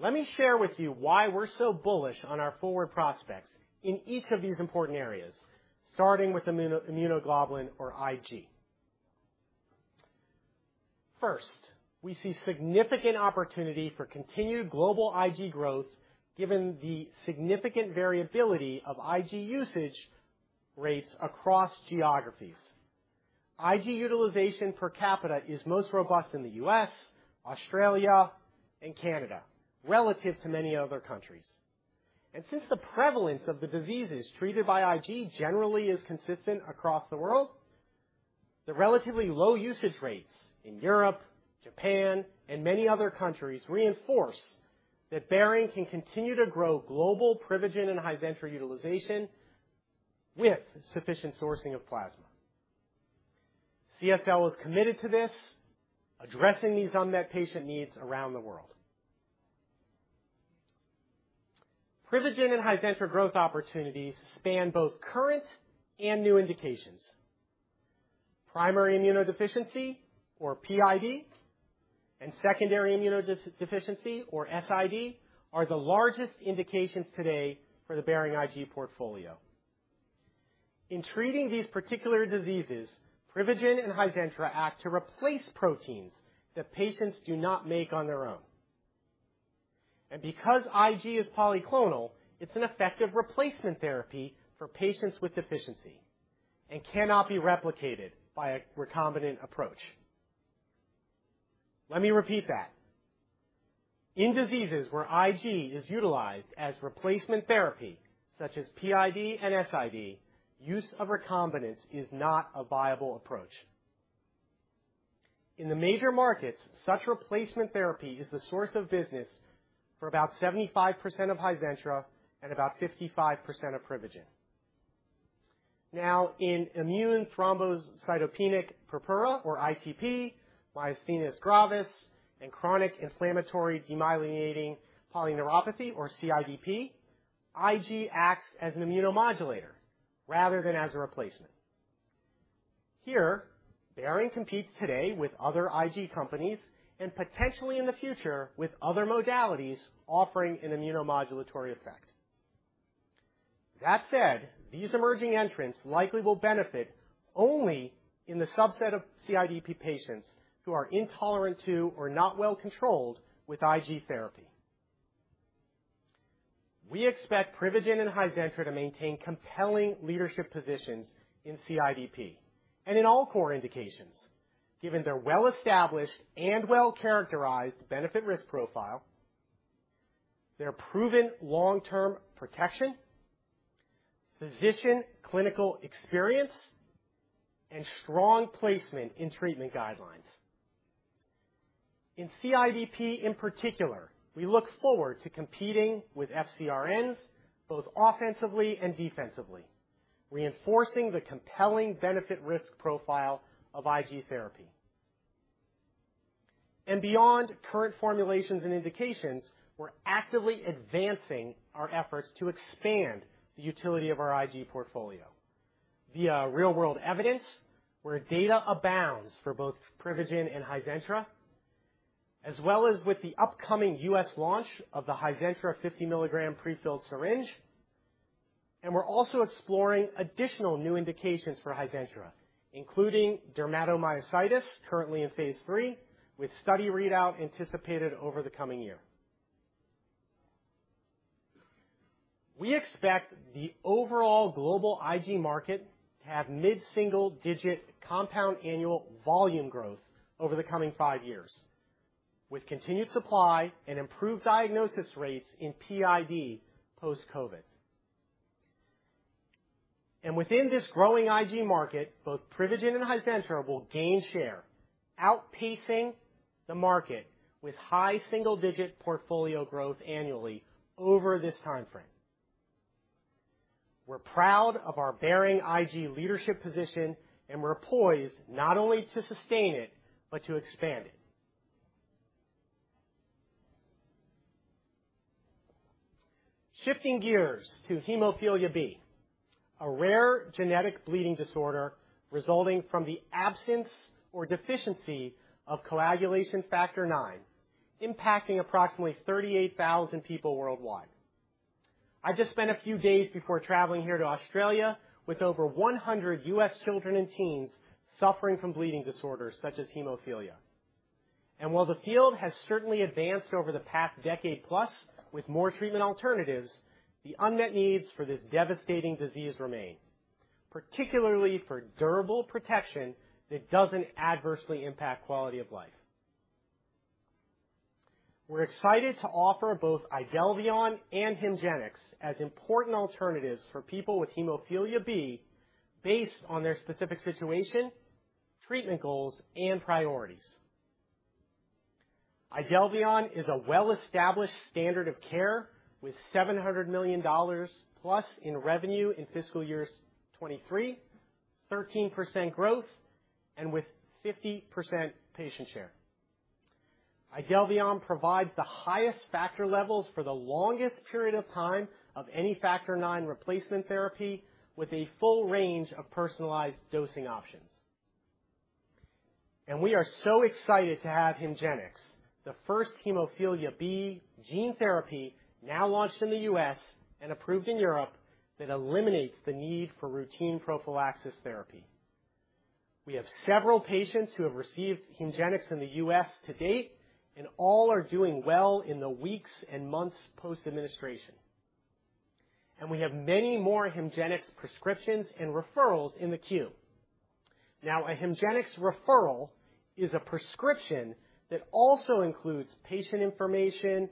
Let me share with you why we're so bullish on our forward prospects in each of these important areas, starting with immuno-immunoglobulin, or IG. First, we see significant opportunity for continued global IG growth, given the significant variability of IG usage rates across geographies. IG utilization per capita is most robust in the U.S., Australia, and Canada, relative to many other countries. And since the prevalence of the diseases treated by IG generally is consistent across the world, the relatively low usage rates in Europe, Japan, and many other countries reinforce that Behring can continue to grow global Privigen and Hizentra utilization with sufficient sourcing of plasma. CSL is committed to this, addressing these unmet patient needs around the world. Privigen and Hizentra growth opportunities span both current and new indications. Primary immunodeficiency, or PID, and secondary immunodeficiency, or SID, are the largest indications today for the Behring IG portfolio. In treating these particular diseases, Privigen and Hizentra act to replace proteins that patients do not make on their own. Because IG is polyclonal, it's an effective replacement therapy for patients with deficiency and cannot be replicated by a recombinant approach. Let me repeat that. In diseases where IG is utilized as replacement therapy, such as PID and SID, use of recombinants is not a viable approach. In the major markets, such replacement therapy is the source of business for about 75% of Hizentra and about 55% of Privigen. Now, in immune thrombocytopenic purpura, or ITP, myasthenia gravis, and chronic inflammatory demyelinating polyneuropathy, or CIDP, IG acts as an immunomodulator rather than as a replacement. Here, Behring competes today with other IG companies and potentially in the future with other modalities offering an immunomodulatory effect. That said, these emerging entrants likely will benefit only in the subset of CIDP patients who are intolerant to or not well controlled with IG therapy. We expect Privigen and Hizentra to maintain compelling leadership positions in CIDP and in all core indications, given their well-established and well-characterized benefit-risk profile, their proven long-term protection, physician clinical experience, and strong placement in treatment guidelines. In CIDP in particular, we look forward to competing with FcRns, both offensively and defensively, reinforcing the compelling benefit-risk profile of IG therapy. Beyond current formulations and indications, we're actively advancing our efforts to expand the utility of our IG portfolio via real-world evidence, where data abounds for both Privigen and Hizentra, as well as with the upcoming U.S. launch of the Hizentra 50 mg prefilled syringe. We're also exploring additional new indications for Hizentra, including dermatomyositis, currently in phase III, with study readout anticipated over the coming year. We expect the overall global IG market to have mid-single digit compound annual volume growth over the coming five years.... with continued supply and improved diagnosis rates in PID post-COVID. Within this growing IG market, both Privigen and Hizentra will gain share, outpacing the market with high single-digit portfolio growth annually over this time frame. We're proud of our Behring IG leadership position, and we're poised not only to sustain it, but to expand it. Shifting gears to hemophilia B, a rare genetic bleeding disorder resulting from the absence or deficiency of Coagulation Factor IX, impacting approximately 38,000 people worldwide. I just spent a few days before traveling here to Australia with over 100 U.S. children and teens suffering from bleeding disorders such as hemophilia. And while the field has certainly advanced over the past decade plus with more treatment alternatives, the unmet needs for this devastating disease remain, particularly for durable protection that doesn't adversely impact quality of life. We're excited to offer both IDELVION and HEMGENIX as important alternatives for people with hemophilia B based on their specific situation, treatment goals, and priorities. IDELVION is a well-established standard of care with $700 million+ in revenue in fiscal years 2023, 13% growth, and with 50% patient share. IDELVION provides the highest factor levels for the longest period of time of any Factor IX replacement therapy with a full range of personalized dosing options. We are so excited to have HEMGENIX, the first hemophilia B gene therapy, now launched in the U.S. and approved in Europe, that eliminates the need for routine prophylaxis therapy. We have several patients who have received HEMGENIX in the U.S. to date, and all are doing well in the weeks and months post-administration. We have many more HEMGENIX prescriptions and referrals in the queue. Now, a HEMGENIX referral is a prescription that also includes patient information,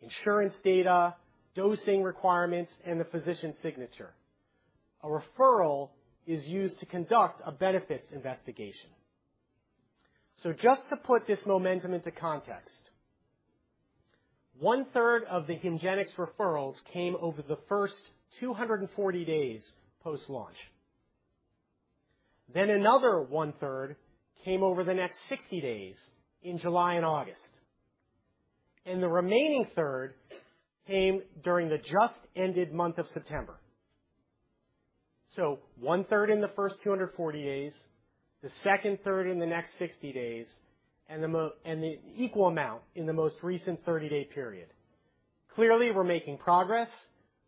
insurance data, dosing requirements, and the physician's signature. A referral is used to conduct a benefits investigation. So just to put this momentum into context, one-third of the HEMGENIX referrals came over the first 240 days post-launch. Then another one-third came over the next 60 days in July and August, and the remaining third came during the just ended month of September. So one-third in the first 240 days, the second third in the next 60 days, and the equal amount in the most recent 30-day period. Clearly, we're making progress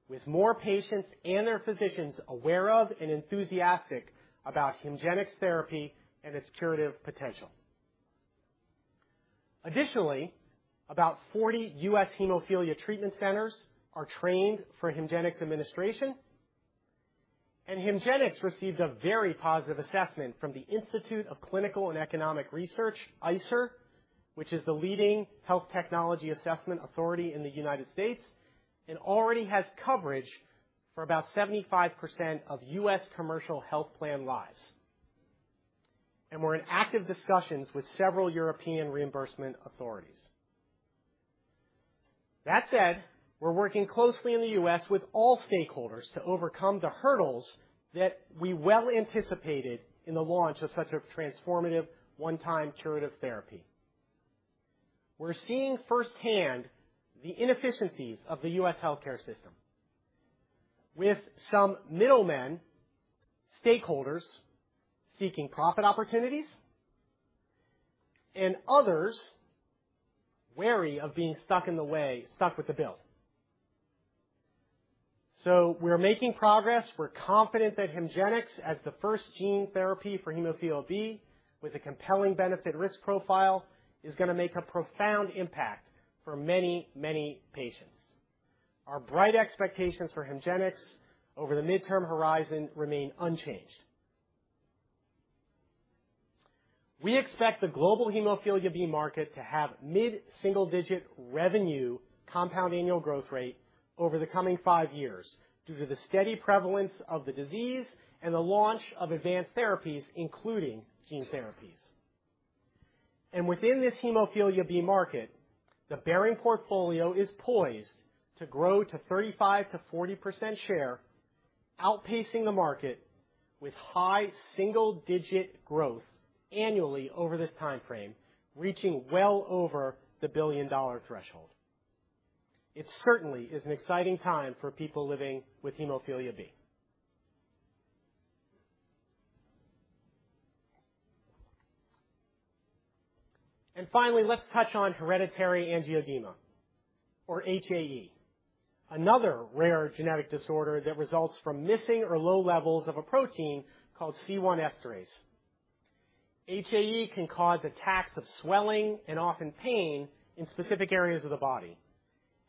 with more patients and their physicians aware of and enthusiastic about HEMGENIX therapy and its curative potential. Additionally, about 40 U.S. hemophilia treatment centers are trained for HEMGENIX administration, and HEMGENIX received a very positive assessment from the Institute for Clinical and Economic Review, ICER, which is the leading health technology assessment authority in the United States, and already has coverage for about 75% of U.S. commercial health plan lives. We're in active discussions with several European reimbursement authorities. That said, we're working closely in the U.S. with all stakeholders to overcome the hurdles that we well anticipated in the launch of such a transformative, one-time, curative therapy. We're seeing firsthand the inefficiencies of the U.S. healthcare system, with some middlemen, stakeholders seeking profit opportunities and others wary of being stuck in the way, stuck with the bill. So we're making progress. We're confident that HEMGENIX, as the first gene therapy for hemophilia B, with a compelling benefit risk profile, is going to make a profound impact for many, many patients. Our bright expectations for HEMGENIX over the midterm horizon remain unchanged. We expect the global hemophilia B market to have mid-single-digit revenue compound annual growth rate over the coming five years due to the steady prevalence of the disease and the launch of advanced therapies, including gene therapies. Within this hemophilia B market, the Behring portfolio is poised to grow to 35%-40% share, outpacing the market with high single-digit growth annually over this time frame, reaching well over the $1 billion threshold. It certainly is an exciting time for people living with hemophilia B. And finally, let's touch on hereditary angioedema, or HAE, another rare genetic disorder that results from missing or low levels of a protein called C1 esterase. HAE can cause attacks of swelling and often pain in specific areas of the body,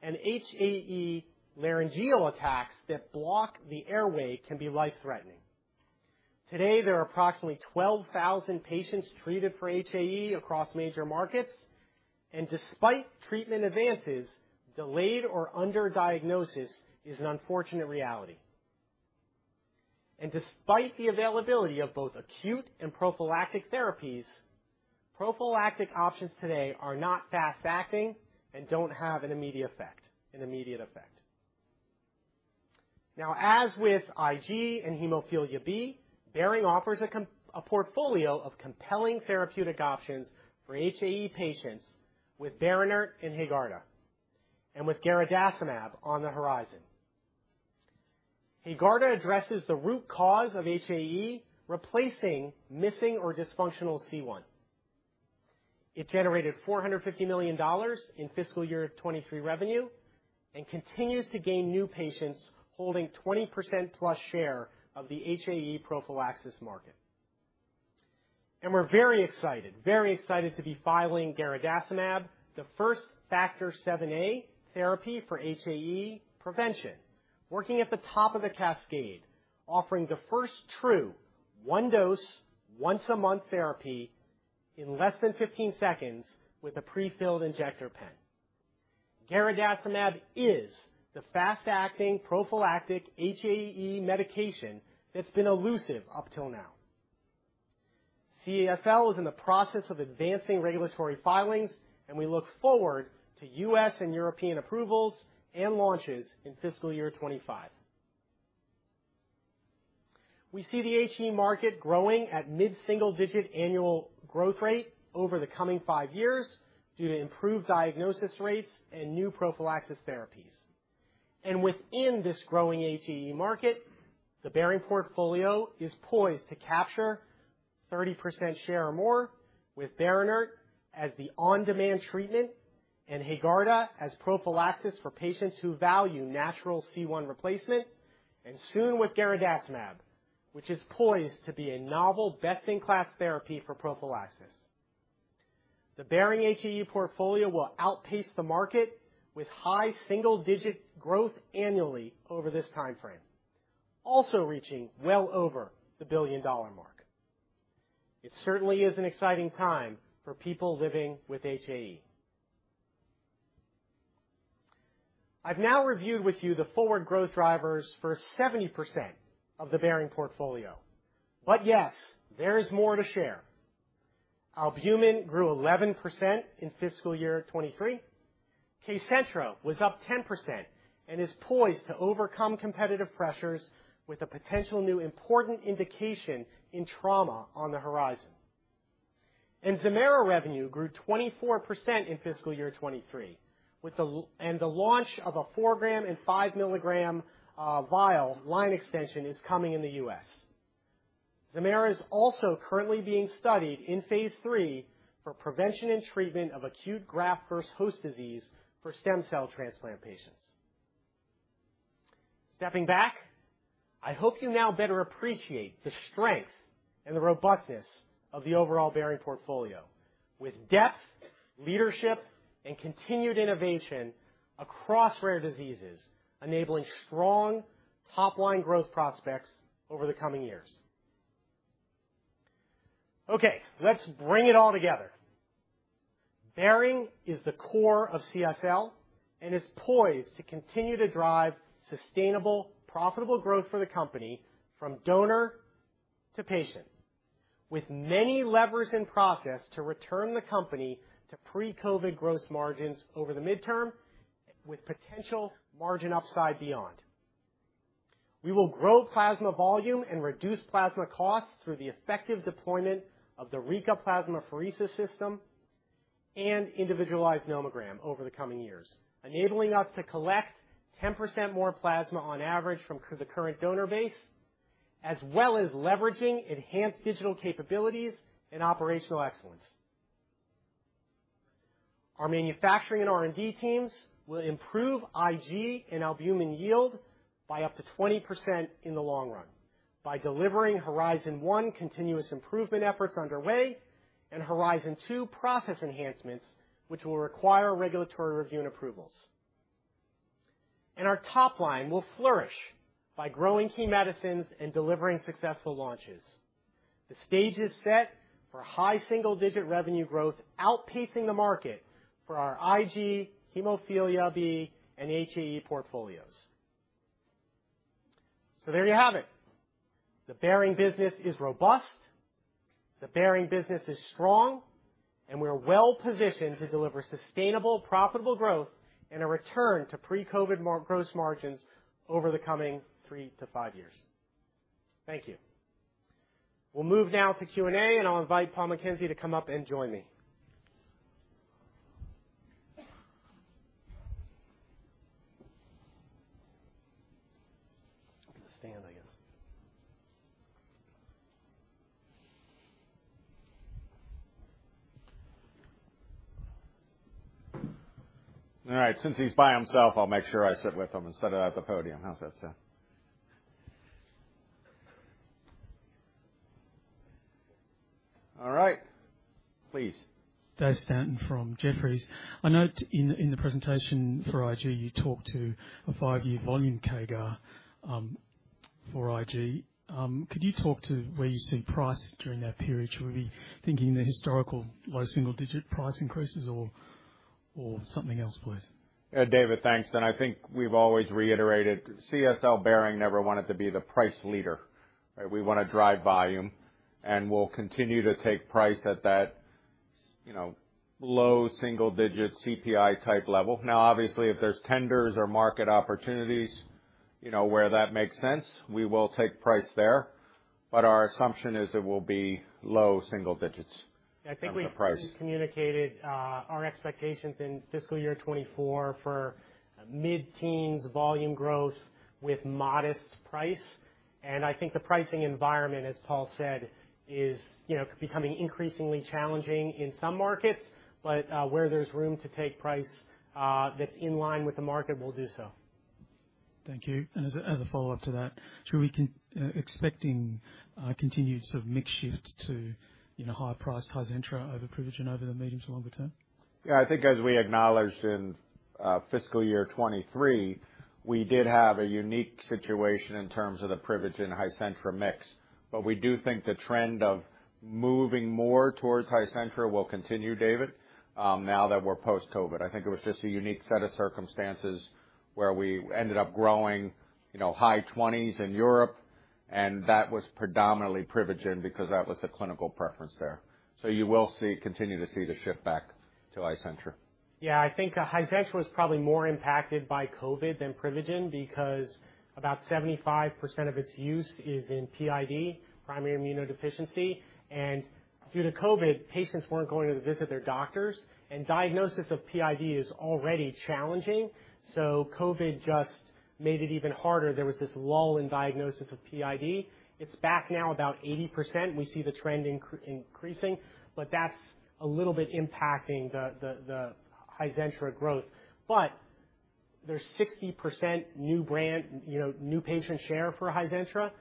and HAE laryngeal attacks that block the airway can be life-threatening. Today, there are approximately 12,000 patients treated for HAE across major markets, and despite treatment advances, delayed or underdiagnosis is an unfortunate reality. And despite the availability of both acute and prophylactic therapies, prophylactic options today are not fast-acting and don't have an immediate effect, an immediate effect. Now, as with IG and hemophilia B, Behring offers a portfolio of compelling therapeutic options for HAE patients with BERINERT and HAEGARDA, and with garadacimab on the horizon. HAEGARDA addresses the root cause of HAE, replacing missing or dysfunctional C1. It generated $450 million in fiscal year 2023 revenue and continues to gain new patients, holding 20%+ share of the HAE prophylaxis market. And we're very excited, very excited to be filing garadacimab, the first Factor XIIa therapy for HAE prevention, working at the top of the cascade, offering the first true one-dose, once-a-month therapy in less than 15 seconds with a prefilled injector pen. Garadacimab is the fast-acting prophylactic HAE medication that's been elusive up till now. CSL is in the process of advancing regulatory filings, and we look forward to U.S. and European approvals and launches in fiscal year 2025. We see the HAE market growing at mid-single-digit annual growth rate over the coming five years due to improved diagnosis rates and new prophylaxis therapies. Within this growing HAE market, the Behring portfolio is poised to capture 30% share or more, with BERINERT as the on-demand treatment and HAEGARDA as prophylaxis for patients who value natural C1 replacement, and soon with garadacimab, which is poised to be a novel, best-in-class therapy for prophylaxis. The Behring HAE portfolio will outpace the market with high single-digit growth annually over this time frame, also reaching well over the billion-dollar mark. It certainly is an exciting time for people living with HAE. I've now reviewed with you the forward growth drivers for 70% of the Behring portfolio, but yes, there is more to share. Albumin grew 11% in fiscal year 2023. KCENTRA was up 10% and is poised to overcome competitive pressures with a potential new important indication in trauma on the horizon. ZEMAIRA revenue grew 24% in fiscal year 2023, with the launch of a 4 gram and 5 mg vial line extension coming in the U.S. ZEMAIRA is also currently being studied in phase III for prevention and treatment of acute graft versus host disease for stem cell transplant patients. Stepping back, I hope you now better appreciate the strength and the robustness of the overall Behring portfolio, with depth, leadership, and continued innovation across rare diseases, enabling strong top-line growth prospects over the coming years. Okay, let's bring it all together. Behring is the core of CSL and is poised to continue to drive sustainable, profitable growth for the company from donor to patient, with many levers in process to return the company to pre-COVID gross margins over the midterm, with potential margin upside beyond. We will grow plasma volume and reduce plasma costs through the effective deployment of the Rika plasmapheresis system and individualized nomogram over the coming years, enabling us to collect 10% more plasma on average from the current donor base, as well as leveraging enhanced digital capabilities and operational excellence. Our manufacturing and R&D teams will improve IG and albumin yield by up to 20% in the long run by delivering Horizon 1 continuous improvement efforts underway and Horizon 2 process enhancements, which will require regulatory review and approvals. Our top line will flourish by growing key medicines and delivering successful launches. The stage is set for high single-digit revenue growth, outpacing the market for our IG, hemophilia B, and HAE portfolios. So there you have it. The Behring business is robust, the Behring business is strong, and we are well positioned to deliver sustainable, profitable growth and a return to pre-COVID gross margins over the coming 3-5 years. Thank you. We'll move now to Q&A, and I'll invite Paul McKenzie to come up and join me. I'll get a stand, I guess. All right, since he's by himself, I'll make sure I sit with him instead of at the podium. How's that sound?... All right. Please. Dave Stanton from Jefferies. I note in the presentation for IG, you talked to a five-year volume CAGR for IG. Could you talk to where you see price during that period? Should we be thinking the historical low single-digit price increases or something else, please? David, thanks. I think we've always reiterated CSL Behring never wanted to be the price leader, right? We wanna drive volume, and we'll continue to take price at that, you know, low single digit CPI-type level. Now, obviously, if there's tenders or market opportunities, you know, where that makes sense, we will take price there, but our assumption is it will be low single digits on the price. I think we've communicated our expectations in fiscal year 2024 for mid-teens volume growth with modest price. I think the pricing environment, as Paul said, is, you know, becoming increasingly challenging in some markets, but where there's room to take price, that's in line with the market, we'll do so. Thank you. As a follow-up to that, should we be expecting continued sort of mix shift to, you know, higher price, Hizentra over Privigen over the medium- to longer-term? Yeah, I think as we acknowledged in fiscal year 2023, we did have a unique situation in terms of the Privigen-Hizentra mix. But we do think the trend of moving more towards Hizentra will continue, David, now that we're post-COVID. I think it was just a unique set of circumstances where we ended up growing, you know, high 20s in Europe, and that was predominantly Privigen because that was the clinical preference there. So you will see- continue to see the shift back to Hizentra. Yeah, I think Hizentra was probably more impacted by COVID than Privigen, because about 75% of its use is in PID, primary immunodeficiency. And due to COVID, patients weren't going to visit their doctors, and diagnosis of PID is already challenging, so COVID just made it even harder. There was this lull in diagnosis of PID. It's back now about 80%. We see the trend increasing, but that's a little bit impacting the Hizentra growth. But there's 60% new brand, you know, new patient share for Hizentra.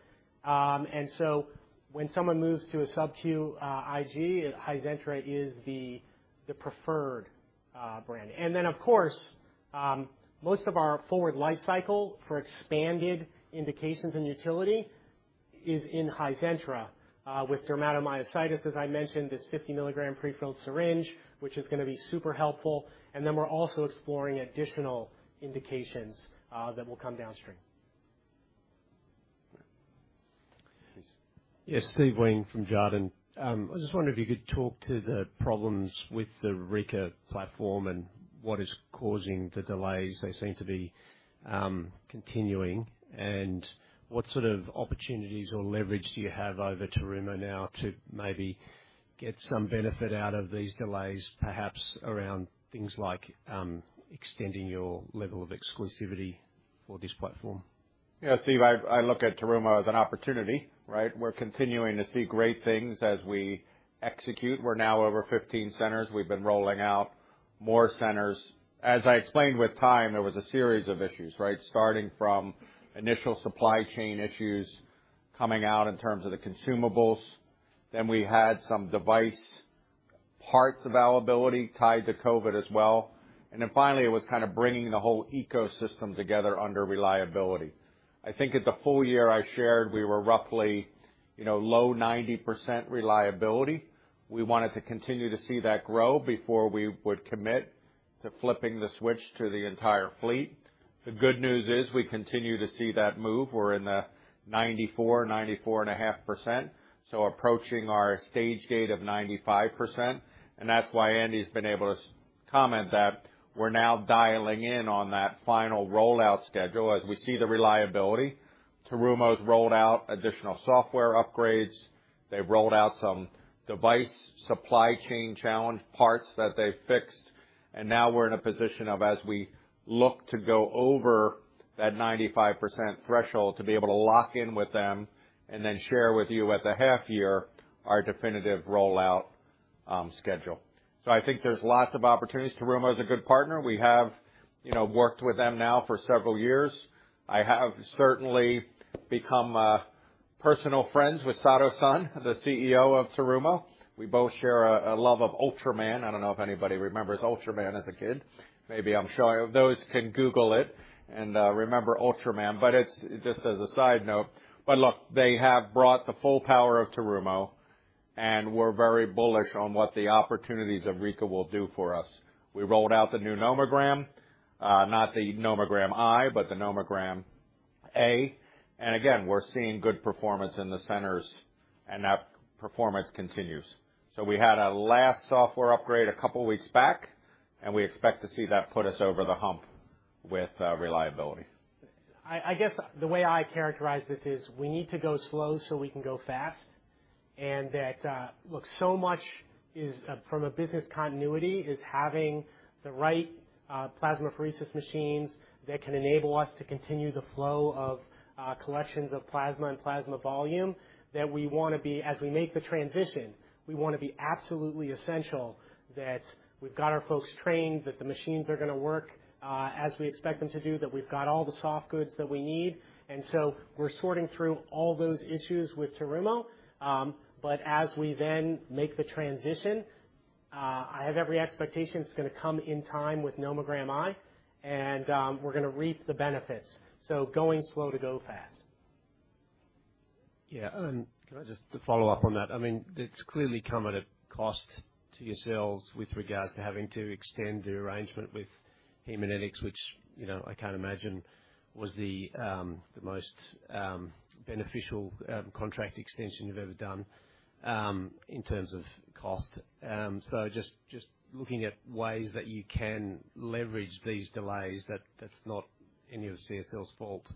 And so when someone moves to a SubQ IG, Hizentra is the preferred brand. Then, of course, most of our forward life cycle for expanded indications in utility is in Hizentra with dermatomyositis, as I mentioned, this 50 mg prefilled syringe, which is gonna be super helpful, and then we're also exploring additional indications that will come downstream. Please. Yes, Steve Wheen from Jarden. I just wonder if you could talk to the problems with the Rika platform and what is causing the delays. They seem to be continuing. What sort of opportunities or leverage do you have over Terumo now to maybe get some benefit out of these delays, perhaps around things like extending your level of exclusivity for this platform? Yeah, Steve, I look at Terumo as an opportunity, right? We're continuing to see great things as we execute. We're now over 15 centers. We've been rolling out more centers. As I explained, with time, there was a series of issues, right? Starting from initial supply chain issues coming out in terms of the consumables, then we had some device parts availability tied to COVID as well, and then finally, it was kind of bringing the whole ecosystem together under reliability. I think at the full year I shared, we were roughly, you know, low 90% reliability. We wanted to continue to see that grow before we would commit to flipping the switch to the entire fleet. The good news is we continue to see that move. We're in the 94%, 94.5%, so approaching our stage gate of 95%, and that's why Andy's been able to comment that we're now dialing in on that final rollout schedule as we see the reliability. Terumo's rolled out additional software upgrades. They've rolled out some device supply chain challenge parts that they've fixed, and now we're in a position of, as we look to go over that 95% threshold, to be able to lock in with them and then share with you at the half year our definitive rollout schedule. So I think there's lots of opportunities. Terumo is a good partner. We have, you know, worked with them now for several years. I have certainly become personal friends with Sato-san, the CEO of Terumo. We both share a love of Ultraman. I don't know if anybody remembers Ultraman as a kid. Maybe I'm showing... Those can google it and remember Ultraman, but it's just as a side note. But look, they have brought the full power of Terumo, and we're very bullish on what the opportunities of Rika will do for us. We rolled out the new nomogram, not the Nomogram I, but the Nomogram A, and again, we're seeing good performance in the centers, and that performance continues. So we had a last software upgrade a couple weeks back, and we expect to see that put us over the hump with reliability. I guess the way I characterize this is, we need to go slow, so we can go fast. And that, look, so much is from a business continuity, is having the right plasmapheresis machines that can enable us to continue the flow of collections of plasma and plasma volume that we wanna be as we make the transition, we wanna be absolutely essential, that we've got our folks trained, that the machines are gonna work as we expect them to do, that we've got all the soft goods that we need. And so we're sorting through all those issues with Terumo. But as we then make the transition, I have every expectation it's gonna come in time with Nomogram I, and we're gonna reap the benefits. So going slow to go fast. Yeah, and can I just to follow up on that? I mean, it's clearly come at a cost to yourselves with regards to having to extend the arrangement with Haemonetics, which, you know, I can't imagine was the, the most, beneficial, contract extension you've ever done, in terms of cost. So just, just looking at ways that you can leverage these delays, that- that's not any of CSL's fault,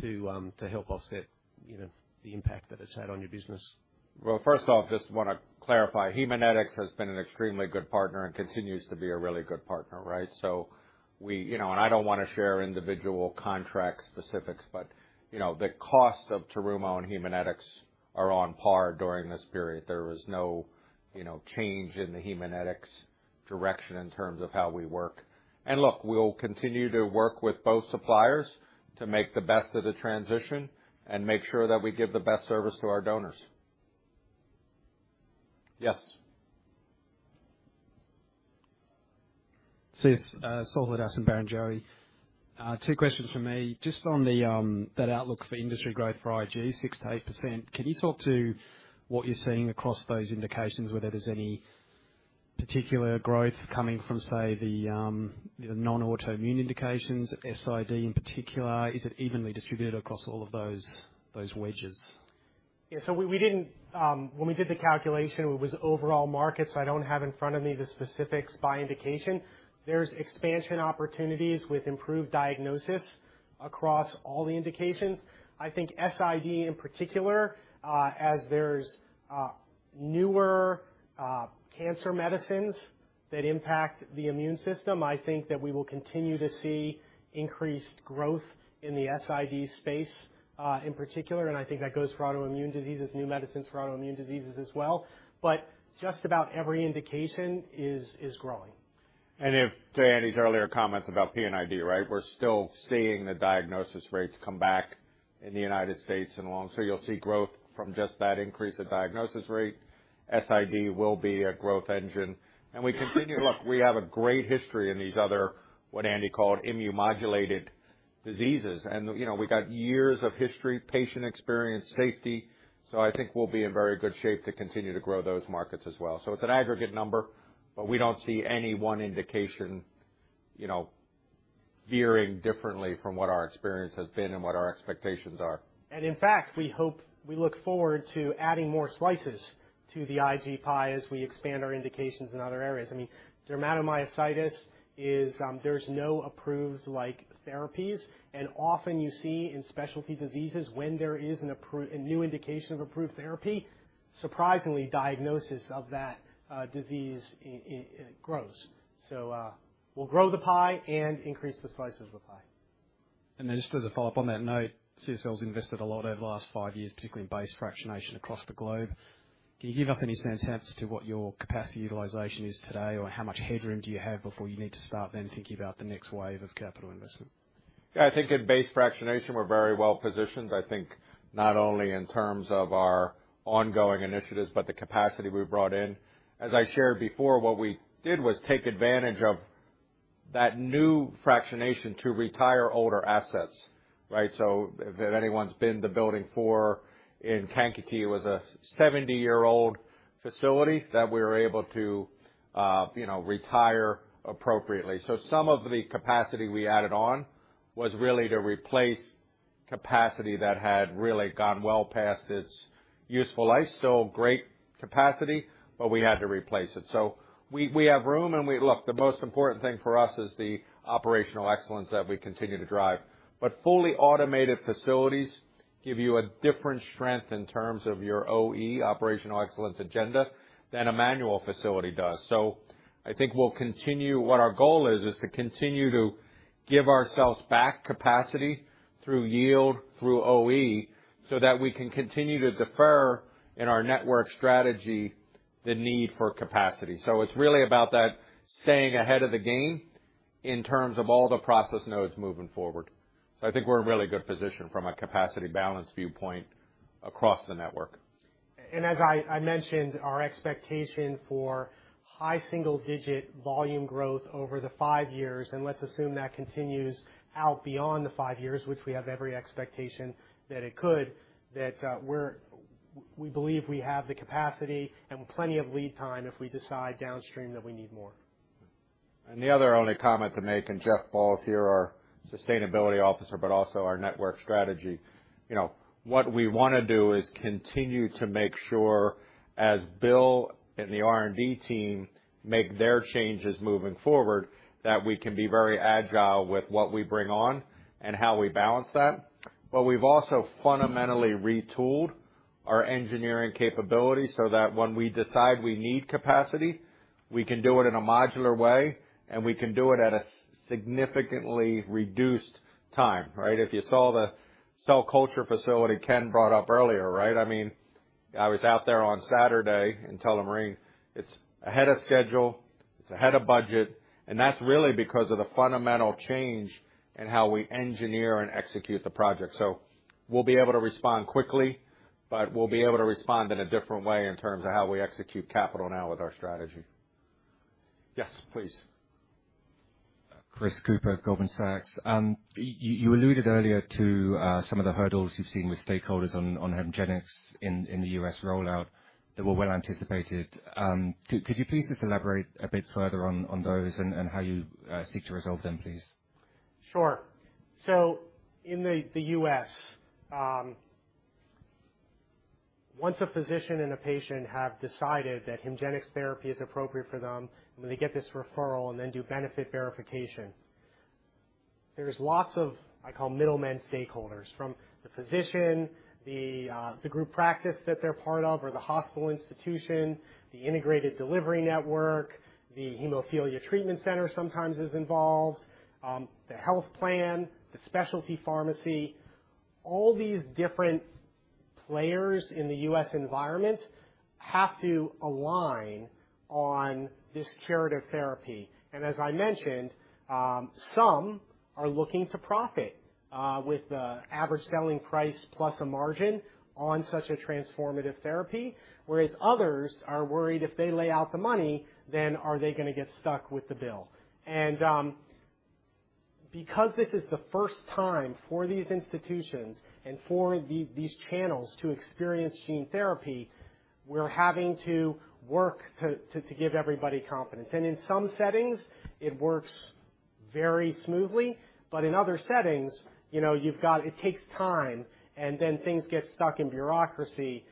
to, to help offset, you know, the impact that it's had on your business. Well, first off, just wanna clarify, Haemonetics has been an extremely good partner and continues to be a really good partner, right? So, you know, and I don't wanna share individual contract specifics, but, you know, the cost of Terumo and Haemonetics are on par during this period. There was no, you know, change in the Haemonetics direction in terms of how we work. And look, we'll continue to work with both suppliers to make the best of the transition and make sure that we give the best service to our donors. Yes. Saul Hadassin, Barrenjoey. Two questions from me. Just on that outlook for industry growth for IG, 6%-8%, can you talk to what you're seeing across those indications, whether there's any particular growth coming from, say, the non-autoimmune indications, SID in particular? Is it evenly distributed across all of those wedges? Yeah, so we didn't. When we did the calculation, it was overall markets. I don't have in front of me the specifics by indication. There's expansion opportunities with improved diagnosis across all the indications. I think SID, in particular, as there's newer cancer medicines that impact the immune system, I think that we will continue to see increased growth in the SID space, in particular, and I think that goes for autoimmune diseases, new medicines for autoimmune diseases as well. But just about every indication is growing. If, to Andy's earlier comments about PID, right? We're still seeing the diagnosis rates come back in the United States and along. So you'll see growth from just that increase in diagnosis rate. SID will be a growth engine, and we continue... Look, we have a great history in these other, what Andy called immunomodulated diseases, and, you know, we got years of history, patient experience, safety. So I think we'll be in very good shape to continue to grow those markets as well. So it's an aggregate number, but we don't see any one indication, you know, veering differently from what our experience has been and what our expectations are. In fact, we hope, we look forward to adding more slices to the IG pie as we expand our indications in other areas. I mean, dermatomyositis is, there's no approved like therapies. Often you see in specialty diseases, when there is an appro-- a new indication of approved therapy, surprisingly, diagnosis of that disease, it grows. So, we'll grow the pie and increase the slices of the pie. Just as a follow-up on that note, CSL's invested a lot over the last five years, particularly in base fractionation across the globe. Can you give us any sense as to what your capacity utilization is today, or how much headroom do you have before you need to start then thinking about the next wave of capital investment? Yeah, I think in base fractionation, we're very well positioned. I think not only in terms of our ongoing initiatives, but the capacity we brought in. As I shared before, what we did was take advantage of that new fractionation to retire older assets, right? So if anyone's been to Building 4 in Kankakee, it was a 70-year-old facility that we were able to, you know, retire appropriately. So some of the capacity we added on was really to replace capacity that had really gone well past its useful life. So great capacity, but we had to replace it. So we, we have room, and we—Look, the most important thing for us is the operational excellence that we continue to drive. But fully automated facilities give you a different strength in terms of your OE, operational excellence agenda, than a manual facility does. So I think we'll continue... What our goal is, is to continue to give ourselves back capacity through yield, through OE, so that we can continue to defer in our network strategy, the need for capacity. So it's really about that staying ahead of the game in terms of all the process nodes moving forward. So I think we're in a really good position from a capacity balance viewpoint across the network. As I mentioned, our expectation for high single-digit volume growth over the five years, and let's assume that continues out beyond the five years, which we have every expectation that it could, that we believe we have the capacity and plenty of lead time if we decide downstream that we need more. The other only comment to make, and Jeff Ball's here, our Sustainability Officer, but also our network strategy. You know, what we wanna do is continue to make sure, as Bill and the R&D team make their changes moving forward, that we can be very agile with what we bring on and how we balance that. But we've also fundamentally retooled our engineering capabilities so that when we decide we need capacity, we can do it in a modular way, and we can do it at a significantly reduced time, right? If you saw the cell culture facility Ken brought up earlier, right? I mean, I was out there on Saturday in Tullamarine. It's ahead of schedule, it's ahead of budget, and that's really because of the fundamental change in how we engineer and execute the project. So we'll be able to respond quickly-... We'll be able to respond in a different way in terms of how we execute capital now with our strategy. Yes, please. Chris Cooper at Goldman Sachs. You alluded earlier to some of the hurdles you've seen with stakeholders on HEMGENIX in the U.S. rollout that were well anticipated. Could you please just elaborate a bit further on those and how you seek to resolve them, please? Sure. So in the U.S., once a physician and a patient have decided that HEMGENIX therapy is appropriate for them, and they get this referral and then do benefit verification, there's lots of, I call middlemen stakeholders, from the physician, the group practice that they're part of, or the hospital institution, the integrated delivery network, the hemophilia treatment center sometimes is involved, the health plan, the specialty pharmacy. All these different players in the U.S. environment have to align on this curative therapy. And as I mentioned, some are looking to profit with the average selling price plus a margin on such a transformative therapy, whereas others are worried if they lay out the money, then are they gonna get stuck with the bill? Because this is the first time for these institutions and for these channels to experience gene therapy, we're having to work to give everybody confidence. And in some settings, it works very smoothly, but in other settings, you know, you've got it takes time, and then things get stuck in bureaucracy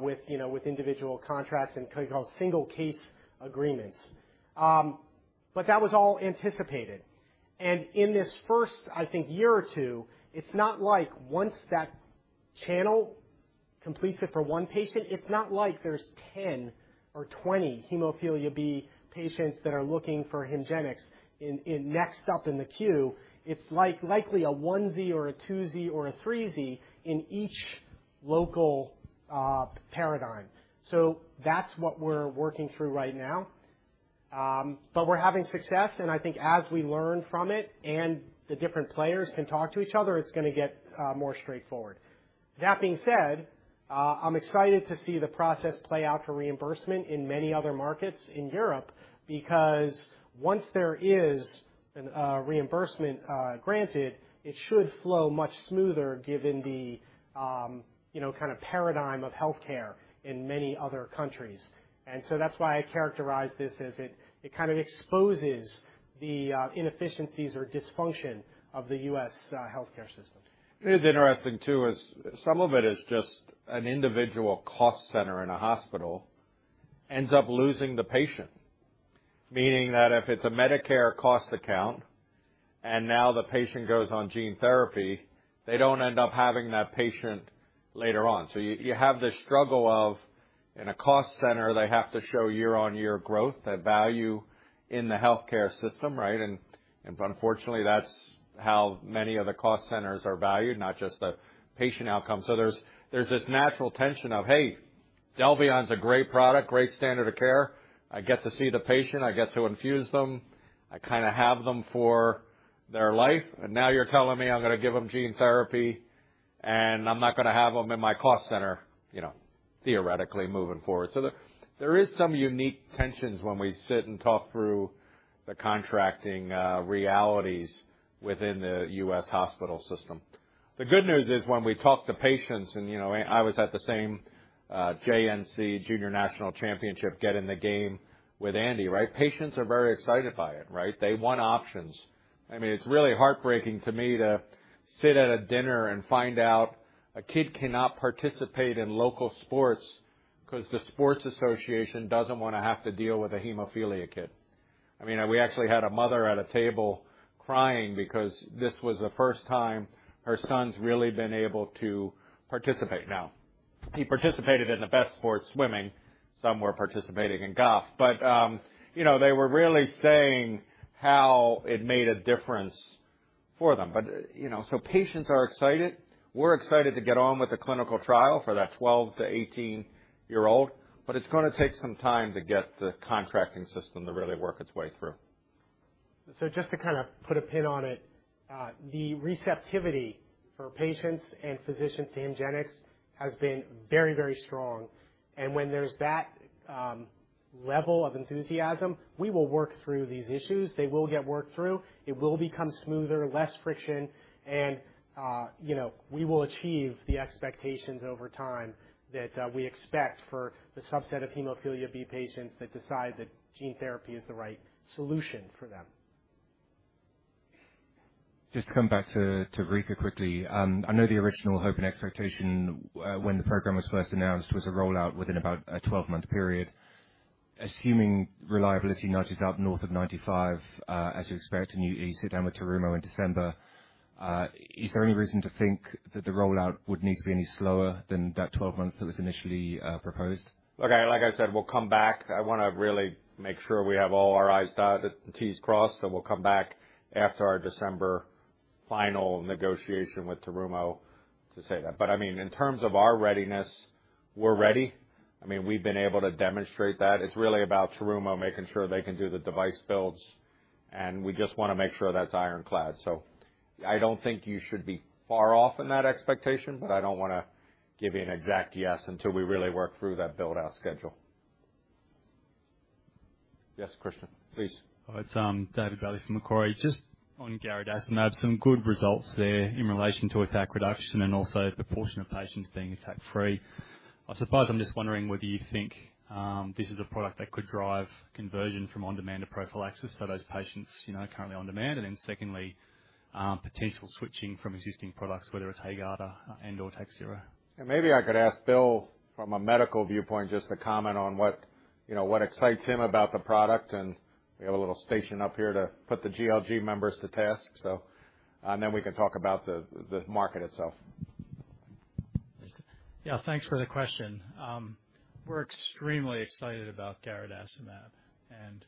with, you know, with individual contracts and what you call single case agreements. But that was all anticipated. And in this first, I think, year or two, it's not like once that channel completes it for one patient, it's not like there's 10 or 20 hemophilia B patients that are looking for HEMGENIX in next up in the queue. It's like, likely a onesie or a twosie or a threesie in each local paradigm. So that's what we're working through right now. But we're having success, and I think as we learn from it and the different players can talk to each other, it's gonna get more straightforward. That being said, I'm excited to see the process play out for reimbursement in many other markets in Europe, because once there is an reimbursement granted, it should flow much smoother given the, you know, kind of paradigm of healthcare in many other countries. And so that's why I characterize this as it kind of exposes the inefficiencies or dysfunction of the U.S. healthcare system. It is interesting, too, some of it is just an individual cost center in a hospital ends up losing the patient. Meaning that if it's a Medicare cost account, and now the patient goes on gene therapy, they don't end up having that patient later on. So you have this struggle of, in a cost center, they have to show year-on-year growth, that value in the healthcare system, right? And unfortunately, that's how many of the cost centers are valued, not just the patient outcome. So there's this natural tension of, "Hey, IDELVION's a great product, great standard of care. I get to see the patient, I get to infuse them. I kinda have them for their life, and now you're telling me I'm gonna give them gene therapy, and I'm not gonna have them in my cost center," you know, theoretically moving forward. So there is some unique tensions when we sit and talk through the contracting realities within the U.S. hospital system. The good news is, when we talk to patients and, you know, I was at the same JNC, Junior National Championship, Get in the Game with Andy, right? Patients are very excited by it, right? They want options. I mean, it's really heartbreaking to me to sit at a dinner and find out a kid cannot participate in local sports 'cause the sports association doesn't wanna have to deal with a hemophilia kid. I mean, we actually had a mother at a table crying because this was the first time her son's really been able to participate now. He participated in the best sport, swimming. Some were participating in golf. But, you know, they were really saying how it made a difference for them. But, you know, so patients are excited. We're excited to get on with the clinical trial for that 12- to 18-year-old, but it's gonna take some time to get the contracting system to really work its way through. So just to kind of put a pin on it, the receptivity for patients and physicians to HEMGENIX has been very, very strong. And when there's that level of enthusiasm, we will work through these issues. They will get worked through, it will become smoother, less friction, and, you know, we will achieve the expectations over time that we expect for the subset of hemophilia B patients that decide that gene therapy is the right solution for them. Just to come back to Rika quickly. I know the original hope and expectation when the program was first announced was a rollout within about a 12-month period. Assuming reliability notches up north of 95%, as you expect, and you sit down with Terumo in December, is there any reason to think that the rollout would need to be any slower than that 12 months that was initially proposed? Okay, like I said, we'll come back. I wanna really make sure we have all our I's dotted and T's crossed, so we'll come back after our December final negotiation with Terumo to say that. But I mean, in terms of our readiness, we're ready. I mean, we've been able to demonstrate that. It's really about Terumo making sure they can do the device builds and we just want to make sure that's ironclad. So I don't think you should be far off in that expectation, but I don't wanna give you an exact yes until we really work through that build-out schedule. Yes, Christian, please. Hi, it's David Bailey from Macquarie. Just on garadacimab, some good results there in relation to attack reduction and also proportion of patients being attack-free. I suppose I'm just wondering whether you think this is a product that could drive conversion from on-demand to prophylaxis, so those patients, you know, currently on-demand? And then secondly, potential switching from existing products, whether it's HAEGARDA and/or TAKHZYRO. Maybe I could ask Bill from a medical viewpoint just to comment on what, you know, what excites him about the product, and we have a little station up here to put the GLG members to task, so, and then we can talk about the market itself. Yeah, thanks for the question. We're extremely excited about garadacimab, and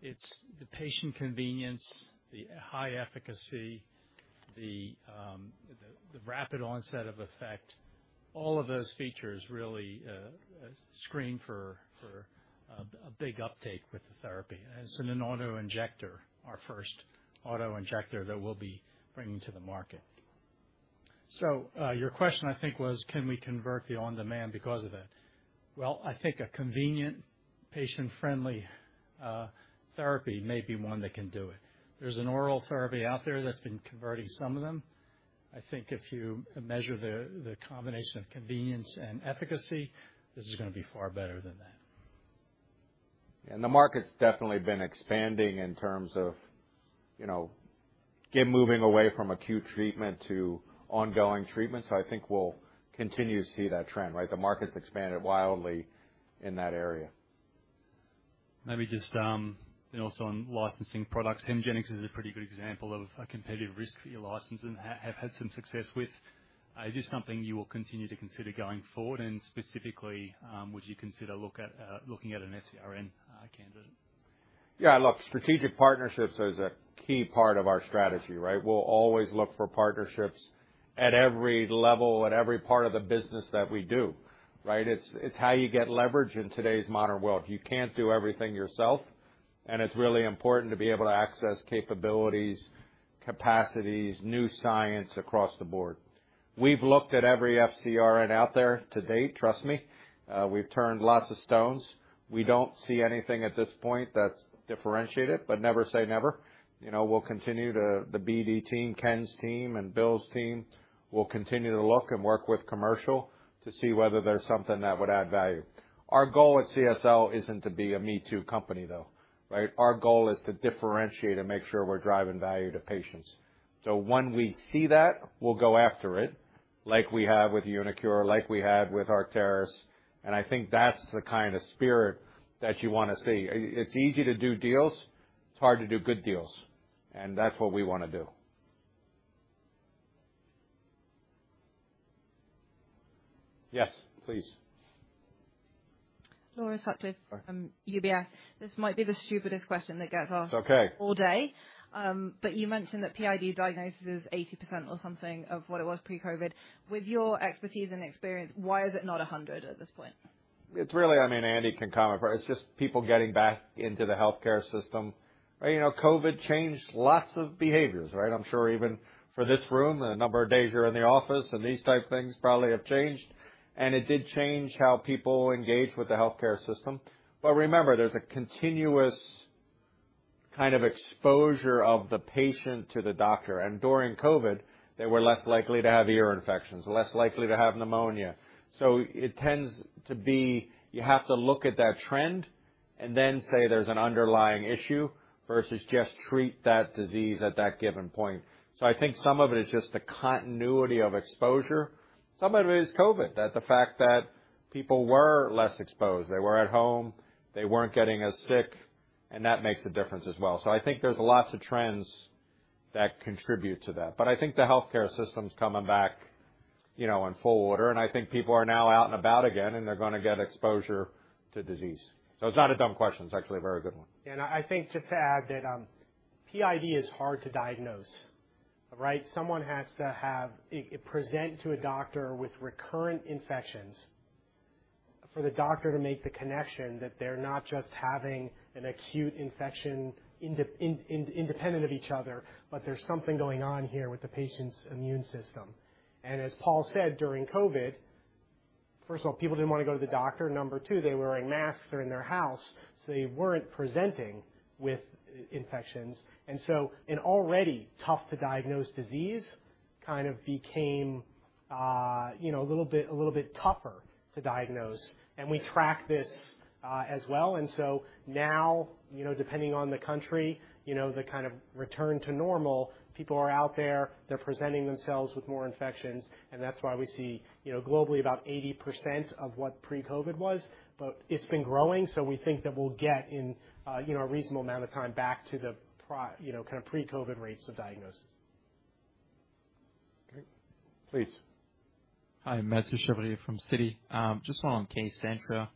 it's the patient convenience, the high efficacy, the rapid onset of effect. All of those features really screen for a big uptake with the therapy. And it's an auto-injector, our first auto-injector that we'll be bringing to the market. So, your question, I think, was: Can we convert the on-demand because of it? Well, I think a convenient, patient-friendly therapy may be one that can do it. There's an oral therapy out there that's been converting some of them. I think if you measure the combination of convenience and efficacy, this is gonna be far better than that. The market's definitely been expanding in terms of, you know, again, moving away from acute treatment to ongoing treatment, so I think we'll continue to see that trend, right? The market's expanded wildly in that area. Maybe just, you know, also on licensing products, HEMGENIX is a pretty good example of a competitive risk that you license and have, have had some success with. Is this something you will continue to consider going forward, and specifically, would you consider looking at an FcRn candidate? Yeah, look, strategic partnerships is a key part of our strategy, right? We'll always look for partnerships at every level, at every part of the business that we do, right? It's, it's how you get leverage in today's modern world. You can't do everything yourself, and it's really important to be able to access capabilities, capacities, new science across the board. We've looked at every FcRn out there to date, trust me. We've turned lots of stones. We don't see anything at this point that's differentiated, but never say never. You know, we'll continue to... The BD team, Ken's team and Bill's team, will continue to look and work with commercial to see whether there's something that would add value. Our goal at CSL isn't to be a me-too company, though, right? Our goal is to differentiate and make sure we're driving value to patients. So when we see that, we'll go after it, like we have with uniQure, like we had with Arcturus, and I think that's the kind of spirit that you wanna see. It, it's easy to do deals. It's hard to do good deals, and that's what we wanna do. Yes, please. Laura Sutcliffe from UBS. This might be the stupidest question that gets asked- It's okay. -all day, but you mentioned that PID diagnosis is 80% or something of what it was pre-COVID. With your expertise and experience, why is it not 100% at this point? It's really... I mean, Andy can comment, but it's just people getting back into the healthcare system. You know, COVID changed lots of behaviors, right? I'm sure even for this room, the number of days you're in the office and these type of things probably have changed, and it did change how people engaged with the healthcare system. But remember, there's a continuous kind of exposure of the patient to the doctor, and during COVID, they were less likely to have ear infections, less likely to have pneumonia. So it tends to be, you have to look at that trend and then say there's an underlying issue versus just treat that disease at that given point. So I think some of it is just the continuity of exposure. Some of it is COVID, that the fact that people were less exposed. They were at home. They weren't getting as sick, and that makes a difference as well. So I think there's lots of trends that contribute to that. But I think the healthcare system's coming back, you know, in full order, and I think people are now out and about again, and they're gonna get exposure to disease. So it's not a dumb question. It's actually a very good one. I think just to add that, PID is hard to diagnose, right? Someone has to have it, it present to a doctor with recurrent infections for the doctor to make the connection that they're not just having an acute infection independent of each other, but there's something going on here with the patient's immune system. And as Paul said, during COVID, first of all, people didn't want to go to the doctor. Number two, they were wearing masks, they're in their house, so they weren't presenting with infections. And so an already tough-to-diagnose disease kind of became, you know, a little bit, a little bit tougher to diagnose, and we tracked this as well. So now, you know, depending on the country, you know, the kind of return to normal, people are out there, they're presenting themselves with more infections, and that's why we see, you know, globally, about 80% of what pre-COVID was. But it's been growing, so we think that we'll get in, you know, a reasonable amount of time back to the pre- you know, kind of pre-COVID rates of diagnosis. Okay. Please. Hi, Mathieu Chevrier from Citi. Just on KCENTRA,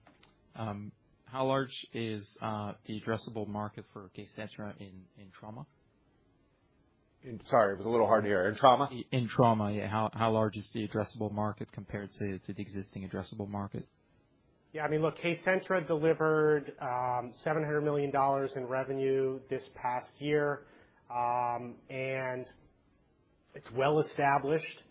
how large is the addressable market for KCENTRA in trauma?... I'm sorry, it was a little hard to hear. In trauma? In trauma, yeah. How large is the addressable market compared to the existing addressable market? Yeah, I mean, look, KCENTRA delivered $700 million in revenue this past year, and it's well established.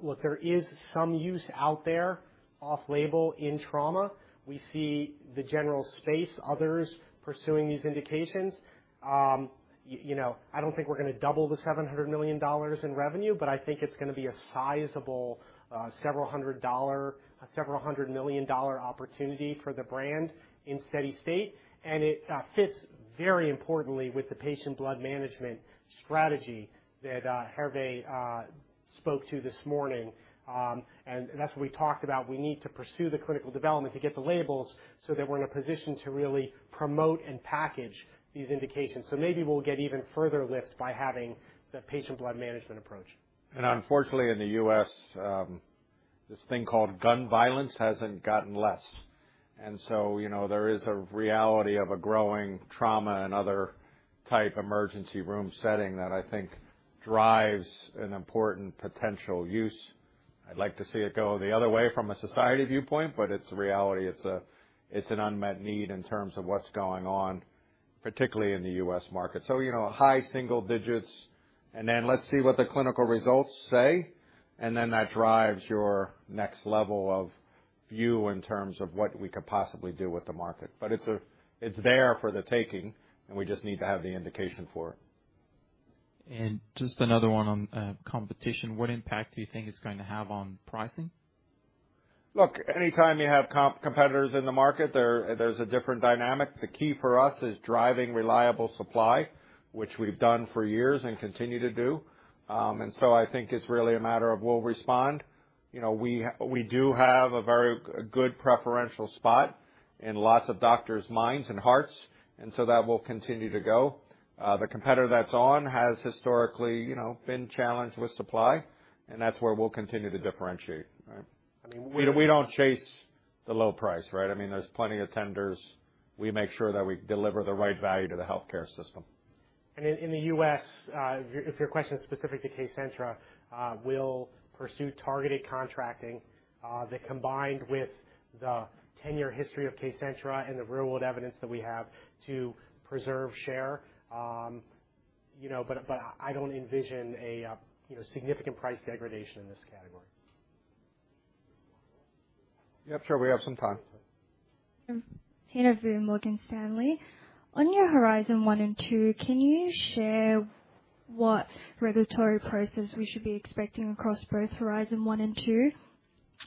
Look, there is some use out there off label in trauma. We see the general space, others pursuing these indications. You know, I don't think we're gonna double the $700 million in revenue, but I think it's gonna be a sizable several hundred million dollar opportunity for the brand in steady state. And it fits very importantly with the Patient Blood Management strategy that Hervé spoke to this morning. And that's what we talked about. We need to pursue the clinical development to get the labels so that we're in a position to really promote and package these indications. So maybe we'll get even further lifts by having the Patient Blood Management approach. Unfortunately, in the U.S., this thing called gun violence hasn't gotten less, and so, you know, there is a reality of a growing trauma and other type emergency room setting that I think drives an important potential use. I'd like to see it go the other way from a society viewpoint, but it's a reality. It's an unmet need in terms of what's going on, particularly in the U.S. market. So, you know, high single digits, and then let's see what the clinical results say, and then that drives your next level of view in terms of what we could possibly do with the market. But it's there for the taking, and we just need to have the indication for it. Just another one on competition. What impact do you think it's going to have on pricing? Look, anytime you have competitors in the market, there's a different dynamic. The key for us is driving reliable supply, which we've done for years and continue to do. I think it's really a matter of we'll respond. You know, we do have a very good preferential spot in lots of doctors' minds and hearts, and so that will continue to go. The competitor that's on has historically, you know, been challenged with supply, and that's where we'll continue to differentiate, right? I mean, we don't chase the low price, right? I mean, there's plenty of tenders. We make sure that we deliver the right value to the healthcare system. In the U.S., if your question is specific to KCENTRA, we'll pursue targeted contracting, that combined with the 10-year history of KCENTRA and the real-world evidence that we have to preserve share. You know, but I don't envision a, you know, significant price degradation in this category. Yeah, sure. We have some time. Tina Vu, Morgan Stanley. On your Horizon 1 and 2, can you share what regulatory process we should be expecting across both Horizon 1 and 2?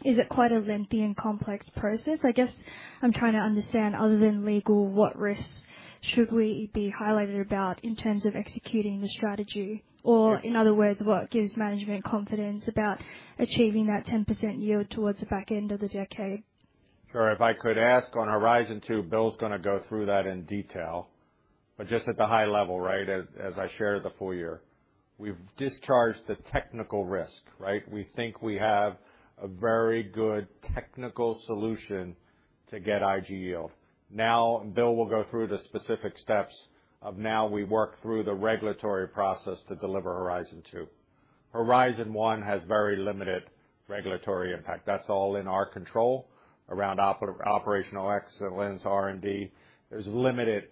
Is it quite a lengthy and complex process? I guess I'm trying to understand, other than legal, what risks should we be highlighted about in terms of executing the strategy, or in other words, what gives management confidence about achieving that 10% yield towards the back end of the decade? Sure. If I could ask on Horizon 2, Bill's gonna go through that in detail, but just at the high level, right, as I shared the full year. We've discharged the technical risk, right? We think we have a very good technical solution to get IG yield. Now, Bill will go through the specific steps of now we work through the regulatory process to deliver Horizon 2. Horizon 1 has very limited regulatory impact. That's all in our control around operational excellence, R&D. There's limited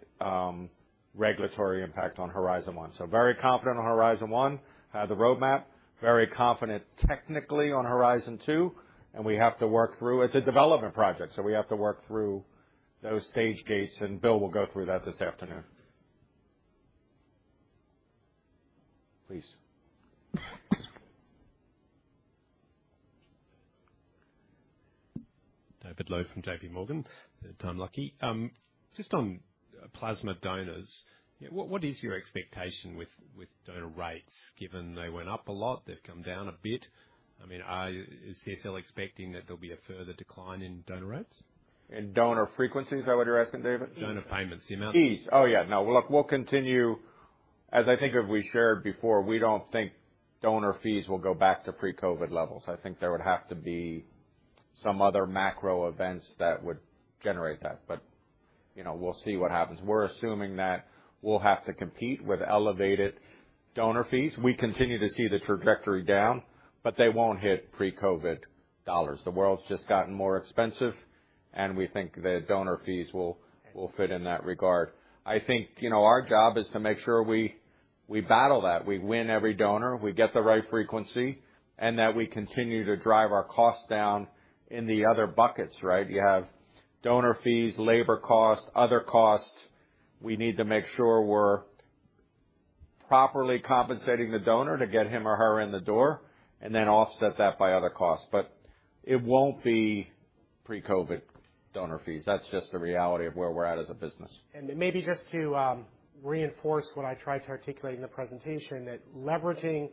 regulatory impact on Horizon 1. So very confident on Horizon 1, the roadmap, very confident technically on Horizon 2, and we have to work through... It's a development project, so we have to work through those stage gates, and Bill will go through that this afternoon. Please. David Low from JPMorgan, if I'm lucky. Just on plasma donors, what is your expectation with donor rates, given they went up a lot, they've come down a bit? I mean, is CSL expecting that there'll be a further decline in donor rates? In donor frequencies, is that what you're asking, David? Donor payments, the amount. Fees. Oh, yeah. No, look, we'll continue. As I think as we shared before, we don't think donor fees will go back to pre-COVID levels. I think there would have to be some other macro events that would generate that, but, you know, we'll see what happens. We're assuming that we'll have to compete with elevated donor fees. We continue to see the trajectory down, but they won't hit pre-COVID dollars. The world's just gotten more expensive, and we think that donor fees will, will fit in that regard. I think, you know, our job is to make sure we, we battle that. We win every donor, we get the right frequency, and that we continue to drive our costs down in the other buckets, right? You have donor fees, labor costs, other costs. We need to make sure we're properly compensating the donor to get him or her in the door, and then offset that by other costs. But it won't be pre-COVID donor fees. That's just the reality of where we're at as a business. And maybe just to reinforce what I tried to articulate in the presentation, that leveraging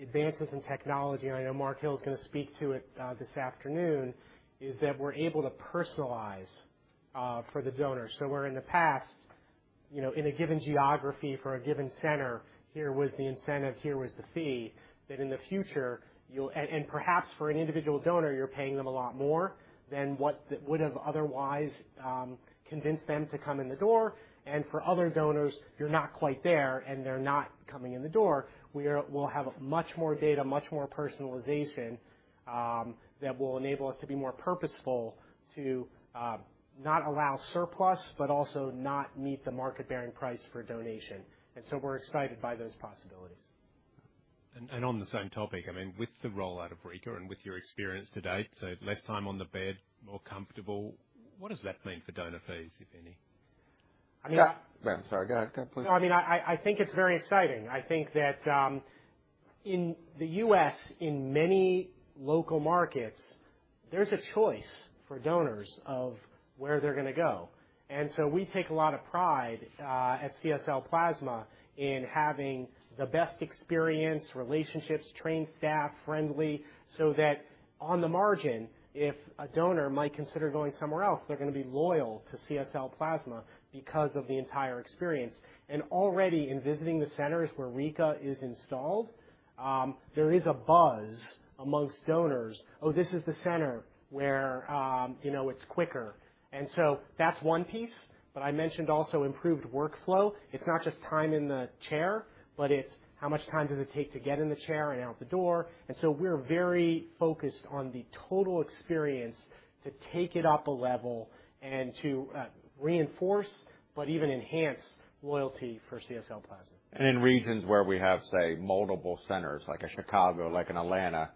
advances in technology, I know Mark Hill is gonna speak to it this afternoon, is that we're able to personalize for the donor. So where in the past you know, in a given geography for a given center, here was the incentive, here was the fee, that in the future, you'll and, and perhaps for an individual donor, you're paying them a lot more than what that would have otherwise convinced them to come in the door. And for other donors, you're not quite there, and they're not coming in the door. We'll have much more data, much more personalization that will enable us to be more purposeful to not allow surplus, but also not meet the market-bearing price for donation. We're excited by those possibilities. And on the same topic, I mean, with the rollout of Rika and with your experience to date, so less time on the bed, more comfortable, what does that mean for donor fees, if any? I mean- Yeah. I'm sorry. Go, go, please. No, I mean, I, I think it's very exciting. I think that, in the U.S., in many local markets, there's a choice for donors of where they're going to go. And so we take a lot of pride, at CSL Plasma in having the best experience, relationships, trained staff, friendly, so that on the margin, if a donor might consider going somewhere else, they're going to be loyal to CSL Plasma because of the entire experience. And already, in visiting the centers where Rika is installed, there is a buzz among donors. "Oh, this is the center where, you know, it's quicker." And so that's one piece, but I mentioned also improved workflow. It's not just time in the chair, but it's how much time does it take to get in the chair and out the door. We're very focused on the total experience to take it up a level and to reinforce, but even enhance loyalty for CSL Plasma. And in regions where we have, say, multiple centers, like in Chicago, like in Atlanta,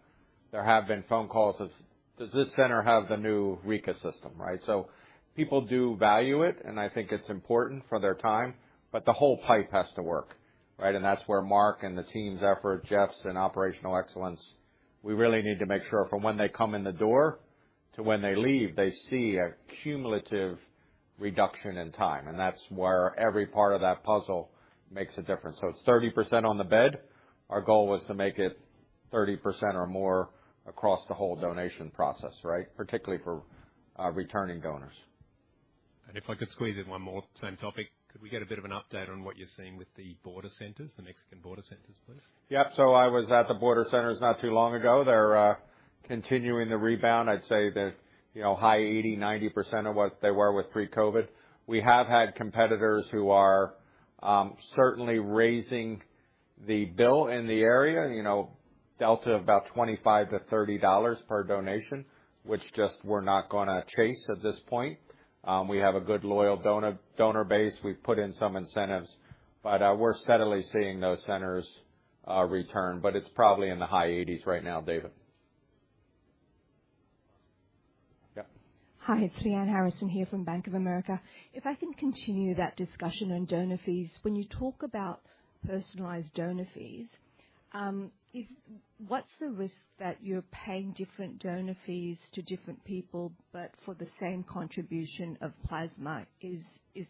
there have been phone calls of, "Does this center have the new Rika system," right? So people do value it, and I think it's important for their time, but the whole pipe has to work, right? And that's where Mark and the team's effort, Jeff's and operational excellence, we really need to make sure from when they come in the door to when they leave, they see a cumulative reduction in time, and that's where every part of that puzzle makes a difference. So it's 30% on the bed. Our goal was to make it 30% or more across the whole donation process, right? Particularly for returning donors. If I could squeeze in one more, same topic, could we get a bit of an update on what you're seeing with the border centers, the Mexican border centers, please? Yep. So I was at the border centers not too long ago. They're continuing to rebound. I'd say they're, you know, high 80%-90% of what they were with pre-COVID. We have had competitors who are certainly raising the bill in the area, you know, delta of about $25-$30 per donation, which just we're not going to chase at this point. We have a good loyal donor, donor base. We've put in some incentives, but we're steadily seeing those centers return, but it's probably in the high 80s right now, David. Yeah. Hi, it's Lyanne Harrison here from Bank of America. If I can continue that discussion on donor fees. When you talk about personalized donor fees, what's the risk that you're paying different donor fees to different people, but for the same contribution of plasma? Is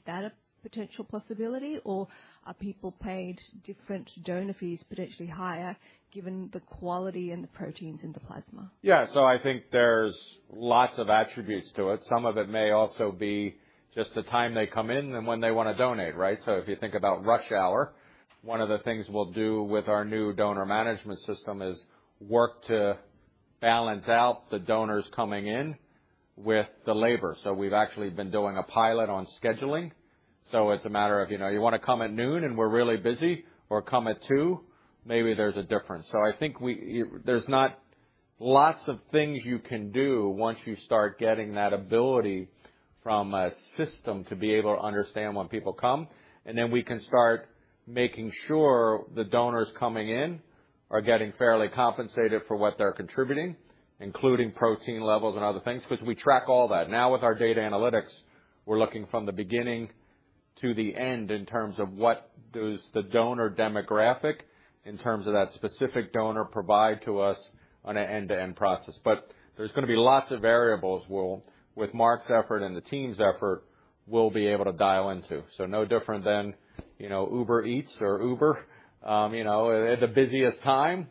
that a potential possibility, or are people paid different donor fees, potentially higher, given the quality and the proteins in the plasma? Yeah, so I think there's lots of attributes to it. Some of it may also be just the time they come in and when they want to donate, right? So if you think about rush hour, one of the things we'll do with our new donor management system is work to balance out the donors coming in with the labor. So we've actually been doing a pilot on scheduling. So it's a matter of, you know, you want to come at noon, and we're really busy, or come at 2:00 P.M., maybe there's a difference. So I think we, There's not lots of things you can do once you start getting that ability from a system to be able to understand when people come, and then we can start making sure the donors coming in are getting fairly compensated for what they're contributing, including protein levels and other things, because we track all that. Now with our data analytics, we're looking from the beginning to the end in terms of what does the donor demographic, in terms of that specific donor, provide to us on an end-to-end process. But there's going to be lots of variables we'll with Mark's effort and the team's effort, we'll be able to dial into. So no different than, you know, Uber Eats or Uber. You know, at the busiest time,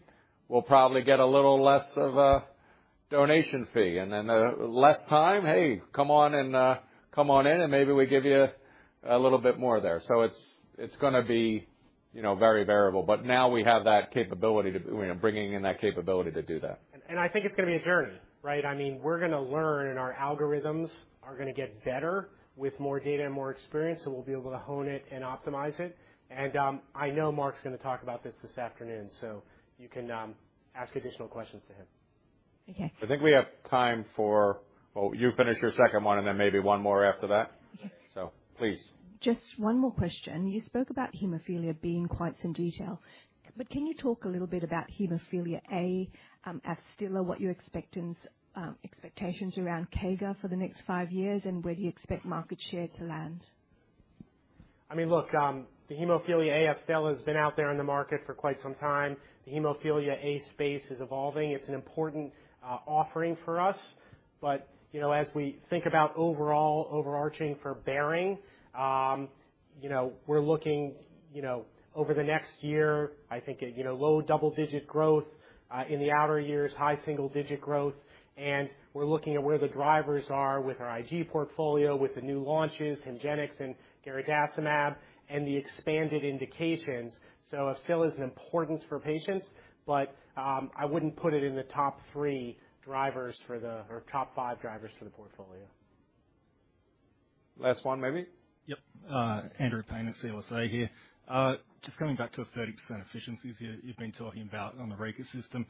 we'll probably get a little less of a donation fee, and then, less time, "Hey, come on in, come on in, and maybe we give you a little bit more there." So it's gonna be, you know, very variable, but now we have that capability to, you know, bringing in that capability to do that. I think it's going to be a journey, right? I mean, we're going to learn, and our algorithms are going to get better with more data and more experience, so we'll be able to hone it and optimize it. I know Mark's going to talk about this this afternoon, so you can ask additional questions to him. Okay. I think we have time for. Oh, you finish your second one, and then maybe one more after that. Okay. So please. Just one more question. You spoke about hemophilia being quite some detail, but can you talk a little bit about hemophilia A, AFSTYLA, what you're expectations around CAGR for the next five years, and where do you expect market share to land? I mean, look, the hemophilia AFSTYLA has been out there in the market for quite some time. The hemophilia A space is evolving. It's an important offering for us, but, you know, as we think about overall overarching for Behring, you know, we're looking, you know, over the next year, I think, you know, low double-digit growth in the outer years, high single-digit growth, and we're looking at where the drivers are with our IG portfolio, with the new launches, HEMGENIX and garadacimab, and the expanded indications. So AFSTYLA is an importance for patients, but I wouldn't put it in the top three drivers for the-- or top five drivers for the portfolio.... Last one, maybe? Yep, Andrew Paine at CLSA here. Just coming back to a 30% efficiencies you, you've been talking about on the Rika system,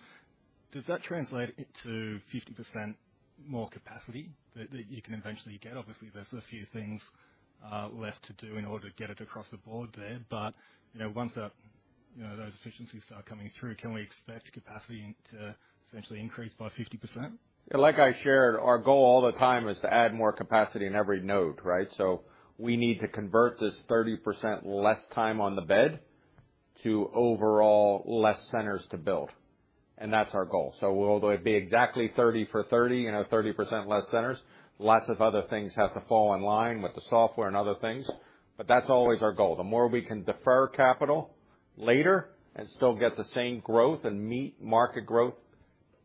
does that translate it to 50% more capacity that, that you can eventually get? Obviously, there's a few things left to do in order to get it across the board there, but, you know, once that, you know, those efficiencies start coming through, can we expect capacity to essentially increase by 50%? Yeah, like I shared, our goal all the time is to add more capacity in every node, right? So we need to convert this 30% less time on the bed to overall less centers to build, and that's our goal. So will it be exactly 30 for 30, you know, 30% less centers? Lots of other things have to fall in line with the software and other things, but that's always our goal. The more we can defer capital later and still get the same growth and meet market growth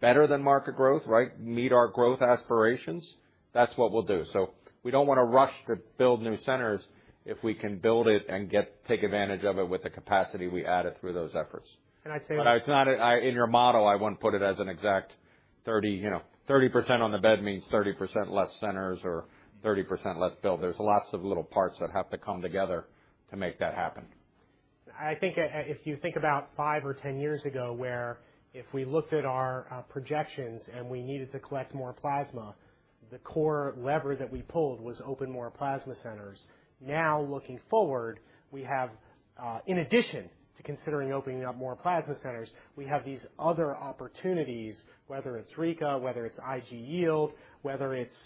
better than market growth, right? Meet our growth aspirations, that's what we'll do. So we don't wanna rush to build new centers if we can build it and take advantage of it with the capacity we added through those efforts. I'd say- But it's not. In your model, I wouldn't put it as an exact 30%, you know, 30% on the bed means 30% less centers or 30% less build. There's lots of little parts that have to come together to make that happen. I think, if you think about five or 10 years ago, where if we looked at our projections and we needed to collect more plasma, the core lever that we pulled was open more plasma centers. Now, looking forward, we have, in addition to considering opening up more plasma centers, we have these other opportunities, whether it's Rika, whether it's IG yield, whether it's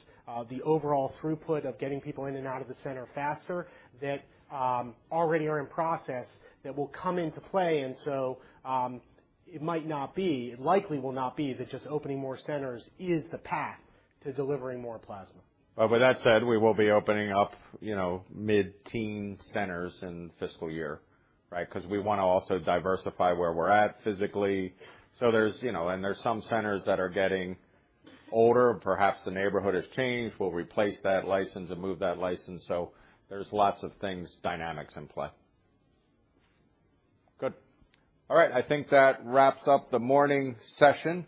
the overall throughput of getting people in and out of the center faster, that already are in process, that will come into play. So, it might not be, it likely will not be, that just opening more centers is the path to delivering more plasma. But with that said, we will be opening up, you know, mid-teen centers in the fiscal year, right? Because we wanna also diversify where we're at physically. So there's, you know, and there's some centers that are getting older. Perhaps the neighborhood has changed. We'll replace that license and move that license, so there's lots of things, dynamics in play. Good. All right, I think that wraps up the morning session.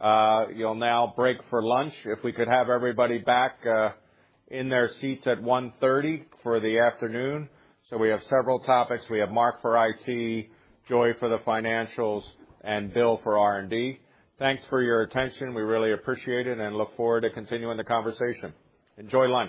You'll now break for lunch. If we could have everybody back in their seats at 1:30 P.M. for the afternoon. So we have several topics. We have Mark for IT, Joy for the financials, and Bill for R&D. Thanks for your attention. We really appreciate it and look forward to continuing the conversation. Enjoy lunch.